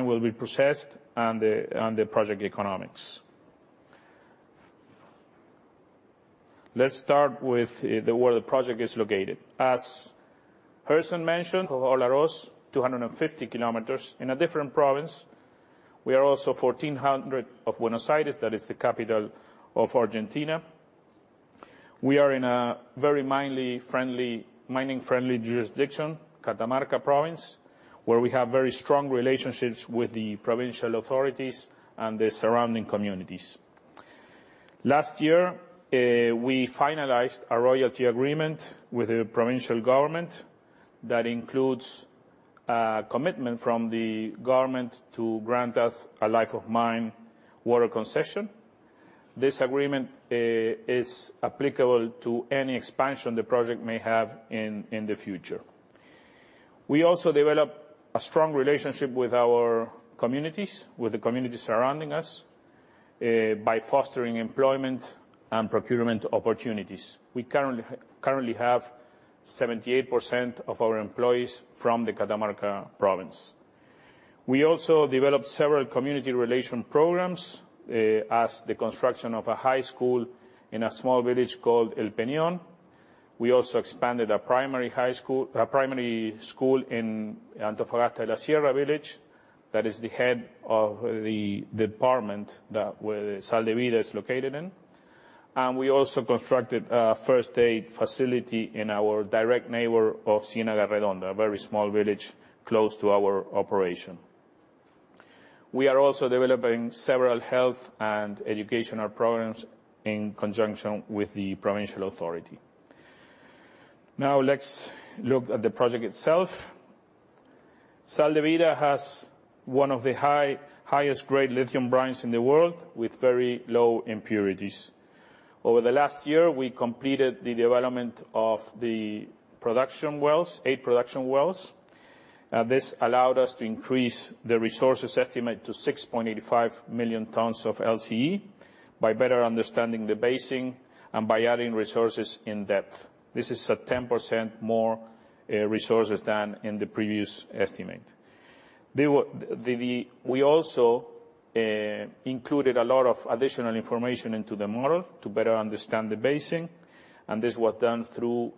will be processed, and the project economics. Let's start with the where the project is located. As Hersen mentioned, for Olaroz, 250 kilometers in a different province. We are also 1,400 km from Buenos Aires, that is the capital of Argentina. We are in a very mining-friendly jurisdiction, Catamarca Province, where we have very strong relationships with the provincial authorities and the surrounding communities. Last year, we finalized a royalty agreement with the provincial government that includes commitment from the government to grant us a life-of-mine water concession. This agreement is applicable to any expansion the project may have in the future. We also develop a strong relationship with our communities, with the communities surrounding us, by fostering employment and procurement opportunities. We currently have 78% of our employees from the Catamarca Province. We also developed several community relations programs, as the construction of a high school in a small village called El Peñón. We also expanded a primary school in Antofagasta de la Sierra village. That is the head of the department where Sal de Vida is located. We also constructed a first aid facility in our direct neighbor of Ciénaga Redonda, a very small village close to our operation. We are also developing several health and educational programs in conjunction with the provincial authority. Now, let's look at the project itself. Sal de Vida has one of the highest grade lithium brines in the world, with very low impurities. Over the last year, we completed the development of the production wells, eight production wells. This allowed us to increase the resources estimate to 6.85 million tons of LCE by better understanding the basin and by adding resources in depth. This is 10% more resources than in the previous estimate. We also included a lot of additional information into the model to better understand the basin, and this was done through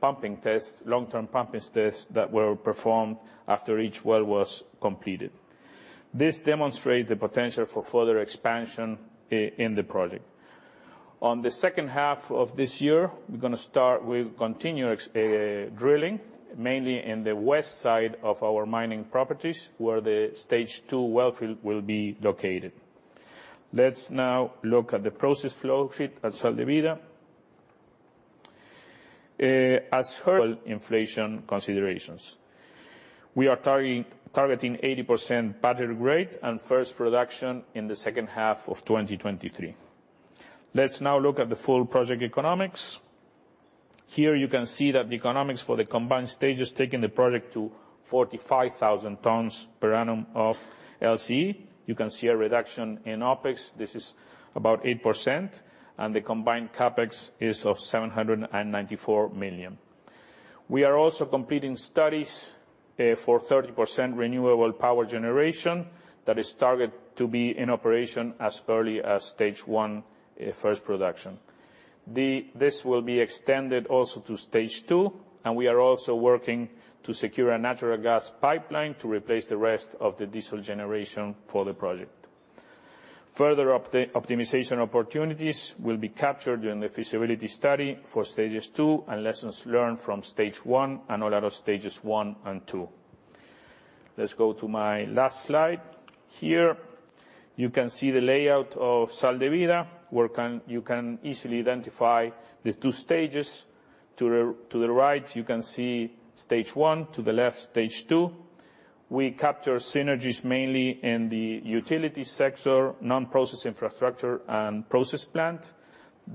pumping tests, long-term pumping tests that were performed after each well was completed. This demonstrate the potential for further expansion in the project. In the second half of this year, we're gonna start with continuous drilling, mainly in the west side of our mining properties, where the Stage 2 well field will be located. Let's now look at the process flow sheet at Sal de Vida. As per inflation considerations. We are targeting 80% battery grade and first production in the second half of 2023. Let's now look at the full project economics. Here you can see that the economics for the combined stages, taking the project to 45,000 tons per annum of LCE. You can see a reduction in OpEx. This is about 8%, and the combined CapEx is 794 million. We are also completing studies for 30% renewable power generation that is targeted to be in operation as early as stage one first production. This will be extended also to stage two, and we are also working to secure a natural gas pipeline to replace the rest of the diesel generation for the project. Further optimization opportunities will be captured during the feasibility study for stage two and lessons learned from stage one and all other stages one and two. Let's go to my last slide. Here, you can see the layout of Sal de Vida, where you can easily identify the two stages. To the right, you can see stage one, to the left, stage two. We capture synergies mainly in the utility sector, non-process infrastructure, and process plant.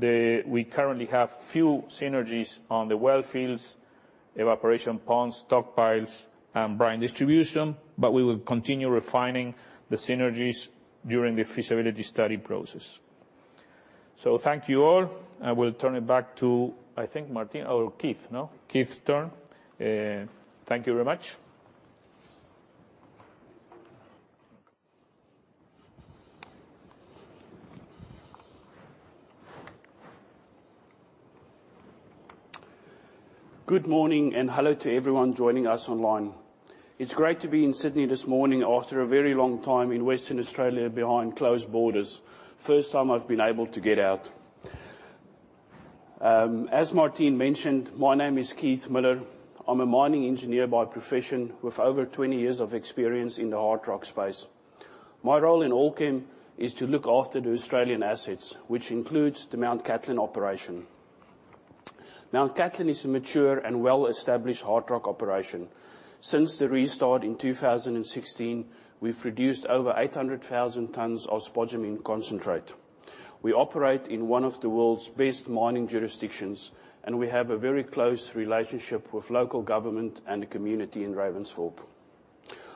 We currently have few synergies on the well fields, evaporation ponds, stockpiles, and brine distribution, but we will continue refining the synergies during the feasibility study process. Thank you all. I will turn it back to, I think, Martin Rowley or Keith Muller, no? Keith Muller. Thank you very much. Good morning, and hello to everyone joining us online. It's great to be in Sydney this morning after a very long time in Western Australia behind closed borders. First time I've been able to get out. As Martin mentioned, my name is Keith Miller. I'm a mining engineer by profession with over 20 years of experience in the hard rock space. My role in Allkem is to look after the Australian assets, which includes the Mt Cattlin operation. Mt Cattlin is a mature and well-established hard rock operation. Since the restart in 2016, we've produced over 800,000 tons of spodumene concentrate. We operate in one of the world's best mining jurisdictions, and we have a very close relationship with local government and the community in Ravensthorpe.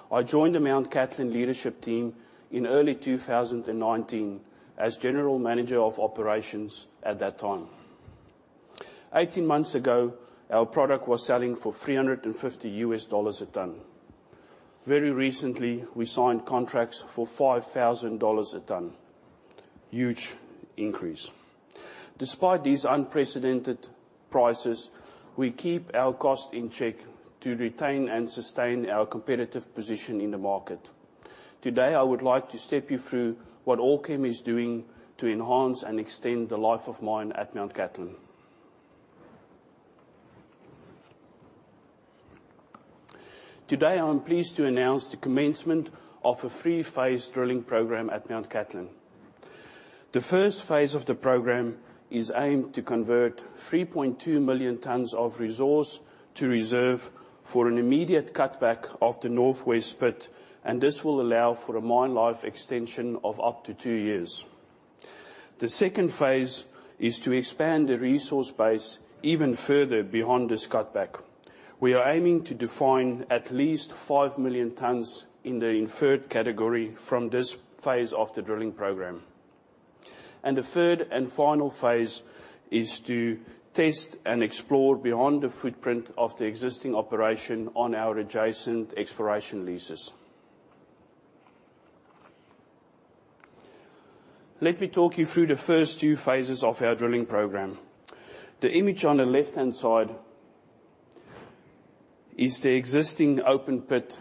I joined the Mt Cattlin leadership team in early 2019 as General Manager of Operations at that time. Eighteen months ago, our product was selling for $350 a ton. Very recently, we signed contracts for $5,000 a ton. Huge increase. Despite these unprecedented prices, we keep our cost in check to retain and sustain our competitive position in the market. Today, I would like to step you through what Allkem is doing to enhance and extend the life of mine at Mt Cattlin. Today, I am pleased to announce the commencement of a three-phase drilling program at Mt Cattlin. The first phase of the program is aimed to convert 3.2 million tons of resource to reserve for an immediate cutback of the northwest pit, and this will allow for a mine life extension of up to two years. The second phase is to expand the resource base even further beyond this cutback. We are aiming to define at least 5 million tons in the inferred category from this phase of the drilling program. The third and final phase is to test and explore beyond the footprint of the existing operation on our adjacent exploration leases. Let me talk you through the first two phases of our drilling program. The image on the left-hand side is the existing open pit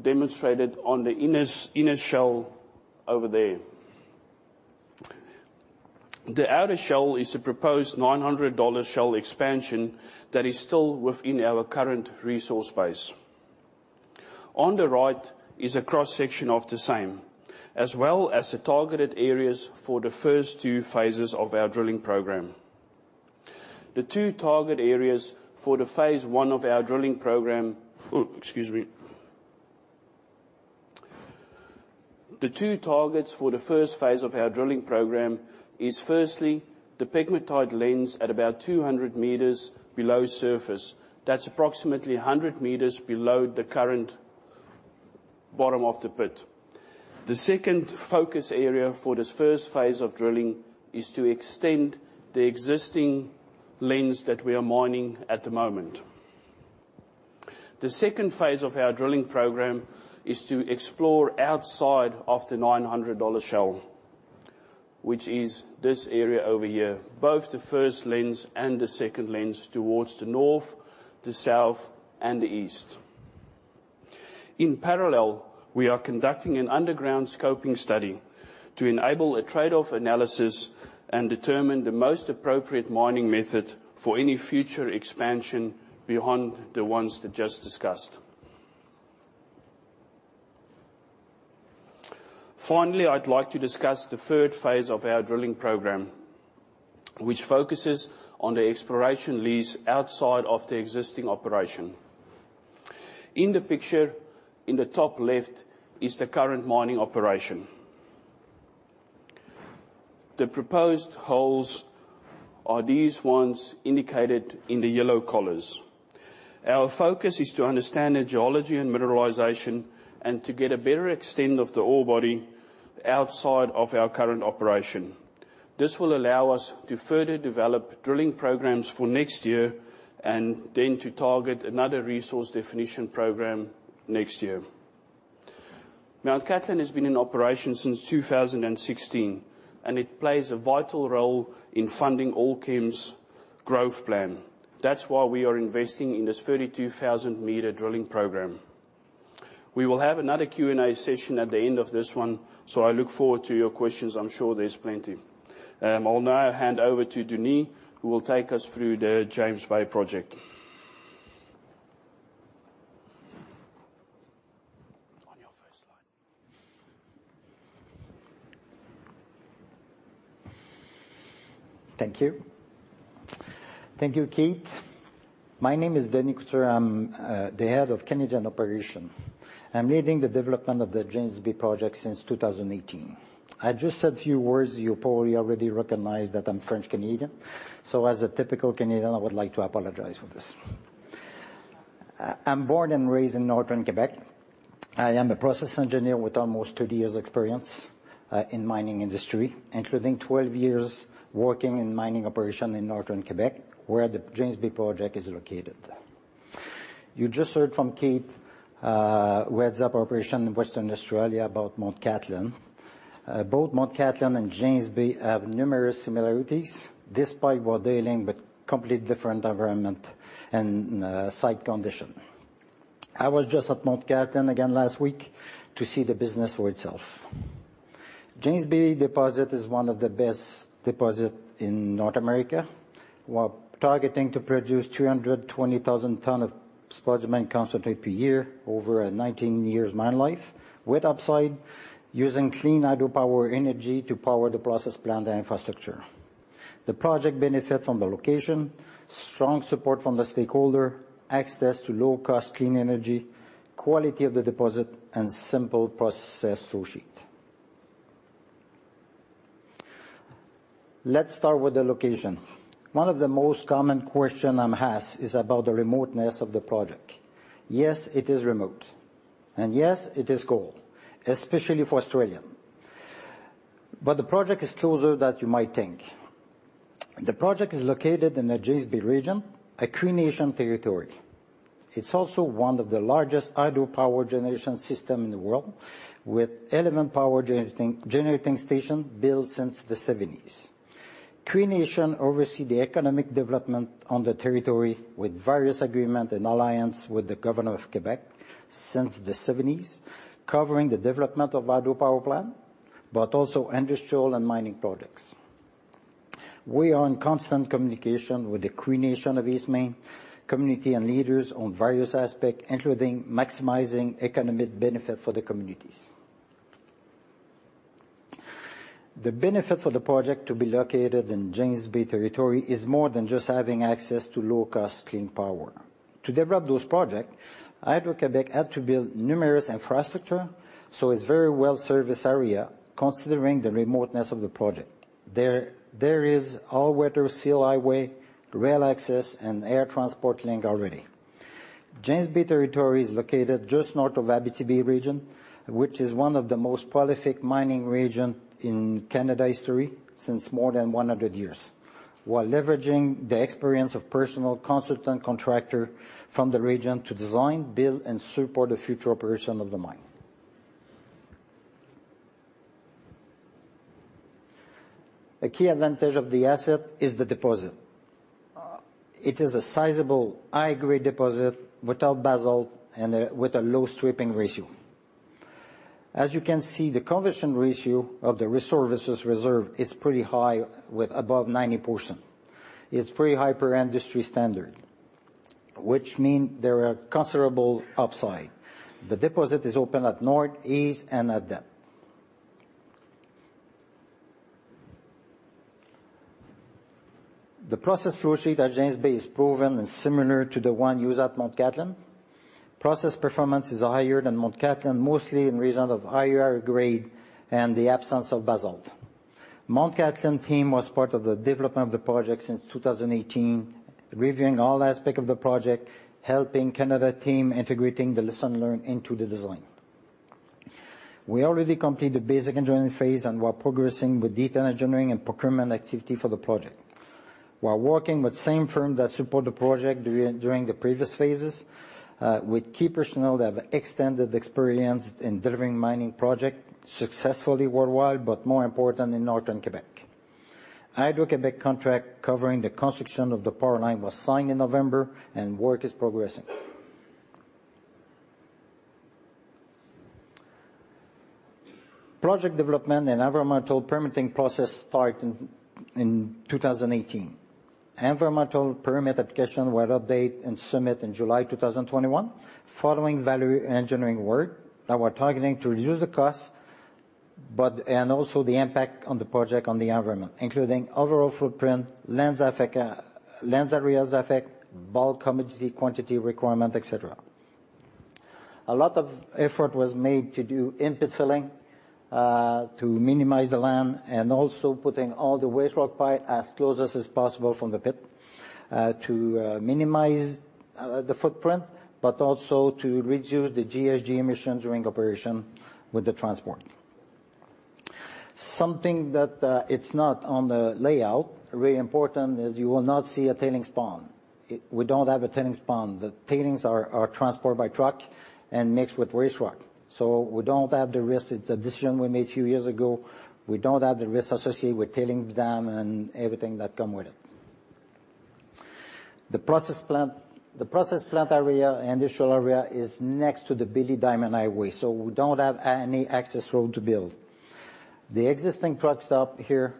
demonstrated on the inner shell over there. The outer shell is the proposed $900 shell expansion that is still within our current resource base. On the right is a cross-section of the same, as well as the targeted areas for the first two phases of our drilling program. The two target areas for the phase one of our drilling program. Oh, excuse me. The two targets for the first phase of our drilling program is firstly, the pegmatite lens at about 200 meters below surface. That's approximately 100 meters below the current bottom of the pit. The second focus area for this first phase of drilling is to extend the existing lens that we are mining at the moment. The second phase of our drilling program is to explore outside of the 900-level shell, which is this area over here, both the first lens and the second lens towards the north, the south, and the east. In parallel, we are conducting an underground scoping study to enable a trade-off analysis and determine the most appropriate mining method for any future expansion beyond the ones just discussed. Finally, I'd like to discuss the third phase of our drilling program, which focuses on the exploration lease outside of the existing operation. In the picture, in the top left, is the current mining operation. The proposed holes are these ones indicated in the yellow colors. Our focus is to understand the geology and mineralization and to get a better extent of the ore body outside of our current operation. This will allow us to further develop drilling programs for next year and then to target another resource definition program next year. Mt Cattlin has been in operation since 2016, and it plays a vital role in funding Allkem's growth plan. That's why we are investing in this 32,000-meter drilling program. We will have another Q&A session at the end of this one, so I look forward to your questions. I'm sure there's plenty. I'll now hand over to Denis, who will take us through the James Bay project. On your first slide. Thank you. Thank you, Keith. My name is Denis Couture. I'm the head of Canadian operations. I'm leading the development of the James Bay project since 2018. I just said a few words. You probably already recognized that I'm French-Canadian, so as a typical Canadian, I would like to apologize for this. I'm born and raised in Northern Quebec. I am a process engineer with almost 30 years' experience in mining industry, including 12 years working in mining operations in Northern Quebec, where the James Bay project is located. You just heard from Keith, who heads up operations in Western Australia, about Mt. Cattlin. Both Mt. Cattlin and James Bay have numerous similarities, despite we're dealing with complete different environment and site condition. I was just at Mt. Cattlin again last week to see the business for itself. James Bay deposit is one of the best deposits in North America. We're targeting to produce 320,000 tons of spodumene concentrate per year over a 19-year mine life, with upside, using clean hydropower energy to power the process plant and infrastructure. The project benefits from the location, strong support from the stakeholders, access to low-cost clean energy, quality of the deposit, and simple process flow sheet. Let's start with the location. One of the most common questions I'm asked is about the remoteness of the project. Yes, it is remote. Yes, it is cold, especially for Australians. The project is closer than you might think. The project is located in the James Bay region, a Cree Nation territory. It's also one of the largest hydropower generation system in the world, with La Grande generating station built since the 1970s. Cree Nation oversee the economic development on the territory with various agreement and alliance with the government of Québec since the 1970s, covering the development of hydropower plant, but also industrial and mining projects. We are in constant communication with the Cree Nation of Eastmain community and leaders on various aspect, including maximizing economic benefit for the communities. The benefit for the project to be located in James Bay territory is more than just having access to low-cost clean power. To develop those project, Hydro-Québec had to build numerous infrastructure, so it's very well serviced area considering the remoteness of the project. There is all-weather sealed highway, rail access, and air transport link already. James Bay territory is located just north of Abitibi region, which is one of the most prolific mining region in Canadian history since more than 100 years, while leveraging the experience of personal consultant contractor from the region to design, build, and support the future operation of the mine. A key advantage of the asset is the deposit. It is a sizable high-grade deposit without basalt, with a low stripping ratio. As you can see, the conversion ratio of the resources to reserves is pretty high with above 90%. It's pretty high per industry standard, which means there are considerable upside. The deposit is open at north, east, and at depth. The process flow sheet at James Bay is proven and similar to the one used at Mt. Cattlin. Process performance is higher than Mt. Cattlin, mostly due to higher grade and the absence of basalt. Mt. Cattlin team was part of the development of the project since 2018, reviewing all aspects of the project, helping Canadian team integrate the lessons learned into the design. We already completed basic engineering phase and we're progressing with detailed engineering and procurement activities for the project. We're working with the same firm that supported the project during the previous phases, with key personnel that have extensive experience in delivering mining projects successfully worldwide, but more importantly in northern Quebec. Hydro-Québec contract covering the construction of the power line was signed in November, and work is progressing. Project development and environmental permitting process started in 2018. Environmental permit application were update and submit in July 2021 following value engineering work that we're targeting to reduce the cost, but and also the impact on the project on the environment, including overall footprint, lands affect, lands areas affect, bulk commodity quantity requirement, etc. A lot of effort was made to do in-pit filling, to minimize the land and also putting all the waste rock pile as close as is possible from the pit, to minimize the footprint, but also to reduce the GHG emission during operation with the transport. Something that it's not on the layout, really important, is you will not see a tailings pond. We don't have a tailings pond. The tailings are transported by truck and mixed with waste rock. So we don't have the risk. It's a decision we made a few years ago. We don't have the risk associated with tailings dam and everything that come with it. The process plant area and industrial area is next to the Billy Diamond Highway, so we don't have any access road to build. The existing truck stop here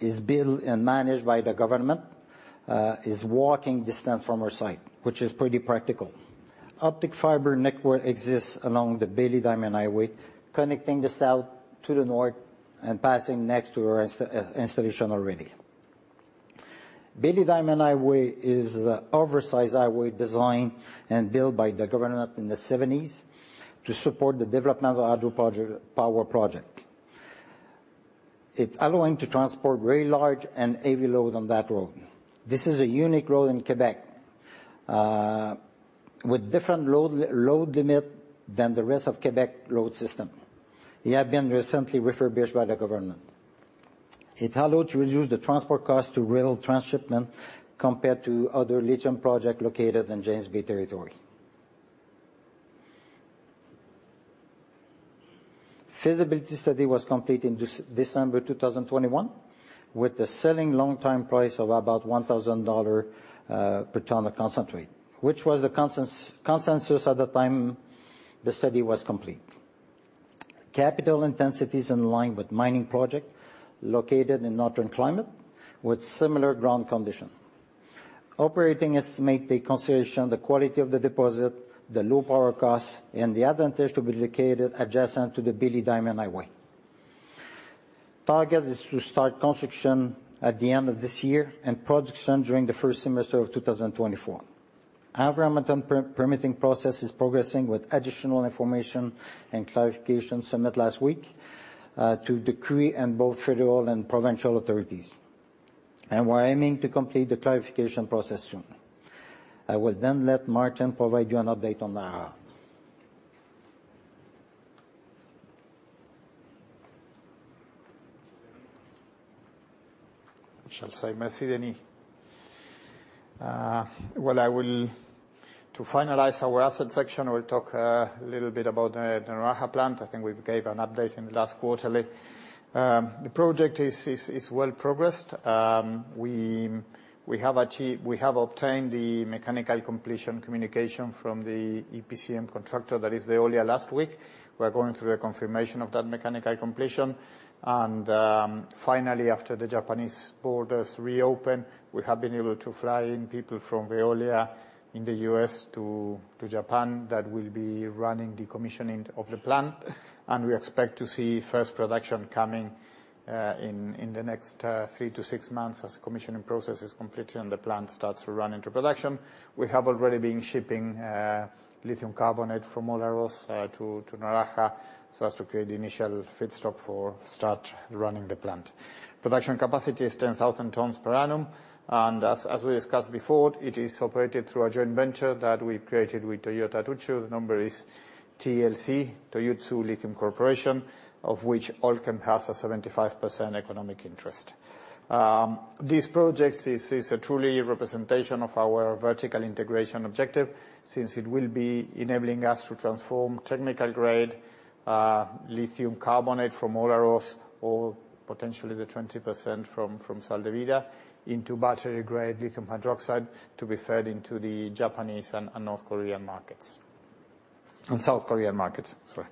is built and managed by the government and is walking distance from our site, which is pretty practical. Fiber optic network exists along the Billy Diamond Highway, connecting the south to the north and passing next to our installation already. Billy Diamond Highway is an oversized highway designed and built by the government in the seventies to support the development of the hydro project, power project. It's allowing to transport very large and heavy load on that road. This is a unique road in Quebec with different load limit than the rest of Quebec road system. It have been recently refurbished by the government. It allows to reduce the transport cost to rail transshipment compared to other lithium project located in James Bay territory. Feasibility study was completed in December 2021, with the selling long-term price of about $1,000 per ton of concentrate, which was the consensus at the time the study was complete. Capital intensity is in line with mining project located in northern climate with similar ground condition. Operating estimate take consideration the quality of the deposit, the low power cost, and the advantage to be located adjacent to the Billy Diamond Highway. Target is to start construction at the end of this year and production during the first semester of 2024. Environmental permitting process is progressing with additional information and clarification submitted last week to the IAAC and both federal and provincial authorities. We're aiming to complete the clarification process soon. I will then let Martin provide you an update on Naraha. I shall say merci, Denis. To finalize our asset section, I will talk a little bit about the Naraha plant. I think we've given an update in the last quarterly. The project is well progressed. We have obtained the mechanical completion communication from the EPCm contractor that is Veolia last week. We're going through a confirmation of that mechanical completion and, finally, after the Japanese borders reopen, we have been able to fly in people from Veolia in the U.S. to Japan that will be running the commissioning of the plant. We expect to see first production coming in the next 3-6 months as the commissioning process is completed and the plant starts to run into production. We have already been shipping lithium carbonate from Olaroz to Naraha, so as to create the initial feedstock for start running the plant. Production capacity is 10,000 tons per annum, and as we discussed before, it is operated through a joint venture that we've created with Toyota Tsusho. The number is TLC, Toyotsu Lithium Corporation, of which Allkem has a 75% economic interest. This project is a true representation of our vertical integration objective since it will be enabling us to transform technical grade lithium carbonate from Olaroz or potentially the 20% from Sal de Vida into battery-grade lithium hydroxide to be fed into the Japanese and North Korean markets. South Korean markets, sorry.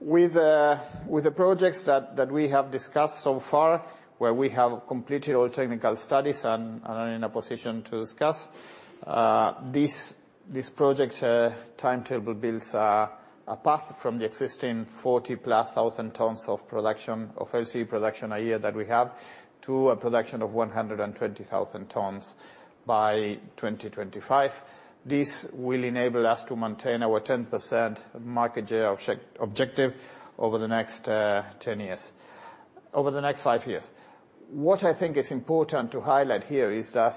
With the projects that we have discussed so far where we have completed all technical studies and are in a position to discuss this project timetable builds a path from the existing 40,000+ tons of production, of Orocobre production a year that we have to a production of 120,000 tons by 2025. This will enable us to maintain our 10% market share objective over the next 10 years. Over the next five years. What I think is important to highlight here is that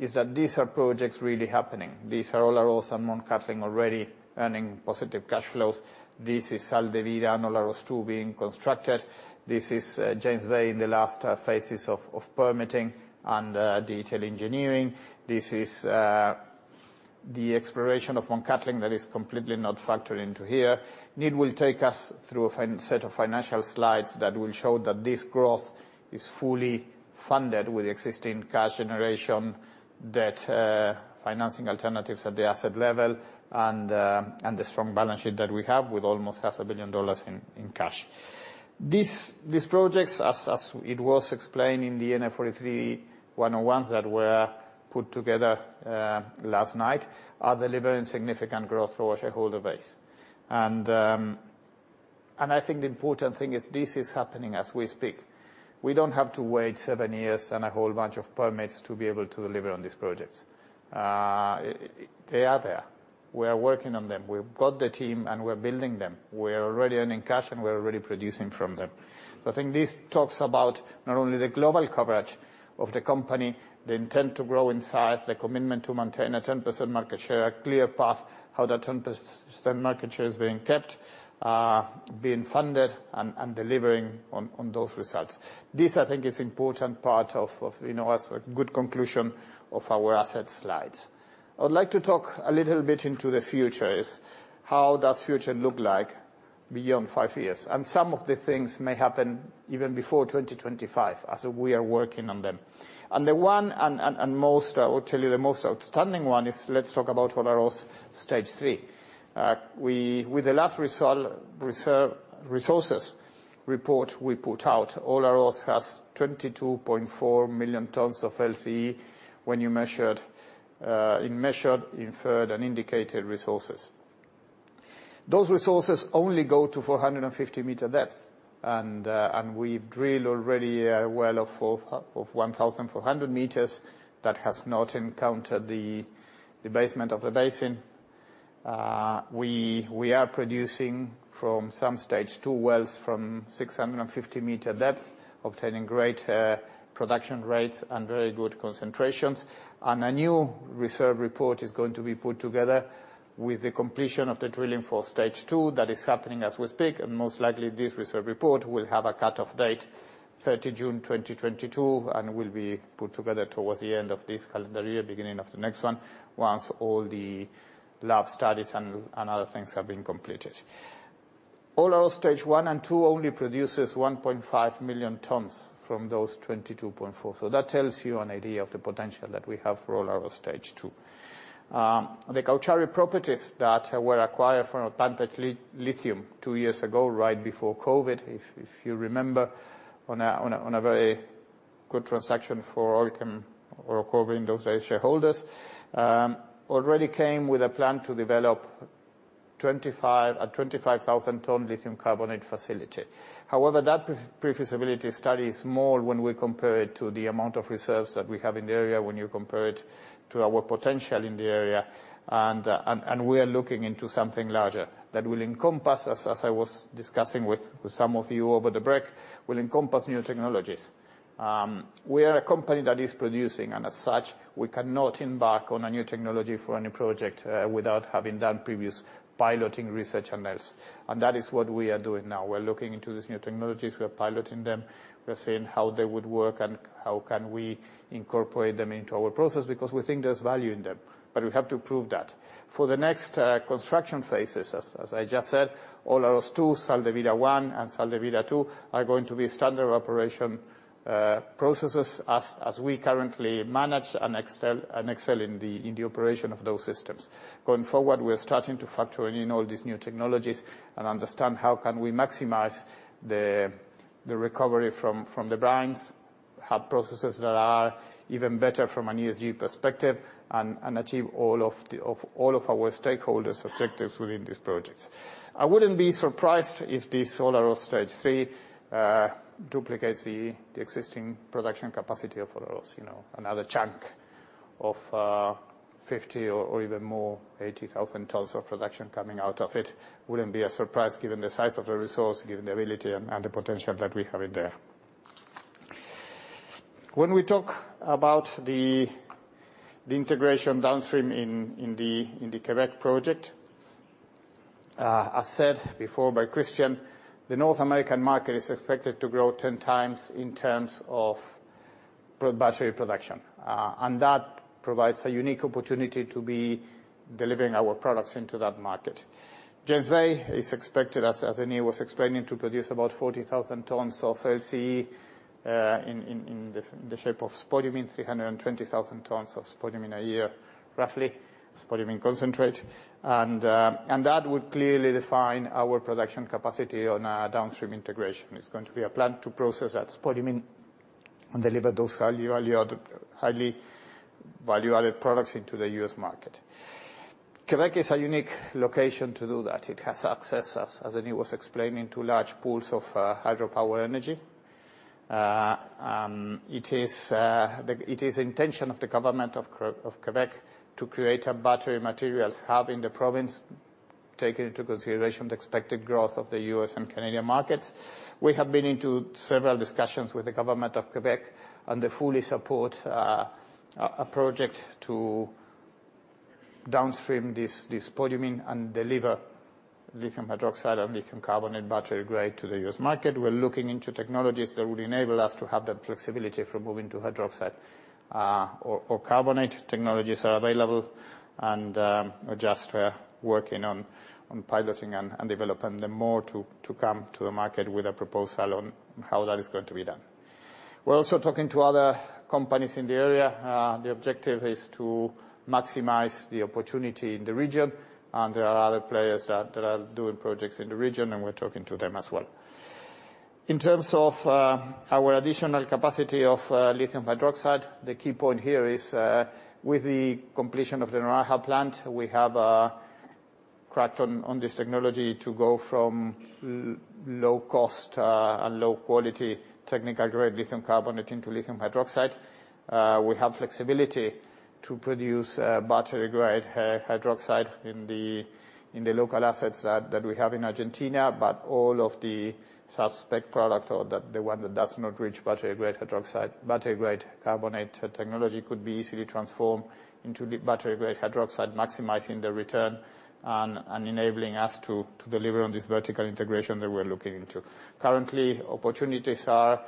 these are projects really happening. These are Olaroz and Mt Cattlin already earning positive cash flows. This is Sal de Vida and Olaroz II being constructed. This is James Bay in the last phases of permitting and detailed engineering. This is the exploration of Mt Cattlin that is completely not factored into here. Ned will take us through a set of financial slides that will show that this growth is fully funded with existing cash generation, that financing alternatives at the asset level and the strong balance sheet that we have with almost 500 million dollars in cash. These projects, as it was explained in the NI 43-101s that were put together last night, are delivering significant growth for our shareholder base. I think the important thing is this is happening as we speak. We don't have to wait seven years and a whole bunch of permits to be able to deliver on these projects. They are there. We are working on them. We've got the team, and we're building them. We're already earning cash, and we're already producing from them. I think this talks about not only the global coverage of the company, the intent to grow in size, the commitment to maintain a 10% market share, a clear path how that 10% market share is being kept, being funded and delivering on those results. This, I think is important part of, you know, as a good conclusion of our asset slide. I would like to talk a little bit into the future is how does future look like beyond five years? Some of the things may happen even before 2025 as we are working on them. I will tell you the most outstanding one is let's talk about Olaroz Stage 3. With the last reserve resources report we put out, Olaroz has 22.4 million tons of LCE when measured in measured, inferred, and indicated resources. Those resources only go to 450 meter depth. We've drilled already a well of 1,400 meters that has not encountered the basement of the basin. We are producing from some stage two wells from 650 meter depth, obtaining great production rates and very good concentrations. A new reserve report is going to be put together with the completion of the drilling for stage two. That is happening as we speak, and most likely this reserve report will have a cutoff date 30 June 2022 and will be put together towards the end of this calendar year, beginning of the next one, once all the lab studies and other things have been completed. Olaroz Stage 1 and 2 only produces 1.5 million tons from those 22.4. That tells you an idea of the potential that we have for Olaroz Stage 2. The Cauchari properties that were acquired from Advantage Lithium two years ago, right before COVID, if you remember, on a very good transaction for Orocobre and those shareholders, already came with a plan to develop 25,000-ton lithium carbonate facility. However, that pre-feasibility study is more when we compare it to the amount of reserves that we have in the area, when you compare it to our potential in the area, and we are looking into something larger that will encompass, as I was discussing with some of you over the break, new technologies. We are a company that is producing, and as such, we cannot embark on a new technology for a new project without having done previous piloting research and else. That is what we are doing now. We're looking into these new technologies. We are piloting them. We're seeing how they would work and how can we incorporate them into our process because we think there's value in them, but we have to prove that. For the next construction phases, as I just said, Olaroz 2, Sal de Vida 1, and Sal de Vida 2 are going to be standard operation processes as we currently manage and excel in the operation of those systems. Going forward, we are starting to factor in all these new technologies and understand how can we maximize the recovery from the brines, have processes that are even better from an ESG perspective and achieve all of our stakeholders' objectives within these projects. I wouldn't be surprised if the Olaroz stage 3 duplicates the existing production capacity of Olaroz. You know, another chunk of 50 or even more 80,000 tons of production coming out of it wouldn't be a surprise given the size of the resource, given the ability and the potential that we have in there. When we talk about the integration downstream in the Quebec project, as said before by Christian, the North American market is expected to grow 10 times in terms of EV battery production. That provides a unique opportunity to be delivering our products into that market. James Bay is expected, as Annie was explaining, to produce about 40,000 tons of LCE in the shape of spodumene, 320,000 tons of spodumene a year, roughly, spodumene concentrate. That would clearly define our production capacity on our downstream integration. It's going to be a plan to process that spodumene and deliver those highly value-added products into the U.S. market. Quebec is a unique location to do that. It has access, as Denis Couture was explaining, to large pools of hydropower energy. It is the intention of the Government of Quebec to create a battery materials hub in the province, taking into consideration the expected growth of the U.S. and Canadian markets. We have been into several discussions with the government of Quebec, and they fully support a project to downstream this spodumene and deliver lithium hydroxide and lithium carbonate battery grade to the U.S. market. We're looking into technologies that would enable us to have that flexibility for moving to hydroxide. Other carbonate technologies are available, and we're just working on piloting and developing them more to come to the market with a proposal on how that is going to be done. We're also talking to other companies in the area. The objective is to maximize the opportunity in the region, and there are other players that are doing projects in the region, and we're talking to them as well. In terms of our additional capacity of lithium hydroxide, the key point here is with the completion of the Naraha plant, we have cracked on this technology to go from low-cost and low-quality technical grade lithium carbonate into lithium hydroxide. We have flexibility to produce battery-grade hydroxide in the local assets that we have in Argentina, but all of the sub-spec product or the one that does not reach battery-grade hydroxide. Battery-grade carbonate technology could be easily transformed into battery-grade hydroxide, maximizing the return and enabling us to deliver on this vertical integration that we're looking into. Currently, opportunities are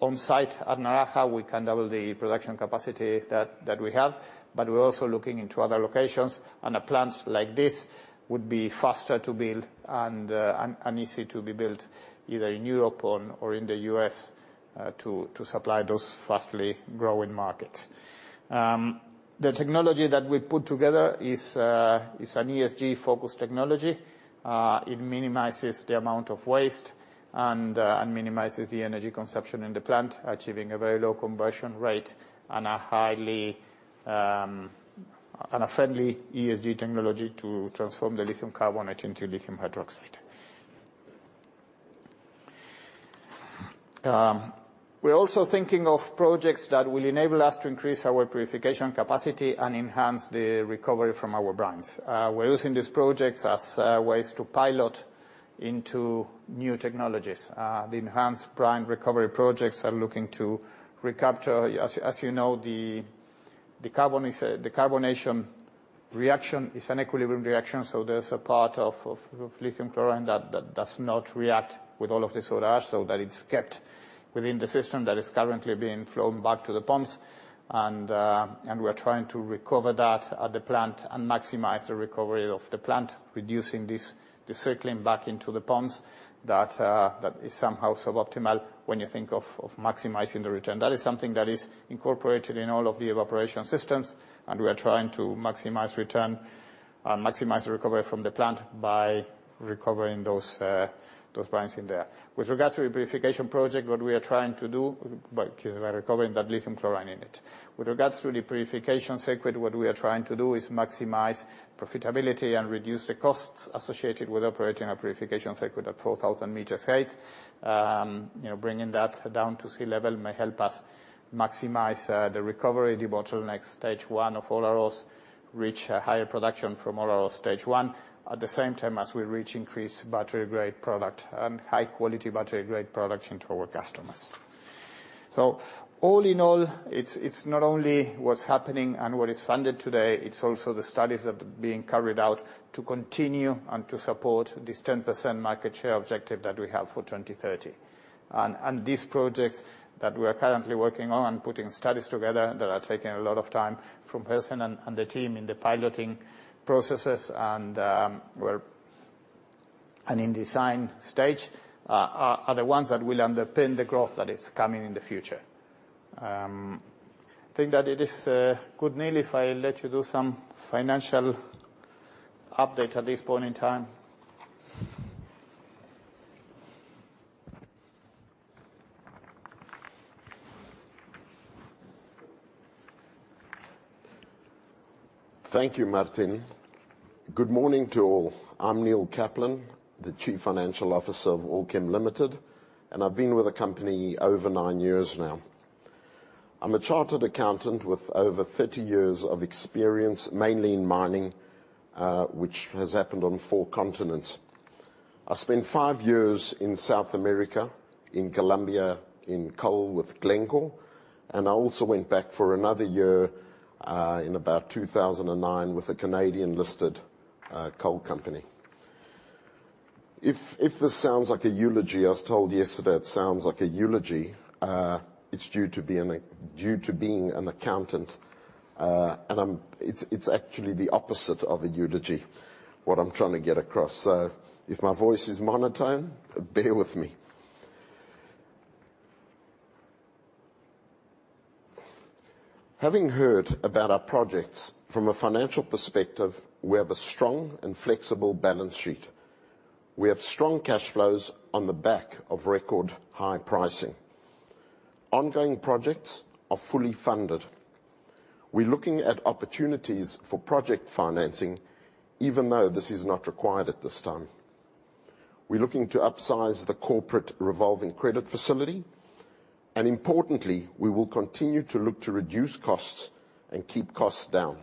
on site at Naraha. We can double the production capacity that we have. We're also looking into other locations and a plant like this would be faster to build and easy to be built either in Europe or in the U.S. to supply those fast-growing markets. The technology that we put together is an ESG-focused technology. It minimizes the amount of waste and minimizes the energy consumption in the plant, achieving a very low conversion rate and a highly and a friendly ESG technology to transform the lithium carbonate into lithium hydroxide. We're also thinking of projects that will enable us to increase our purification capacity and enhance the recovery from our brines. We're using these projects as ways to pilot into new technologies. The enhanced brine recovery projects are looking to recapture. As you know, the carbonation reaction is an equilibrium reaction, so there's a part of lithium chloride that does not react with all of the soda ash, so that it's kept within the system that is currently being flown back to the ponds. We're trying to recover that at the plant and maximize the recovery of the plant, reducing this, the circling back into the ponds that is somehow suboptimal when you think of maximizing the return. That is something that is incorporated in all of the evaporation systems, and we are trying to maximize return and maximize the recovery from the plant by recovering those brines in there. With regards to the purification circuit, what we are trying to do by recovering that lithium chloride in it is maximize profitability and reduce the costs associated with operating a purification circuit at 4,000 meters height. You know, bringing that down to sea level may help us maximize the recovery, the bottleneck stage one of Olaroz, reach a higher production from Olaroz stage one, at the same time as we reach increased battery grade product and high quality battery grade production to our customers. All in all, it's not only what's happening and what is funded today, it's also the studies that are being carried out to continue and to support this 10% market share objective that we have for 2030. These projects that we are currently working on and putting studies together that are taking a lot of time from Hersen and the team in the piloting processes and in design stage are the ones that will underpin the growth that is coming in the future. I think that it is good, Neil, if I let you do some financial update at this point in time. Thank you, Martin. Good morning to all. I'm Neil Kaplan, the Chief Financial Officer of Allkem Limited, and I've been with the company over nine years now. I'm a chartered accountant with over 30 years of experience, mainly in mining, which has happened on four continents. I spent five years in South America, in Colombia, in coal with Glencore, and I also went back for another year in about 2009 with a Canadian-listed coal company. If this sounds like a eulogy, I was told yesterday it sounds like a eulogy. It's due to being an accountant. It's actually the opposite of a eulogy, what I'm trying to get across. If my voice is monotone, bear with me. Having heard about our projects from a financial perspective, we have a strong and flexible balance sheet. We have strong cash flows on the back of record high pricing. Ongoing projects are fully funded. We're looking at opportunities for project financing, even though this is not required at this time. We're looking to upsize the corporate revolving credit facility, and importantly, we will continue to look to reduce costs and keep costs down.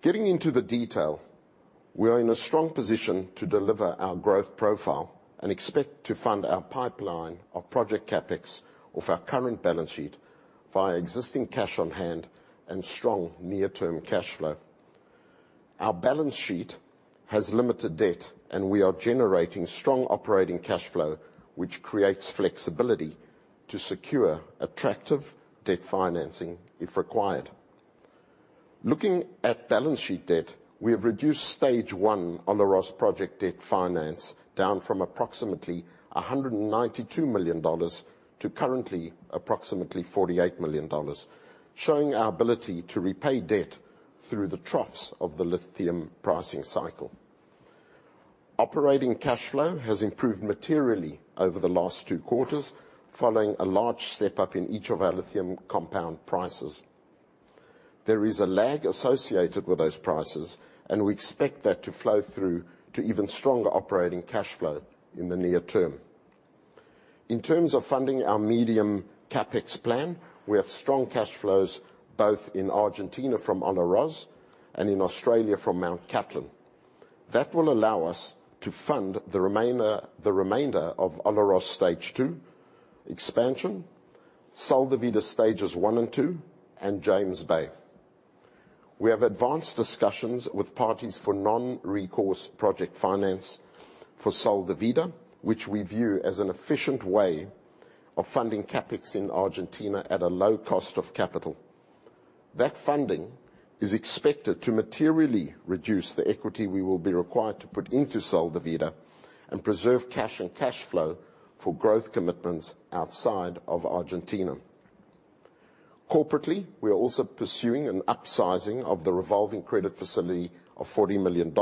Getting into the detail, we are in a strong position to deliver our growth profile and expect to fund our pipeline of project CapEx off our current balance sheet via existing cash on hand and strong near-term cash flow. Our balance sheet has limited debt, and we are generating strong operating cash flow, which creates flexibility to secure attractive debt financing if required. Looking at balance sheet debt, we have reduced stage one Olaroz project debt finance down from approximately $192 million to currently approximately $48 million, showing our ability to repay debt through the troughs of the lithium pricing cycle. Operating cash flow has improved materially over the last two quarters following a large step up in each of our lithium compound prices. There is a lag associated with those prices, and we expect that to flow through to even stronger operating cash flow in the near term. In terms of funding our medium CapEx plan, we have strong cash flows both in Argentina from Olaroz and in Australia from Mt. Cattlin. That will allow us to fund the remainder of Olaroz stage two expansion, Sal de Vida stages one and two, and James Bay. We have advanced discussions with parties for non-recourse project finance for Sal de Vida, which we view as an efficient way of funding CapEx in Argentina at a low cost of capital. That funding is expected to materially reduce the equity we will be required to put into Sal de Vida and preserve cash and cash flow for growth commitments outside of Argentina. Corporately, we are also pursuing an upsizing of the revolving credit facility of $40 million,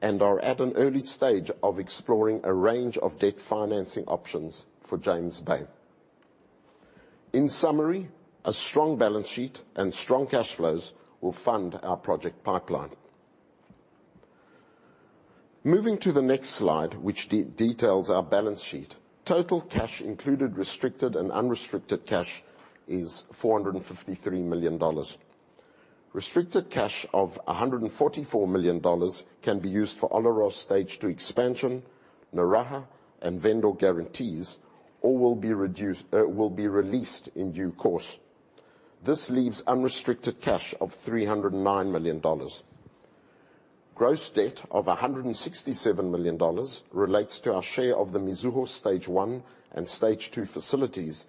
and are at an early stage of exploring a range of debt financing options for James Bay. In summary, a strong balance sheet and strong cash flows will fund our project pipeline. Moving to the next slide, which details our balance sheet. Total cash, including restricted and unrestricted cash, is $453 million. Restricted cash of 144 million dollars can be used for Olaroz Stage 2 expansion, Naraha and vendor guarantees or will be reduced, will be released in due course. This leaves unrestricted cash of 309 million dollars. Gross debt of 167 million dollars relates to our share of the Mizuho Stage 1 and Stage 2 facilities,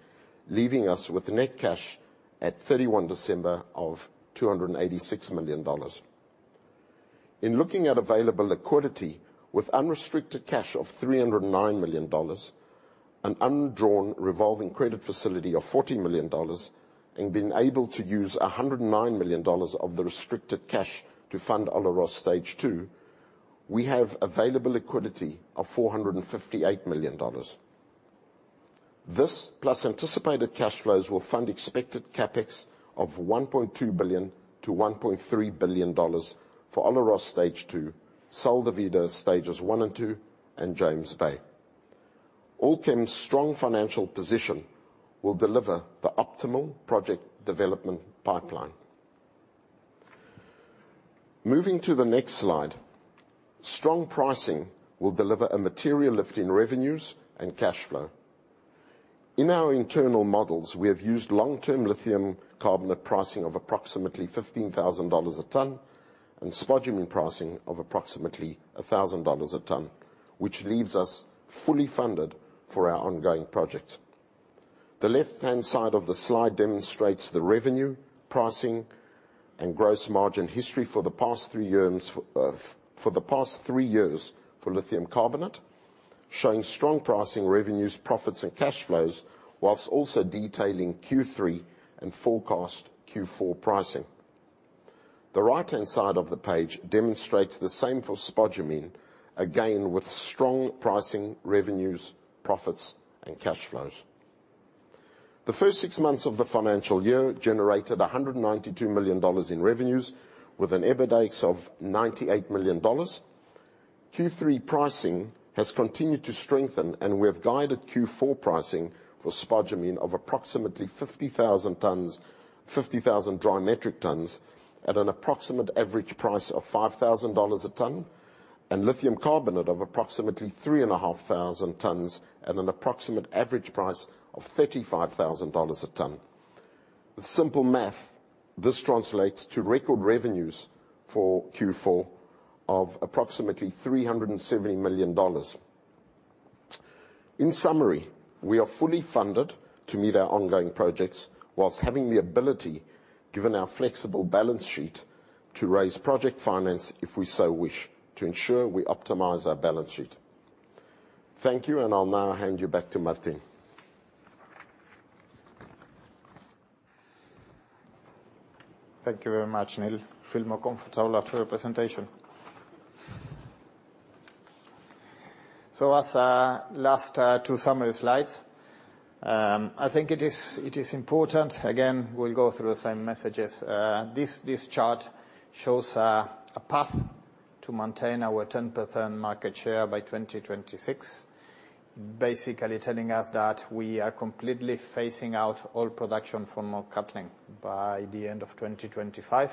leaving us with net cash at 31 December of 286 million dollars. In looking at available liquidity with unrestricted cash of 309 million dollars, an undrawn revolving credit facility of 40 million dollars and being able to use 109 million dollars of the restricted cash to fund Olaroz Stage 2, we have available liquidity of 458 million dollars. This plus anticipated cash flows will fund expected CapEx of 1.2 billion-1.3 billion dollars for Olaroz Stage 2, Sal de Vida Stages 1 and 2 and James Bay. Allkem's strong financial position will deliver the optimal project development pipeline. Moving to the next slide. Strong pricing will deliver a material lift in revenues and cash flow. In our internal models, we have used long-term lithium carbonate pricing of approximately $15,000 a ton and spodumene pricing of approximately $1,000 a ton, which leaves us fully funded for our ongoing projects. The left-hand side of the slide demonstrates the revenue, pricing and gross margin history for the past three years for lithium carbonate, showing strong pricing revenues, profits and cash flows, while also detailing Q3 and forecast Q4 pricing. The right-hand side of the page demonstrates the same for spodumene, again with strong pricing revenues, profits and cash flows. The first six months of the financial year generated 192 million dollars in revenues with an EBITDAIX of 98 million dollars. Q3 pricing has continued to strengthen, and we have guided Q4 pricing for spodumene of approximately 50,000 dry metric tons at an approximate average price of $5,000 a ton and lithium carbonate of approximately 3,500 tons at an approximate average price of $35,000 a ton. With simple math, this translates to record revenues for Q4 of approximately 370 million dollars. In summary, we are fully funded to meet our ongoing projects while having the ability, given our flexible balance sheet, to raise project finance if we so wish to ensure we optimize our balance sheet. Thank you, and I'll now hand you back to Martin. Thank you very much, Neil. I feel more comfortable after your presentation. As our last two summary slides, I think it is important. Again, we'll go through the same messages. This chart shows a path to maintain our 10% market share by 2026. Basically telling us that we are completely phasing out all production from Mt. Cattlin by the end of 2025.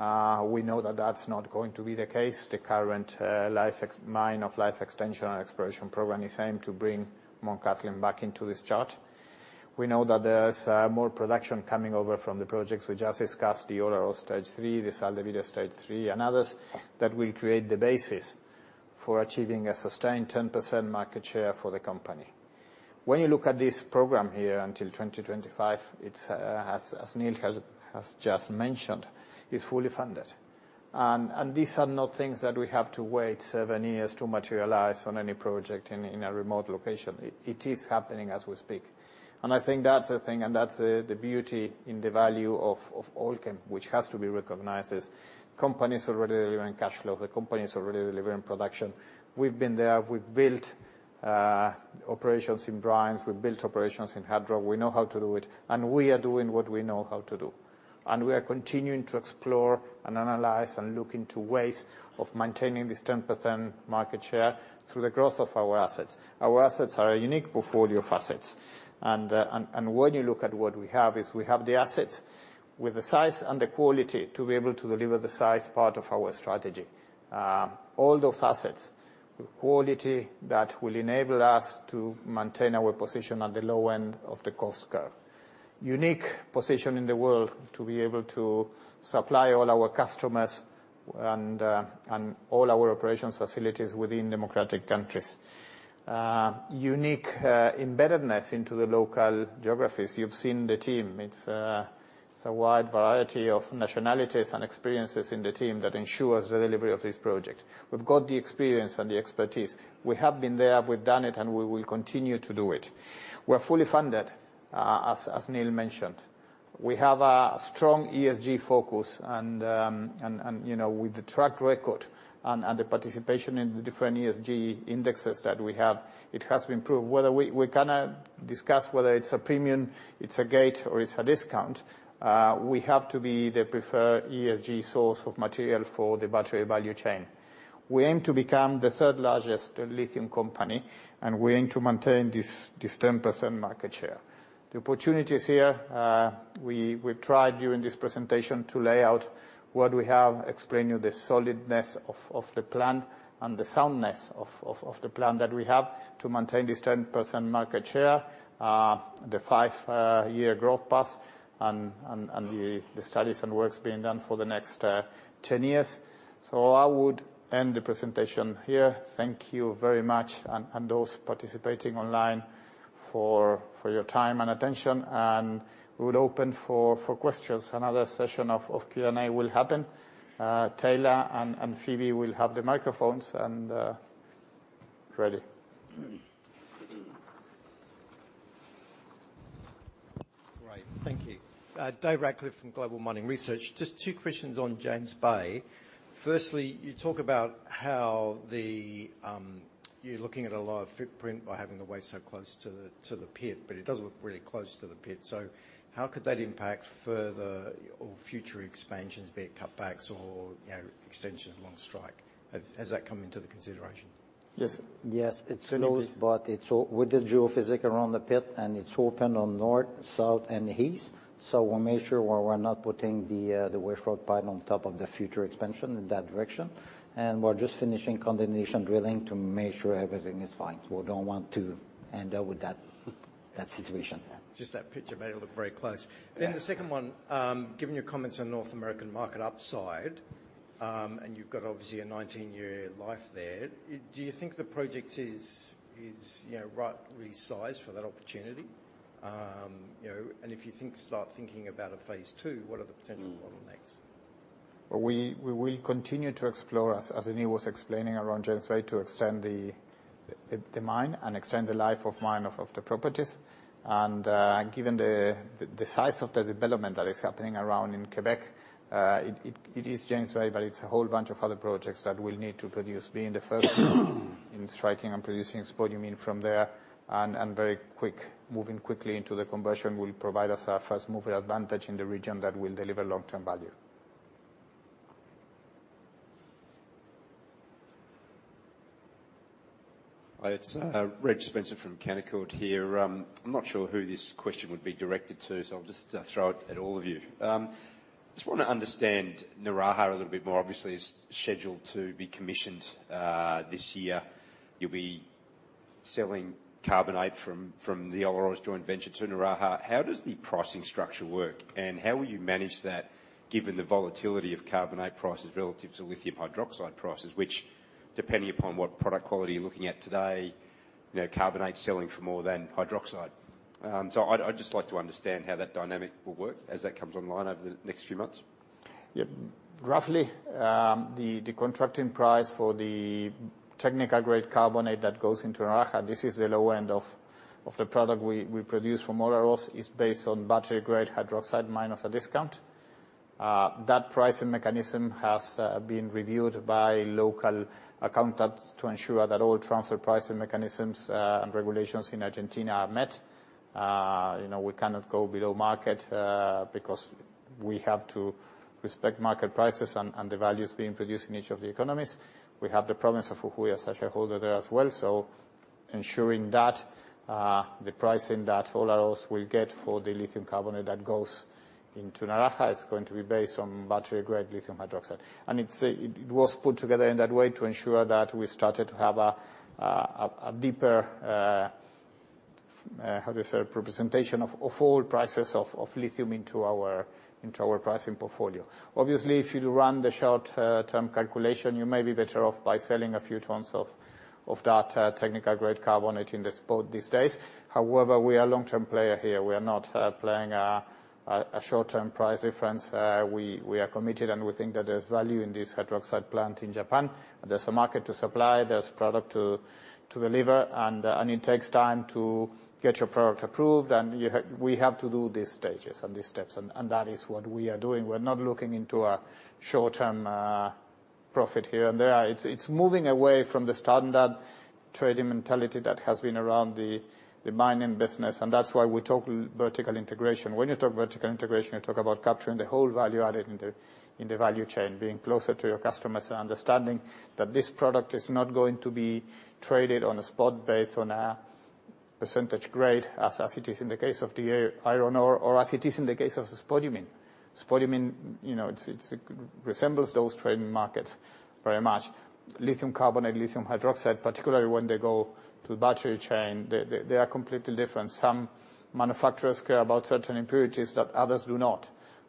We know that that's not going to be the case. The current life extension and exploration program is aimed to bring Mt. Cattlin back into this chart. We know that there's more production coming over from the projects we just discussed, the Olaroz Stage 3, the Sal de Vida Stage 3 and others that will create the basis for achieving a sustained 10% market share for the company. When you look at this program here until 2025, it's, as Neil has just mentioned, is fully funded. These are not things that we have to wait seven years to materialize on any project in a remote location. It is happening as we speak. I think that's a thing, and that's the beauty in the value of Allkem, which has to be recognized as the company is already delivering cash flow, the company is already delivering production. We've been there. We've built operations in brine. We've built operations in hard rock. We know how to do it, and we are doing what we know how to do. We are continuing to explore and analyze and look into ways of maintaining this 10% market share through the growth of our assets. Our assets are a unique portfolio of assets. When you look at what we have, we have the assets with the size and the quality to be able to deliver the size part of our strategy. All those assets, the quality that will enable us to maintain our position on the low end of the cost curve. Unique position in the world to be able to supply all our customers and all our operations facilities within democratic countries. Unique embeddedness into the local geographies. You've seen the team. It's a wide variety of nationalities and experiences in the team that ensures the delivery of this project. We've got the experience and the expertise. We have been there, we've done it, and we will continue to do it. We're fully funded, as Neil mentioned. We have a strong ESG focus and, you know, with the track record and the participation in the different ESG indexes that we have, it has been proved. We cannot discuss whether it's a premium, it's a gate, or it's a discount, we have to be the preferred ESG source of material for the battery value chain. We aim to become the third largest lithium company, and we aim to maintain this 10% market share. The opportunities here, we've tried during this presentation to lay out what we have, explain to you the solidness of the plan and the soundness of the plan that we have to maintain this 10% market share, the 5-year growth path and the studies and works being done for the next 10 years. I would end the presentation here. Thank you very much and those participating online for your time and attention, and we would open for questions. Another session of Q&A will happen. Taylor and Phoebe will have the microphones and ready. Great. Thank you. David Radclyffe from Global Mining Research. Just two questions on James Bay. Firstly, you talk about how you're looking at a lower footprint by having the waste so close to the pit, but it does look really close to the pit. So how could that impact further or future expansions, be it cutbacks or, you know, extensions along strike? Has that come into the consideration? Yes. Yes. It's close. Philip? It's with the geophysics around the pit, and it's open on north, south, and east. We'll make sure we're not putting the waste rock pile on top of the future expansion in that direction. We're just finishing condemnation drilling to make sure everything is fine. We don't want to end up with that situation. Just that picture made it look very close. Yeah. The second one, given your comments on North American market upside, and you've got obviously a 19-year life there, do you think the project is, you know, right-sized for that opportunity? You know, and if you think, start thinking about a phase two, what are the potential bottlenecks? We will continue to explore, as Neil was explaining, around James Bay to extend the mine and extend the life of mine of the properties. Given the size of the development that is happening around in Quebec, it's James Bay, but it's a whole bunch of other projects that we'll need to produce. Being the first in starting and producing spodumene from there, moving quickly into the conversion will provide us a first-mover advantage in the region that will deliver long-term value. It's Reg Spencer from Canaccord here. I'm not sure who this question would be directed to, so I'll just throw it at all of you. Just wanna understand Naraha a little bit more. Obviously, it's scheduled to be commissioned this year. You'll be selling carbonate from the Olaroz joint venture to Naraha. How does the pricing structure work? How will you manage that given the volatility of carbonate prices relative to lithium hydroxide prices? Which, depending upon what product quality you're looking at today, you know, carbonate's selling for more than hydroxide. I'd just like to understand how that dynamic will work as that comes online over the next few months. Yeah. Roughly, the contracting price for the technical grade carbonate that goes into Naraha, this is the low end of the product we produce from Olaroz, is based on battery-grade hydroxide minus a discount. That pricing mechanism has been reviewed by local accountants to ensure that all transfer pricing mechanisms and regulations in Argentina are met. You know, we cannot go below market because we have to respect market prices and the values being produced in each of the economies. We have the province of Jujuy as a shareholder there as well, so ensuring that the pricing that Olaroz will get for the lithium carbonate that goes into Naraha is going to be based on battery-grade lithium hydroxide. It was put together in that way to ensure that we started to have a deeper representation of all prices of lithium into our pricing portfolio. Obviously, if you do run the short-term calculation, you may be better off by selling a few tons of that technical-grade carbonate in the spot these days. However, we are a long-term player here. We are not playing a short-term price difference. We are committed, and we think that there's value in this hydroxide plant in Japan. There's a market to supply, there's product to deliver, and it takes time to get your product approved. We have to do these stages and these steps, and that is what we are doing. We're not looking into a short-term profit here. There, it's moving away from the standard trading mentality that has been around the mining business, and that's why we talk vertical integration. When you talk vertical integration, you talk about capturing the whole value added in the value chain, being closer to your customers and understanding that this product is not going to be traded on a spot based on a percentage grade as it is in the case of the iron ore, or as it is in the case of spodumene. Spodumene, you know, it resembles those trading markets very much. Lithium carbonate, lithium hydroxide, particularly when they go to the battery chain, they are completely different. Some manufacturers care about certain impurities that others do not.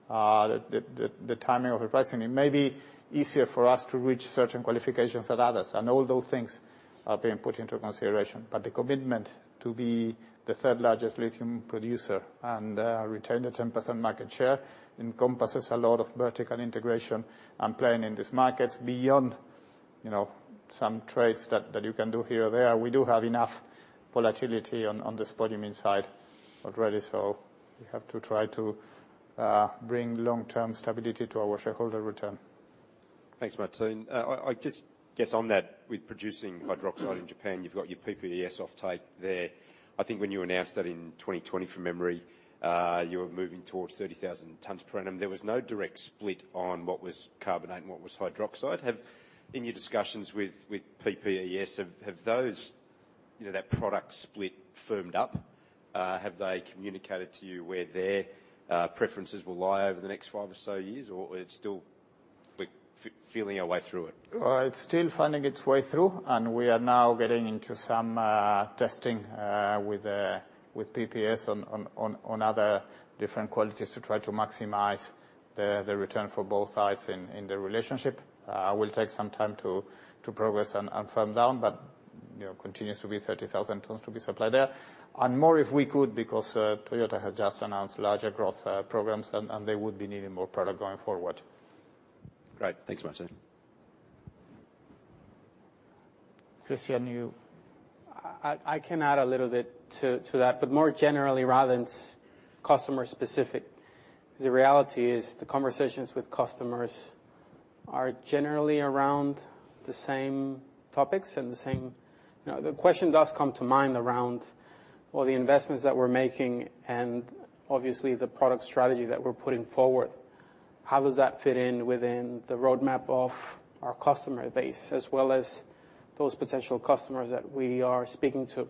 The timing of the pricing. It may be easier for us to reach certain qualifications than others. All those things are being put into consideration. The commitment to be the third largest lithium producer and retain the 10% market share encompasses a lot of vertical integration and playing in these markets beyond, you know, some trades that you can do here or there. We do have enough volatility on the spodumene side already, so we have to try to bring long-term stability to our shareholder return. Thanks, Martin. I just guess on that with producing hydroxide in Japan, you've got your POSCO offtake there. I think when you announced that in 2020 from memory, you were moving towards 30,000 tons per annum. There was no direct split on what was carbonate and what was hydroxide. In your discussions with POSCO, have those, you know, that product split firmed up? Have they communicated to you where their preferences will lie over the next five or so years? Or are you still feeling your way through it? It's still finding its way through, and we are now getting into some testing with PPES on other different qualities to try to maximize the return for both sides in the relationship. It will take some time to progress and firm up, but you know, continues to be 30,000 tons to be supplied there. More if we could, because Toyota has just announced larger growth programs and they would be needing more product going forward. Great. Thanks, Martin. Christian, you I can add a little bit to that, but more generally rather than customer specific. The reality is the conversations with customers are generally around the same topics and the same. You know, the question does come to mind around all the investments that we're making and obviously the product strategy that we're putting forward. How does that fit in within the roadmap of our customer base, as well as those potential customers that we are speaking to?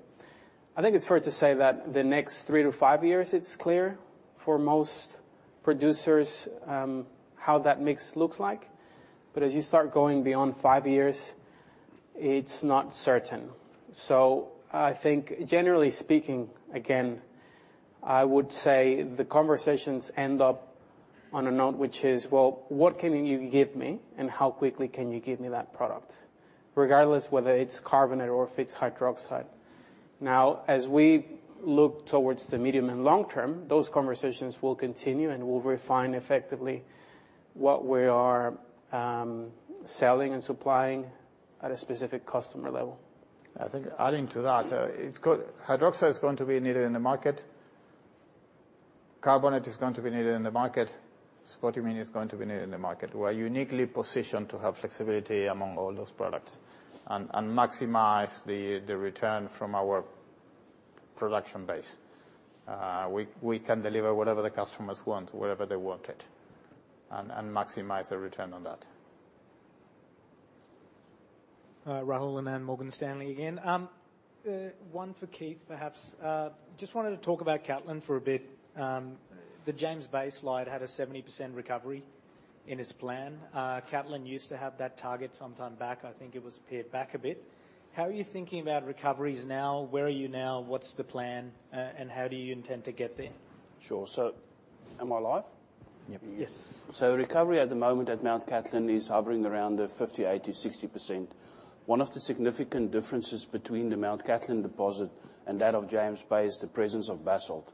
I think it's fair to say that the next three to five years, it's clear for most producers, how that mix looks like. As you start going beyond five years, it's not certain. I think generally speaking, again, I would say the conversations end up on a note, which is, "Well, what can you give me, and how quickly can you give me that product?" Regardless whether it's carbonate or if it's hydroxide. Now, as we look towards the medium and long term, those conversations will continue and will refine effectively what we are selling and supplying at a specific customer level. I think adding to that, hydroxide is going to be needed in the market. Carbonate is going to be needed in the market. Spodumene is going to be needed in the market. We're uniquely positioned to have flexibility among all those products and maximize the return from our production base. We can deliver whatever the customers want, wherever they want it, and maximize the return on that. Rahul Anand, Morgan Stanley again. One for Keith, perhaps. Just wanted to talk about Mt Cattlin for a bit. The James Bay slide had a 70% recovery in its plan. Mt Cattlin used to have that target sometime back. I think it was pared back a bit. How are you thinking about recoveries now? Where are you now? What's the plan, and how do you intend to get there? Sure. Am I live? Yep. Yes. Recovery at the moment at Mt Cattlin is hovering around the 58%-60%. One of the significant differences between the Mt Cattlin deposit and that of James Bay is the presence of basalt.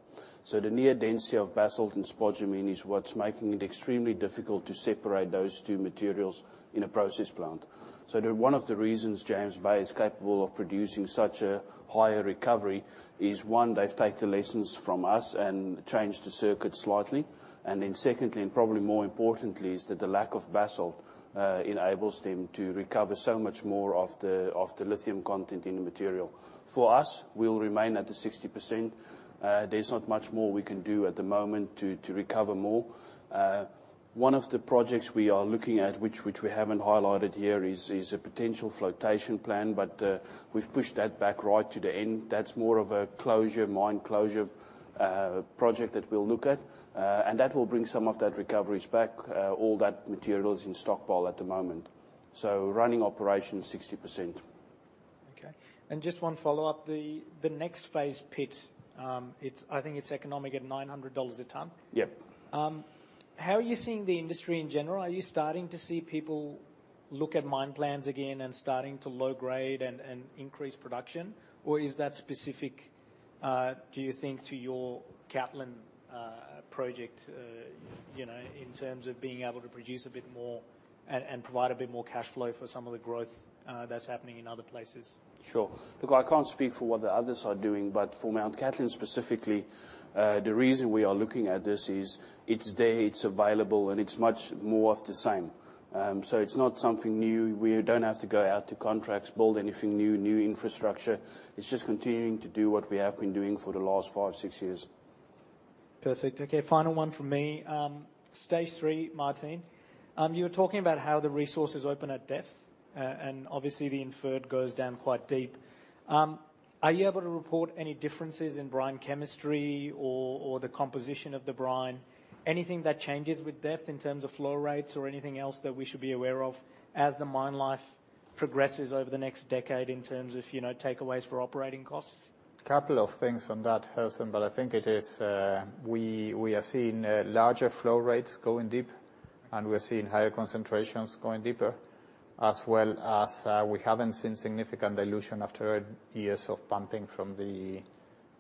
The near density of basalt and spodumene is what's making it extremely difficult to separate those two materials in a process plant. One of the reasons James Bay is capable of producing such a higher recovery is, one, they've taken the lessons from us and changed the circuit slightly. Then secondly, and probably more importantly, is that the lack of basalt enables them to recover so much more of the lithium content in the material. For us, we'll remain at the 60%. There's not much more we can do at the moment to recover more. One of the projects we are looking at which we haven't highlighted here is a potential flotation plan. We've pushed that back right to the end. That's more of a mine closure project that we'll look at. That will bring some of that recoveries back, all that material is in stockpile at the moment. Running operation 60%. Okay. Just one follow-up. The next phase pit. I think it's economic at $900 a ton. Yep. How are you seeing the industry in general? Are you starting to see people look at mine plans again and starting to low grade and increase production or is that specific to your Cattlin project, you know, in terms of being able to produce a bit more and provide a bit more cash flow for some of the growth that's happening in other places? Sure. Look, I can't speak for what the others are doing, but for Mt. Cattlin specifically, the reason we are looking at this is it's there, it's available, and it's much more of the same. It's not something new. We don't have to go out to contracts, build anything new infrastructure. It's just continuing to do what we have been doing for the last 5, 6 years. Perfect. Okay, final one from me. Stage three, Martin, you were talking about how the resource is open at depth, and obviously the inferred goes down quite deep. Are you able to report any differences in brine chemistry or the composition of the brine? Anything that changes with depth in terms of flow rates or anything else that we should be aware of as the mine life progresses over the next decade in terms of, you know, takeaways for operating costs? Couple of things on that, Harrison, but I think it is. We are seeing larger flow rates going deep, and we're seeing higher concentrations going deeper, as well as we haven't seen significant dilution after years of pumping from the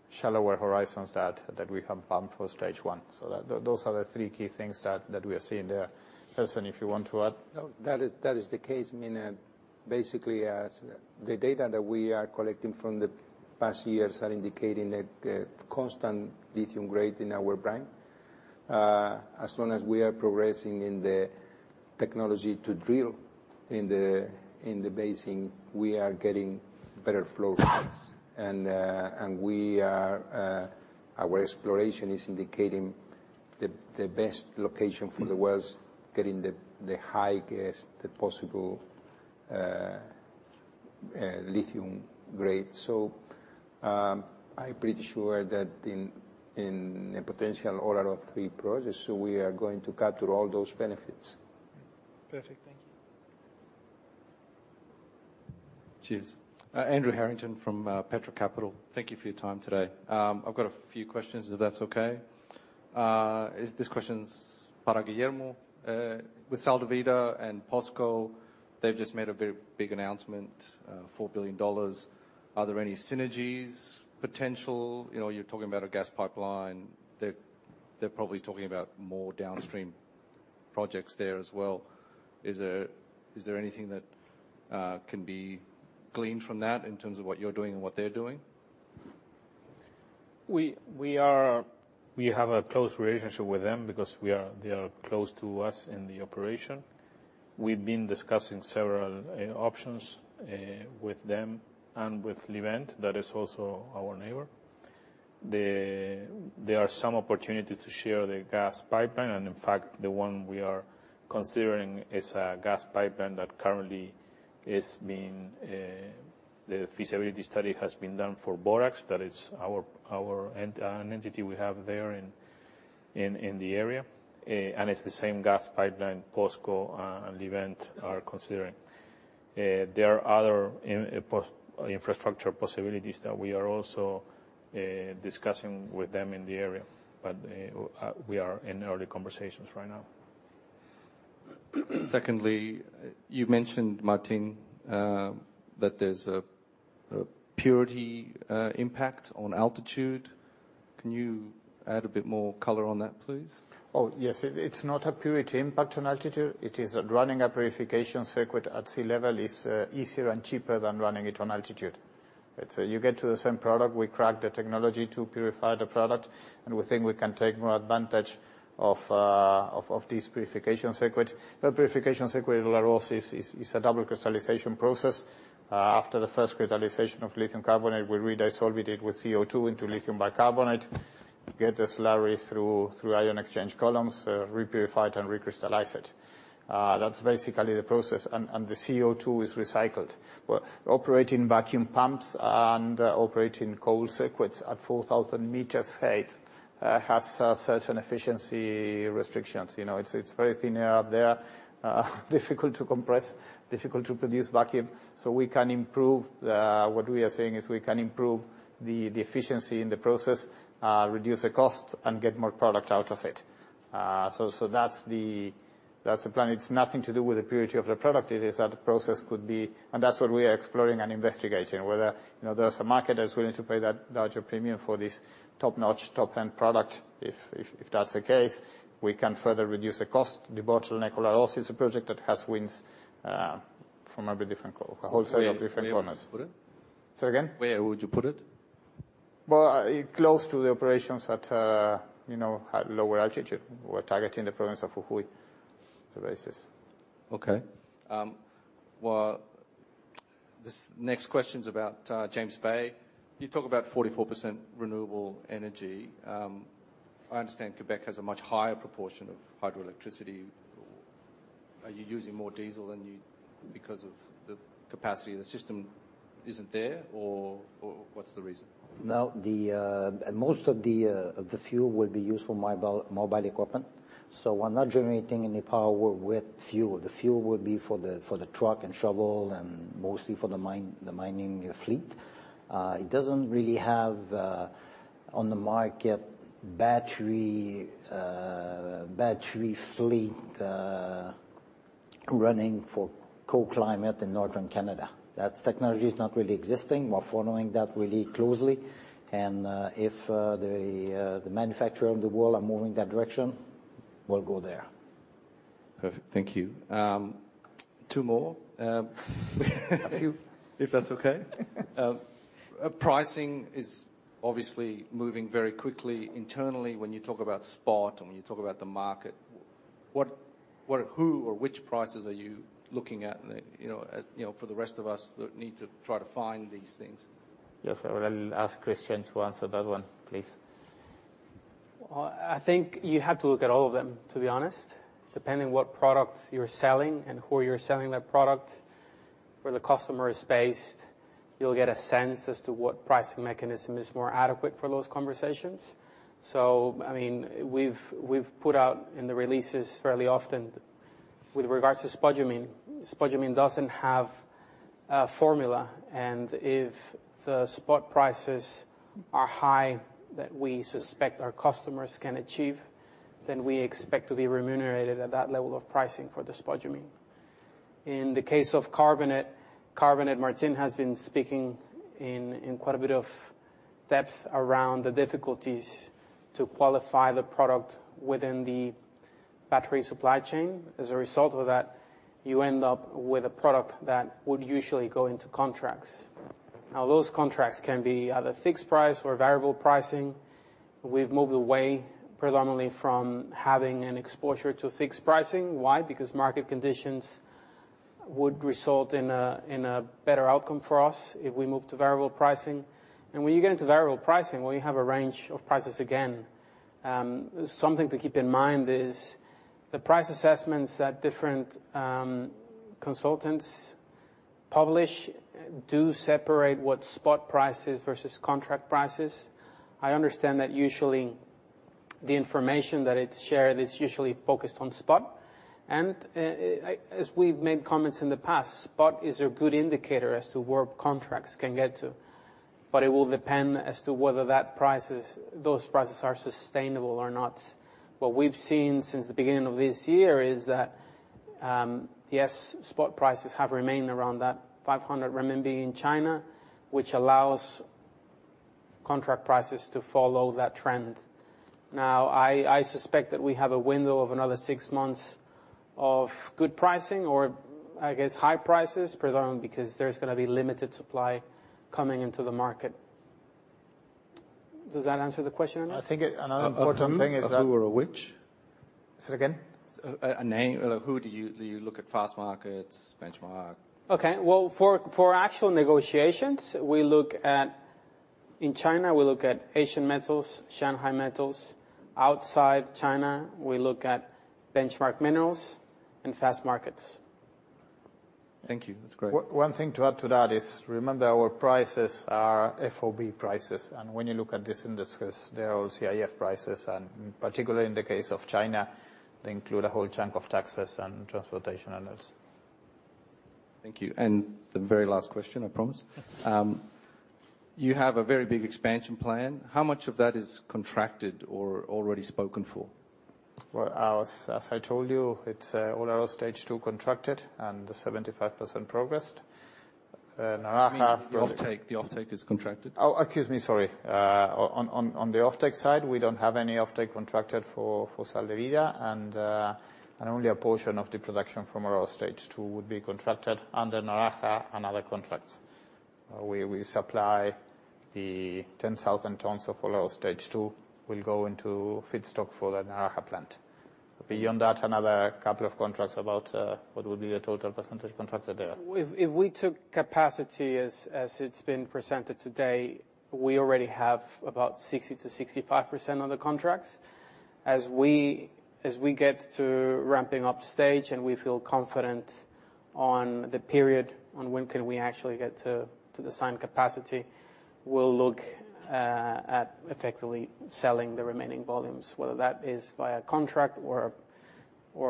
shallower horizons that we have pumped for stage one. So those are the three key things that we are seeing there. Harrison, if you want to add? No. That is the case, I mean, basically as the data that we are collecting from the past years are indicating a constant lithium grade in our brine. As long as we are progressing in the technology to drill in the basin, we are getting better flow rates. Our exploration is indicating the best location for the wells, getting the highest possible lithium grade. I'm pretty sure that in a potential order of three projects, we are going to capture all those benefits. Perfect. Thank you. Cheers. Andrew Harrington from Petra Capital. Thank you for your time today. I've got a few questions, if that's okay. This question's for Guillermo. With Sal de Vida and POSCO, they've just made a very big announcement, $4 billion. Are there any potential synergies? You know, you're talking about a gas pipeline. They're probably talking about more downstream projects there as well. Is there anything that can be gleaned from that in terms of what you're doing and what they're doing? We have a close relationship with them because they are close to us in the operation. We've been discussing several options with them and with Livent, that is also our neighbor. There are some opportunity to share the gas pipeline and in fact, the one we are considering is a gas pipeline the feasibility study has been done for Borax. That is our an entity we have there in the area. And it's the same gas pipeline POSCO and Livent are considering. There are other infrastructure possibilities that we are also discussing with them in the area, but we are in early conversations right now. Secondly, you mentioned, Martin, that there's a purity impact on altitude. Can you add a bit more color on that, please? Oh, yes. It's not a purity impact on altitude. Running a purification circuit at sea level is easier and cheaper than running it on altitude. It's you get to the same product. We crack the technology to purify the product, and we think we can take more advantage of this purification circuit. The purification circuit at La Rosas is a double crystallization process. After the first crystallization of lithium carbonate, we redissolve it with CO2 into lithium bicarbonate, get the slurry through ion exchange columns, repurified and recrystallize it. That's basically the process, and the CO2 is recycled. We're operating vacuum pumps and operating cold circuits at 4,000 meters height has a certain efficiency restrictions. You know, it's very thin air up there, difficult to compress, difficult to produce vacuum. What we are saying is we can improve the efficiency in the process, reduce the costs and get more product out of it. That's the plan. It's nothing to do with the purity of the product. It is that the process could be. That's what we are exploring and investigating, whether, you know, there's a market that's willing to pay that larger premium for this top-notch, top-end product. If that's the case, we can further reduce the cost. The bottleneck at La Rosas is a project that has wins from different corners. Where would you put it? Say again? Where would you put it? Well, close to the operations at, you know, at lower altitude. We're targeting the province of Jujuy. It's the basis. Okay. Well, this next question's about James Bay. You talk about 44% renewable energy. I understand Quebec has a much higher proportion of hydroelectricity. Are you using more diesel than you because of the capacity of the system isn't there, or what's the reason? No. Most of the fuel will be used for mobile equipment. We're not generating any power with fuel. The fuel would be for the truck and shovel and mostly for the mine, the mining fleet. It doesn't really have On the market, battery fleet running for cold climate in Northern Canada. That technology is not really existing. We're following that really closely, and if the manufacturers of the world are moving that direction, we'll go there. Perfect. Thank you. Two more, A few. If that's okay. Pricing is obviously moving very quickly internally when you talk about spot and when you talk about the market. What, who or which prices are you looking at, you know, for the rest of us that need to try to find these things? Yes. I will ask Christian to answer that one, please. Well, I think you have to look at all of them, to be honest. Depending on what product you're selling and who you're selling that product, where the customer is based, you'll get a sense as to what pricing mechanism is more adequate for those conversations. I mean, we've put out in the releases fairly often with regards to spodumene. Spodumene doesn't have a formula, and if the spot prices are high that we suspect our customers can achieve, then we expect to be remunerated at that level of pricing for the spodumene. In the case of carbonate, Martín has been speaking in quite a bit of depth around the difficulties to qualify the product within the battery supply chain. As a result of that, you end up with a product that would usually go into contracts. Now, those contracts can be either fixed price or variable pricing. We've moved away predominantly from having an exposure to fixed pricing. Why? Because market conditions would result in a better outcome for us if we move to variable pricing. When you get into variable pricing, we have a range of prices again. Something to keep in mind is the price assessments that different consultants publish do separate what spot price is versus contract prices. I understand that usually the information that is shared is usually focused on spot. As we've made comments in the past, spot is a good indicator as to where contracts can get to. It will depend as to whether those prices are sustainable or not. What we've seen since the beginning of this year is that, yes, spot prices have remained around that 500 renminbi in China, which allows contract prices to follow that trend. Now, I suspect that we have a window of another six months of good pricing or, I guess, high prices, predominantly because there's gonna be limited supply coming into the market. Does that answer the question? I think another important thing is that. Of who or which? Say it again. A name. Who do you look at Fastmarkets, Benchmark? Okay. Well, for actual negotiations, in China, we look at Asian Metal, Shanghai Metals Market. Outside China, we look at Benchmark Mineral Intelligence and Fastmarkets. Thank you. That's great. One thing to add to that is remember our prices are FOB prices, and when you look at these indices, they're all CIF prices, and particularly in the case of China, they include a whole chunk of taxes and transportation and others. Thank you. The very last question, I promise. You have a very big expansion plan. How much of that is contracted or already spoken for? Well, as I told you, it's Olaroz stage two contracted and 75% progressed. Naraha- The offtake is contracted. Oh, excuse me, sorry. On the offtake side, we don't have any offtake contracted for Sal de Vida and only a portion of the production from Olaroz Stage 2 would be contracted under Naraha and other contracts. We supply the 10,000 tons of Olaroz Stage 2 will go into feedstock for the Naraha plant. Beyond that, another couple of contracts about what would be the total percentage contracted there. If we took capacity as it's been presented today, we already have about 60%-65% on the contracts. As we get to ramping up stage and we feel confident on the period when we actually get to the same capacity, we'll look at effectively selling the remaining volumes, whether that is via a contract or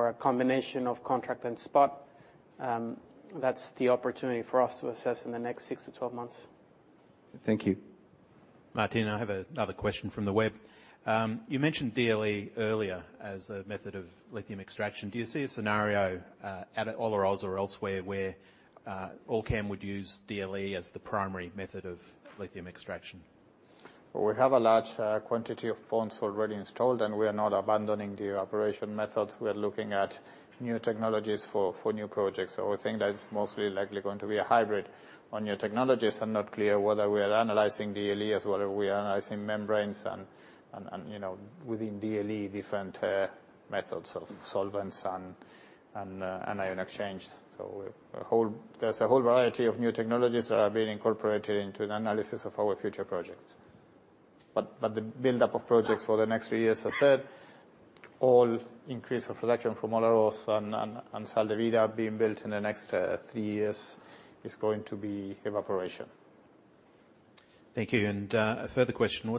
a combination of contract and spot. That's the opportunity for us to assess in the next 6-12 months. Thank you. Martín, I have another question from the web. You mentioned DLE earlier as a method of lithium extraction. Do you see a scenario at Olaroz or elsewhere where Allkem would use DLE as the primary method of lithium extraction? We have a large quantity of ponds already installed, and we are not abandoning the evaporation methods. We are looking at new technologies for new projects. I think that's most likely going to be a hybrid on new technologies. I'm not clear whether we are analyzing DLE or whether we are analyzing membranes and, you know, within DLE, different methods of solvents and ion exchange. There's a whole variety of new technologies that are being incorporated into an analysis of our future projects. The buildup of projects for the next three years, as I said, all increase of production from Olaroz and Sal de Vida being built in the next three years is going to be evaporation. Thank you. A further question.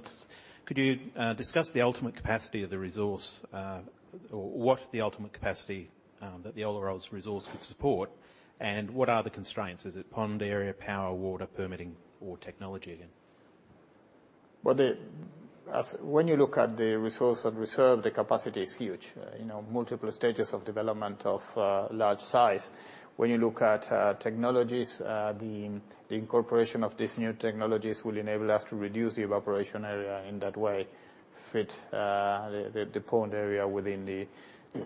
Could you discuss the ultimate capacity of the resource, or what the ultimate capacity that the Olaroz resource could support? What are the constraints? Is it pond area, power, water permitting, or technology again? When you look at the resource and reserve, the capacity is huge. You know, multiple stages of development of large size. When you look at technologies, the incorporation of these new technologies will enable us to reduce the evaporation area, in that way fit the pond area within the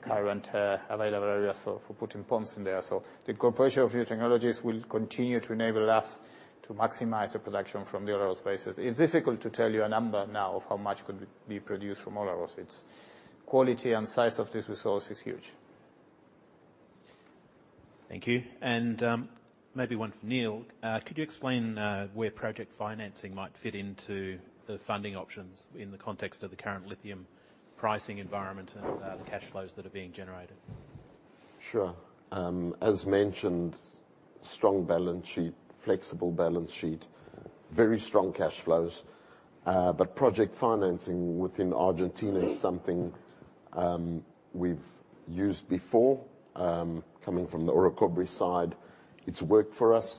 current available areas for putting ponds in there. The incorporation of new technologies will continue to enable us to maximize the production from the Olaroz basin. It's difficult to tell you a number now of how much could be produced from Olaroz. Its quality and size of this resource is huge. Thank you. Maybe one for Neil. Could you explain where project financing might fit into the funding options in the context of the current lithium pricing environment and the cash flows that are being generated? Sure. As mentioned, strong balance sheet, flexible balance sheet, very strong cash flows. Project financing within Argentina is something we've used before. Coming from the Orocobre side, it's worked for us,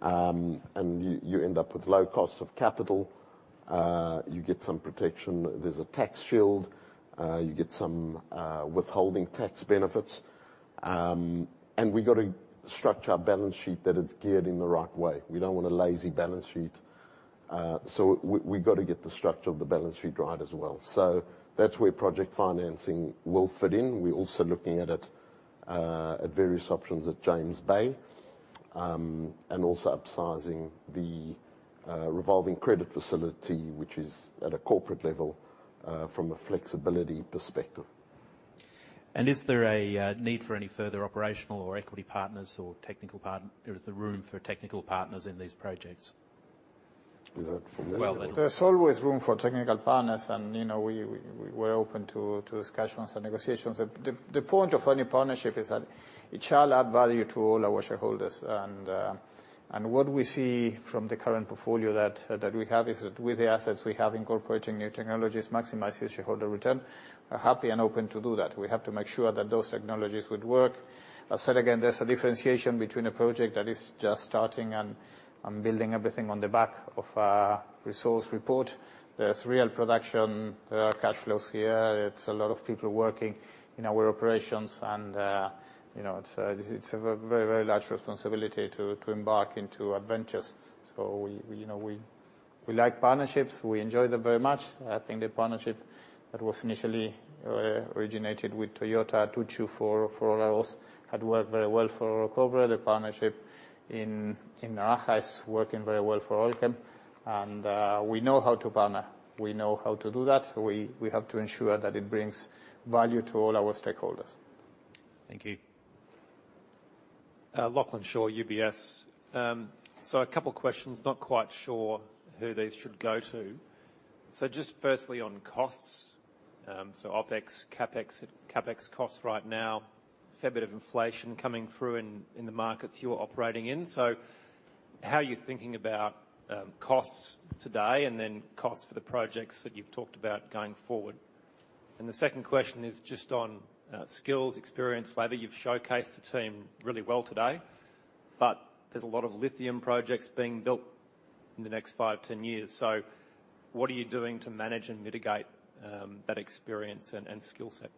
and you end up with low costs of capital. You get some protection. There's a tax shield. You get some withholding tax benefits. We've got to structure our balance sheet that it's geared in the right way. We don't want a lazy balance sheet. We've got to get the structure of the balance sheet right as well. That's where project financing will fit in. We're also looking at it at various options at James Bay, and also upsizing the revolving credit facility, which is at a corporate level, from a flexibility perspective. Is there a need for any further operational or equity partners? Is there room for technical partners in these projects? Is that for me? There's always room for technical partners and, you know, we're open to discussions and negotiations. The point of any partnership is that it shall add value to all our shareholders. What we see from the current portfolio that we have is that with the assets we have incorporating new technologies, maximizing shareholder return. We're happy and open to do that. We have to make sure that those technologies would work. I'll say it again, there's a differentiation between a project that is just starting and building everything on the back of a resource report. There's real production, cash flows here. It's a lot of people working in our operations and, you know, it's this is a very large responsibility to embark into adventures. You know, we like partnerships. We enjoy them very much. I think the partnership that was initially originated with Toyota Tsusho for Olaroz had worked very well for Orocobre. The partnership in Naraha is working very well for Allkem. We know how to partner. We know how to do that. We have to ensure that it brings value to all our stakeholders. Thank you. Lachlan Shaw, UBS. A couple questions, not quite sure who these should go to. Just firstly on costs. OpEx, CapEx costs right now, fair bit of inflation coming through in the markets you're operating in. How are you thinking about costs today, and then costs for the projects that you've talked about going forward? The second question is just on skills, experience. Flavio, you've showcased the team really well today, but there's a lot of lithium projects being built in the next 5, 10 years. What are you doing to manage and mitigate that experience and skill set?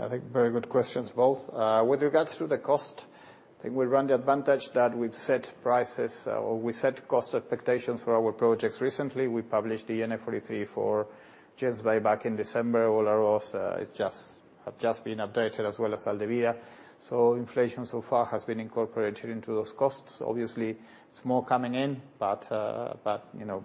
I think very good questions both. With regards to the cost, I think we have the advantage that we've set prices or we set cost expectations for our projects. Recently, we published the NI 43-101 for James Bay back in December. Olaroz have just been updated as well as Sal de Vida. Inflation so far has been incorporated into those costs. Obviously, there's more coming in, but you know,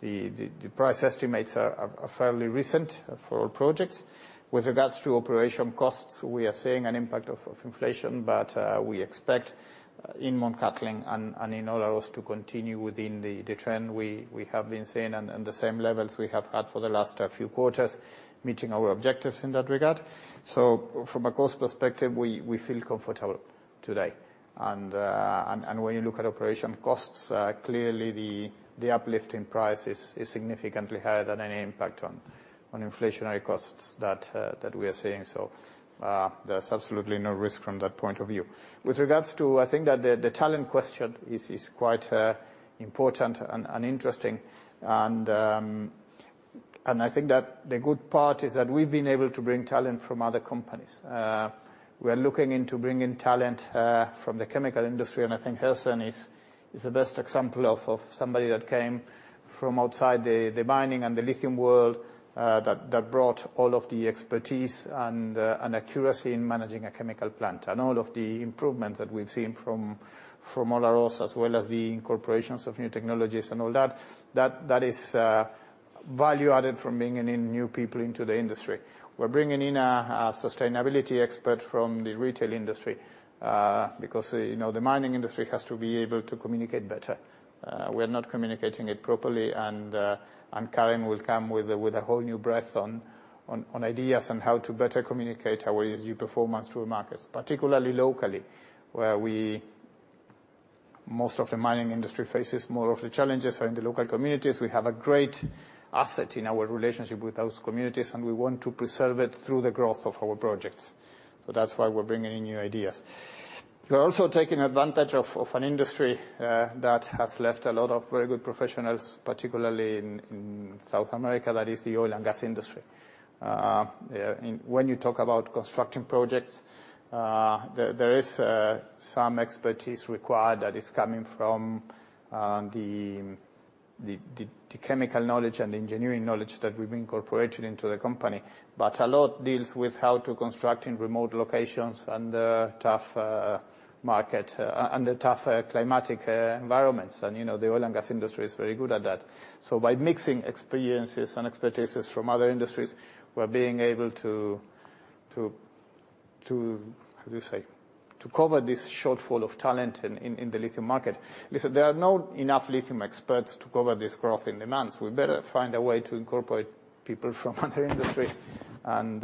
the price estimates are fairly recent for our projects. With regards to operating costs, we are seeing an impact of inflation, but we expect in Mt Cattlin and in Olaroz to continue within the trend we have been seeing and the same levels we have had for the last few quarters, meeting our objectives in that regard. From a cost perspective, we feel comfortable today. When you look at operation costs, clearly the uplift in price is significantly higher than any impact on inflationary costs that we are seeing. There's absolutely no risk from that point of view. With regards to, I think that the talent question is quite important and interesting. I think that the good part is that we've been able to bring talent from other companies. We are looking into bringing talent from the chemical industry, and I think Hersen is the best example of somebody that came from outside the mining and the lithium world that brought all of the expertise and accuracy in managing a chemical plant. All of the improvements that we've seen from Olaroz as well as the incorporations of new technologies and all that that is value added from bringing in new people into the industry. We're bringing in a sustainability expert from the retail industry, because, you know, the mining industry has to be able to communicate better. We're not communicating it properly, and Karen will come with a whole new breath on ideas on how to better communicate our ESG performance to the markets, particularly locally, where most of the challenges the mining industry faces are in the local communities. We have a great asset in our relationship with those communities, and we want to preserve it through the growth of our projects. That's why we're bringing in new ideas. We're also taking advantage of an industry that has left a lot of very good professionals, particularly in South America, that is the oil and gas industry. When you talk about construction projects, there is some expertise required that is coming from the chemical knowledge and engineering knowledge that we've incorporated into the company. But a lot deals with how to construct in remote locations and a tough market and the tough climatic environments. You know, the oil and gas industry is very good at that. By mixing experiences and expertises from other industries, we're being able to cover this shortfall of talent in the lithium market. Listen, there are not enough lithium experts to cover this growth in demands. We better find a way to incorporate people from other industries and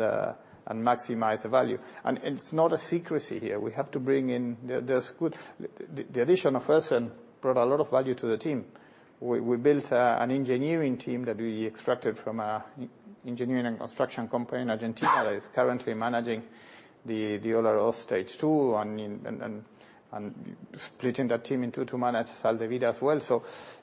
maximize the value. It's not a secrecy here. We have to bring in. The addition of Hersen brought a lot of value to the team. We built an engineering team that we extracted from our engineering and construction company in Argentina that is currently managing the Olaroz Stage 2 and splitting the team into two to manage Sal de Vida as well.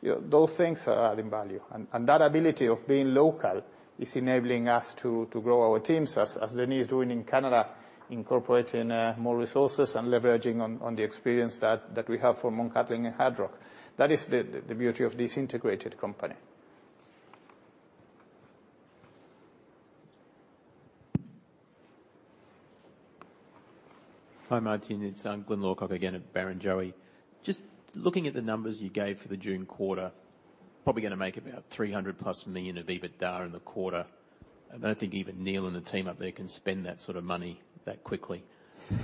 You know, those things are adding value. That ability of being local is enabling us to grow our teams, as Denis is doing in Canada, incorporating more resources and leveraging on the experience that we have for Mt Cattlin and hard rock. That is the beauty of this integrated company. Hi, Martin. It's Glyn Lawcock again at Barrenjoey. Just looking at the numbers you gave for the June quarter, probably gonna make about 300+ million of EBITDA in the quarter. I don't think even Neil and the team up there can spend that sort of money that quickly.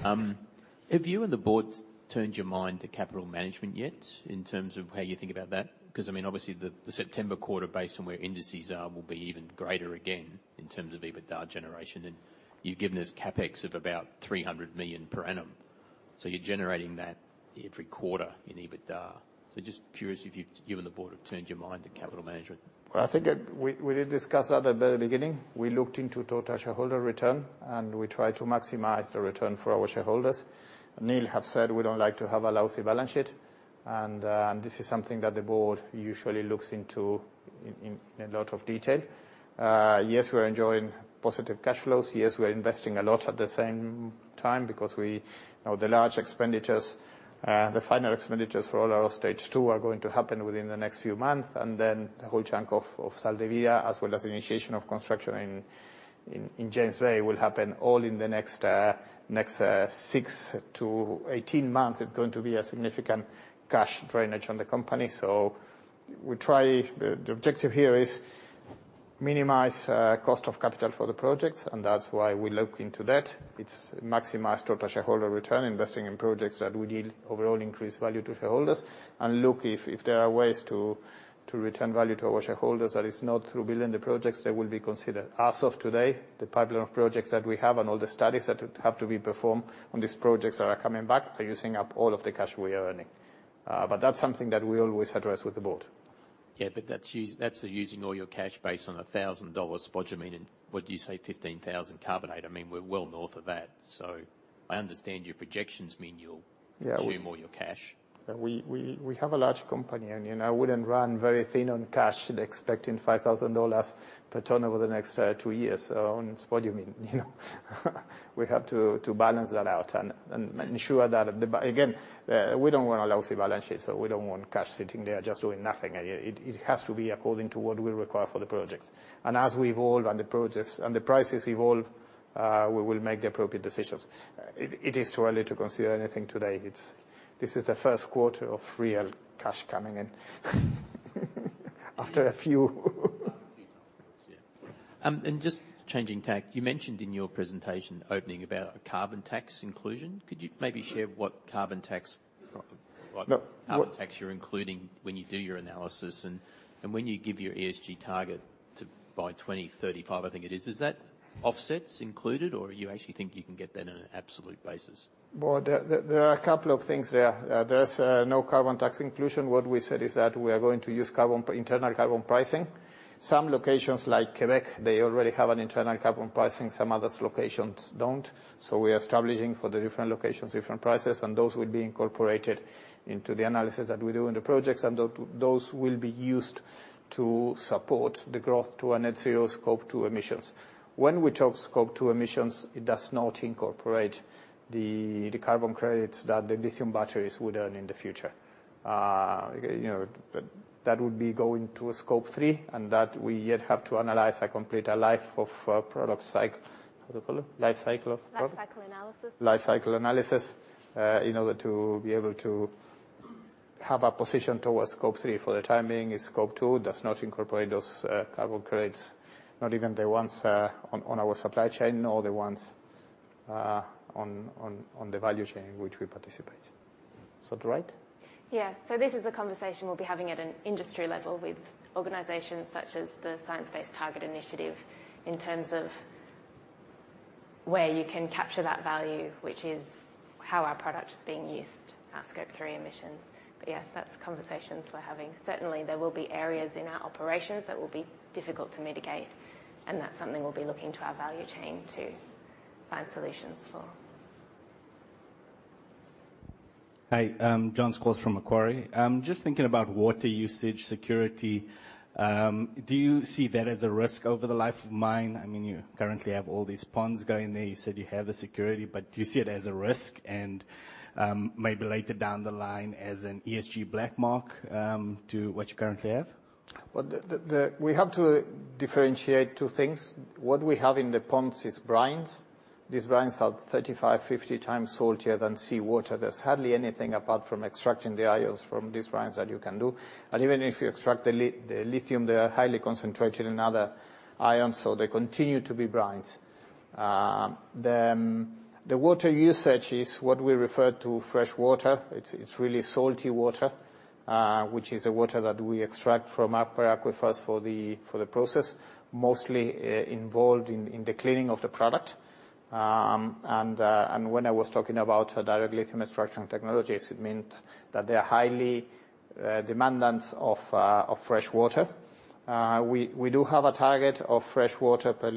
Have you and the board turned your mind to capital management yet in terms of how you think about that? 'Cause I mean, obviously the September quarter, based on where indices are, will be even greater again in terms of EBITDA generation. You've given us CapEx of about 300 million per annum. You're generating that every quarter in EBITDA. Just curious if you and the board have turned your mind to capital management. I think we did discuss that at the beginning. We looked into total shareholder return, and we try to maximize the return for our shareholders. Neil have said we don't like to have a lousy balance sheet, and this is something that the board usually looks into in a lot of detail. Yes, we are enjoying positive cash flows. Yes, we are investing a lot at the same time because we you know, the large expenditures, the final expenditures for all our stage two are going to happen within the next few months, and then a whole chunk of Sal de Vida, as well as initiation of construction in James Bay, will happen all in the next 6-18 months. It's going to be a significant cash drainage on the company. The objective here is minimize cost of capital for the projects, and that's why we look into that. It's maximize total shareholder return, investing in projects that will deliver overall increased value to shareholders. Look if there are ways to return value to our shareholders that are not through building the projects that will be considered. As of today, the pipeline of projects that we have and all the studies that have to be performed on these projects that are coming back are using up all of the cash we are earning. That's something that we always address with the board. Yeah, that's using all your cash based on $1,000 spodumene and what you say $15,000 carbonate. I mean, we're well north of that. I understand your projections mean you'll- Yeah. Consume all your cash. We have a large company and, you know, wouldn't run very thin on cash expecting $5,000 per ton over the next two years on spodumene. You know? We have to balance that out and ensure that the balance sheet. Again, we don't want a lousy balance sheet. We don't want cash sitting there just doing nothing. It has to be according to what we require for the projects. As we evolve and the projects and the prices evolve, we will make the appropriate decisions. It is too early to consider anything today. This is the first quarter of real cash coming in after a few. Just changing tack. You mentioned in your presentation opening about a carbon tax inclusion. Could you maybe share what carbon tax No. What- Carbon tax you're including when you do your analysis and when you give your ESG target to by 2035, I think it is. Is that offsets included or you actually think you can get that on an absolute basis? Well, there are a couple of things there. There's no carbon tax inclusion. What we said is that we are going to use internal carbon pricing. Some locations like Quebec, they already have an internal carbon pricing. Some other locations don't. We are establishing for the different locations different prices, and those will be incorporated into the analysis that we do in the projects. Those will be used to support the growth to our net zero Scope 2 emissions. When we talk Scope 2 emissions, it does not incorporate the carbon credits that the lithium batteries would earn in the future. You know, that would be going to a Scope 3, and that we yet have to analyze a complete life cycle of product. Life cycle analysis. Life cycle analysis in order to be able to have a position towards Scope 3. For the time being, is Scope 2. Does not incorporate those carbon credits, not even the ones on our supply chain or the ones on the value chain which we participate. Is that right? Yeah. This is a conversation we'll be having at an industry level with organizations such as the Science Based Targets initiative in terms of where you can capture that value, which is how our product is being used. Our Scope 3 emissions. Yes, that's conversations we're having. Certainly, there will be areas in our operations that will be difficult to mitigate, and that's something we'll be looking to our value chain to find solutions for. Hi, John Squires from Macquarie. I'm just thinking about water usage security. Do you see that as a risk over the life of mine? I mean, you currently have all these ponds going there. You said you have the security, but do you see it as a risk and, maybe later down the line as an ESG black mark, to what you currently have? Well, we have to differentiate two things. What we have in the ponds is brines. These brines are 35, 50 times saltier than seawater. There's hardly anything apart from extracting the ions from these brines that you can do. Even if you extract the lithium, they are highly concentrated in other ions, so they continue to be brines. The water usage is what we refer to as fresh water. It's really salty water, which is the water that we extract from aquifers for the process, mostly involved in the cleaning of the product. When I was talking about direct lithium extraction technologies, it meant that they are highly demanding of fresh water. We do have a target of fresh water per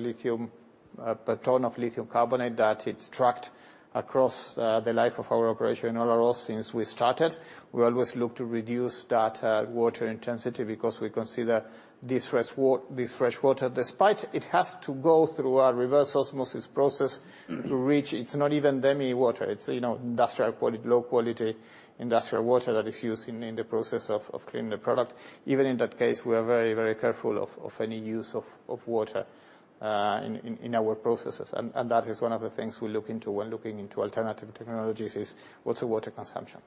ton of lithium carbonate that's tracked across the life of our operation. Overall, since we started, we always look to reduce that water intensity because we consider this fresh water. Despite it has to go through our reverse osmosis process to reach, it's not even demi-water. It's, you know, industrial quality, low quality industrial water that is used in the process of cleaning the product. Even in that case, we are very careful of any use of water in our processes. That is one of the things we look into when looking into alternative technologies is, what's the water consumption?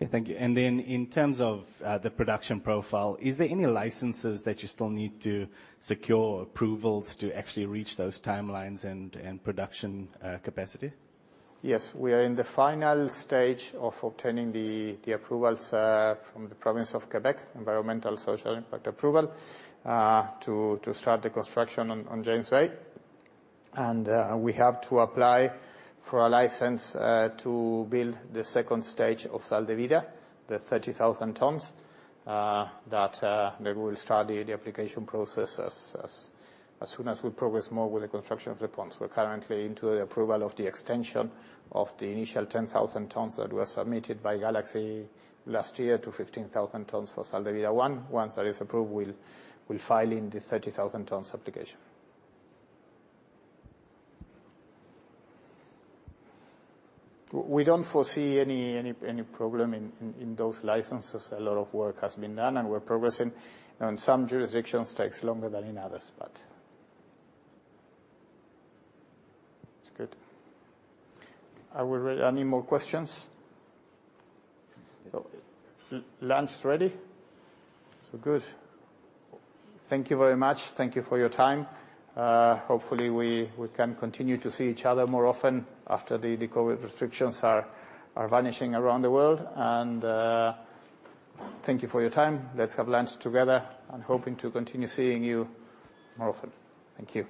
Yeah. Thank you. In terms of the production profile, is there any licenses that you still need to secure approvals to actually reach those timelines and production capacity? Yes. We are in the final stage of obtaining the approvals from the province of Quebec, environmental and social impact approval, to start the construction on James Bay. We have to apply for a license to build the second stage of Sal de Vida, the 30,000 tons that we'll start the application process as soon as we progress more with the construction of the ponds. We're currently into the approval of the extension of the initial 10,000 tons that were submitted by Galaxy last year to 15,000 tons for Sal de Vida one. Once that is approved, we'll file in the 30,000 tons application. We don't foresee any problem in those licenses. A lot of work has been done and we're progressing. You know, in some jurisdictions takes longer than in others, but. That's good. Are we ready? Any more questions? So lunch ready? So good. Thank you very much. Thank you for your time. Hopefully we can continue to see each other more often after the COVID restrictions are vanishing around the world. Thank you for your time. Let's have lunch together. I'm hoping to continue seeing you more often. Thank you.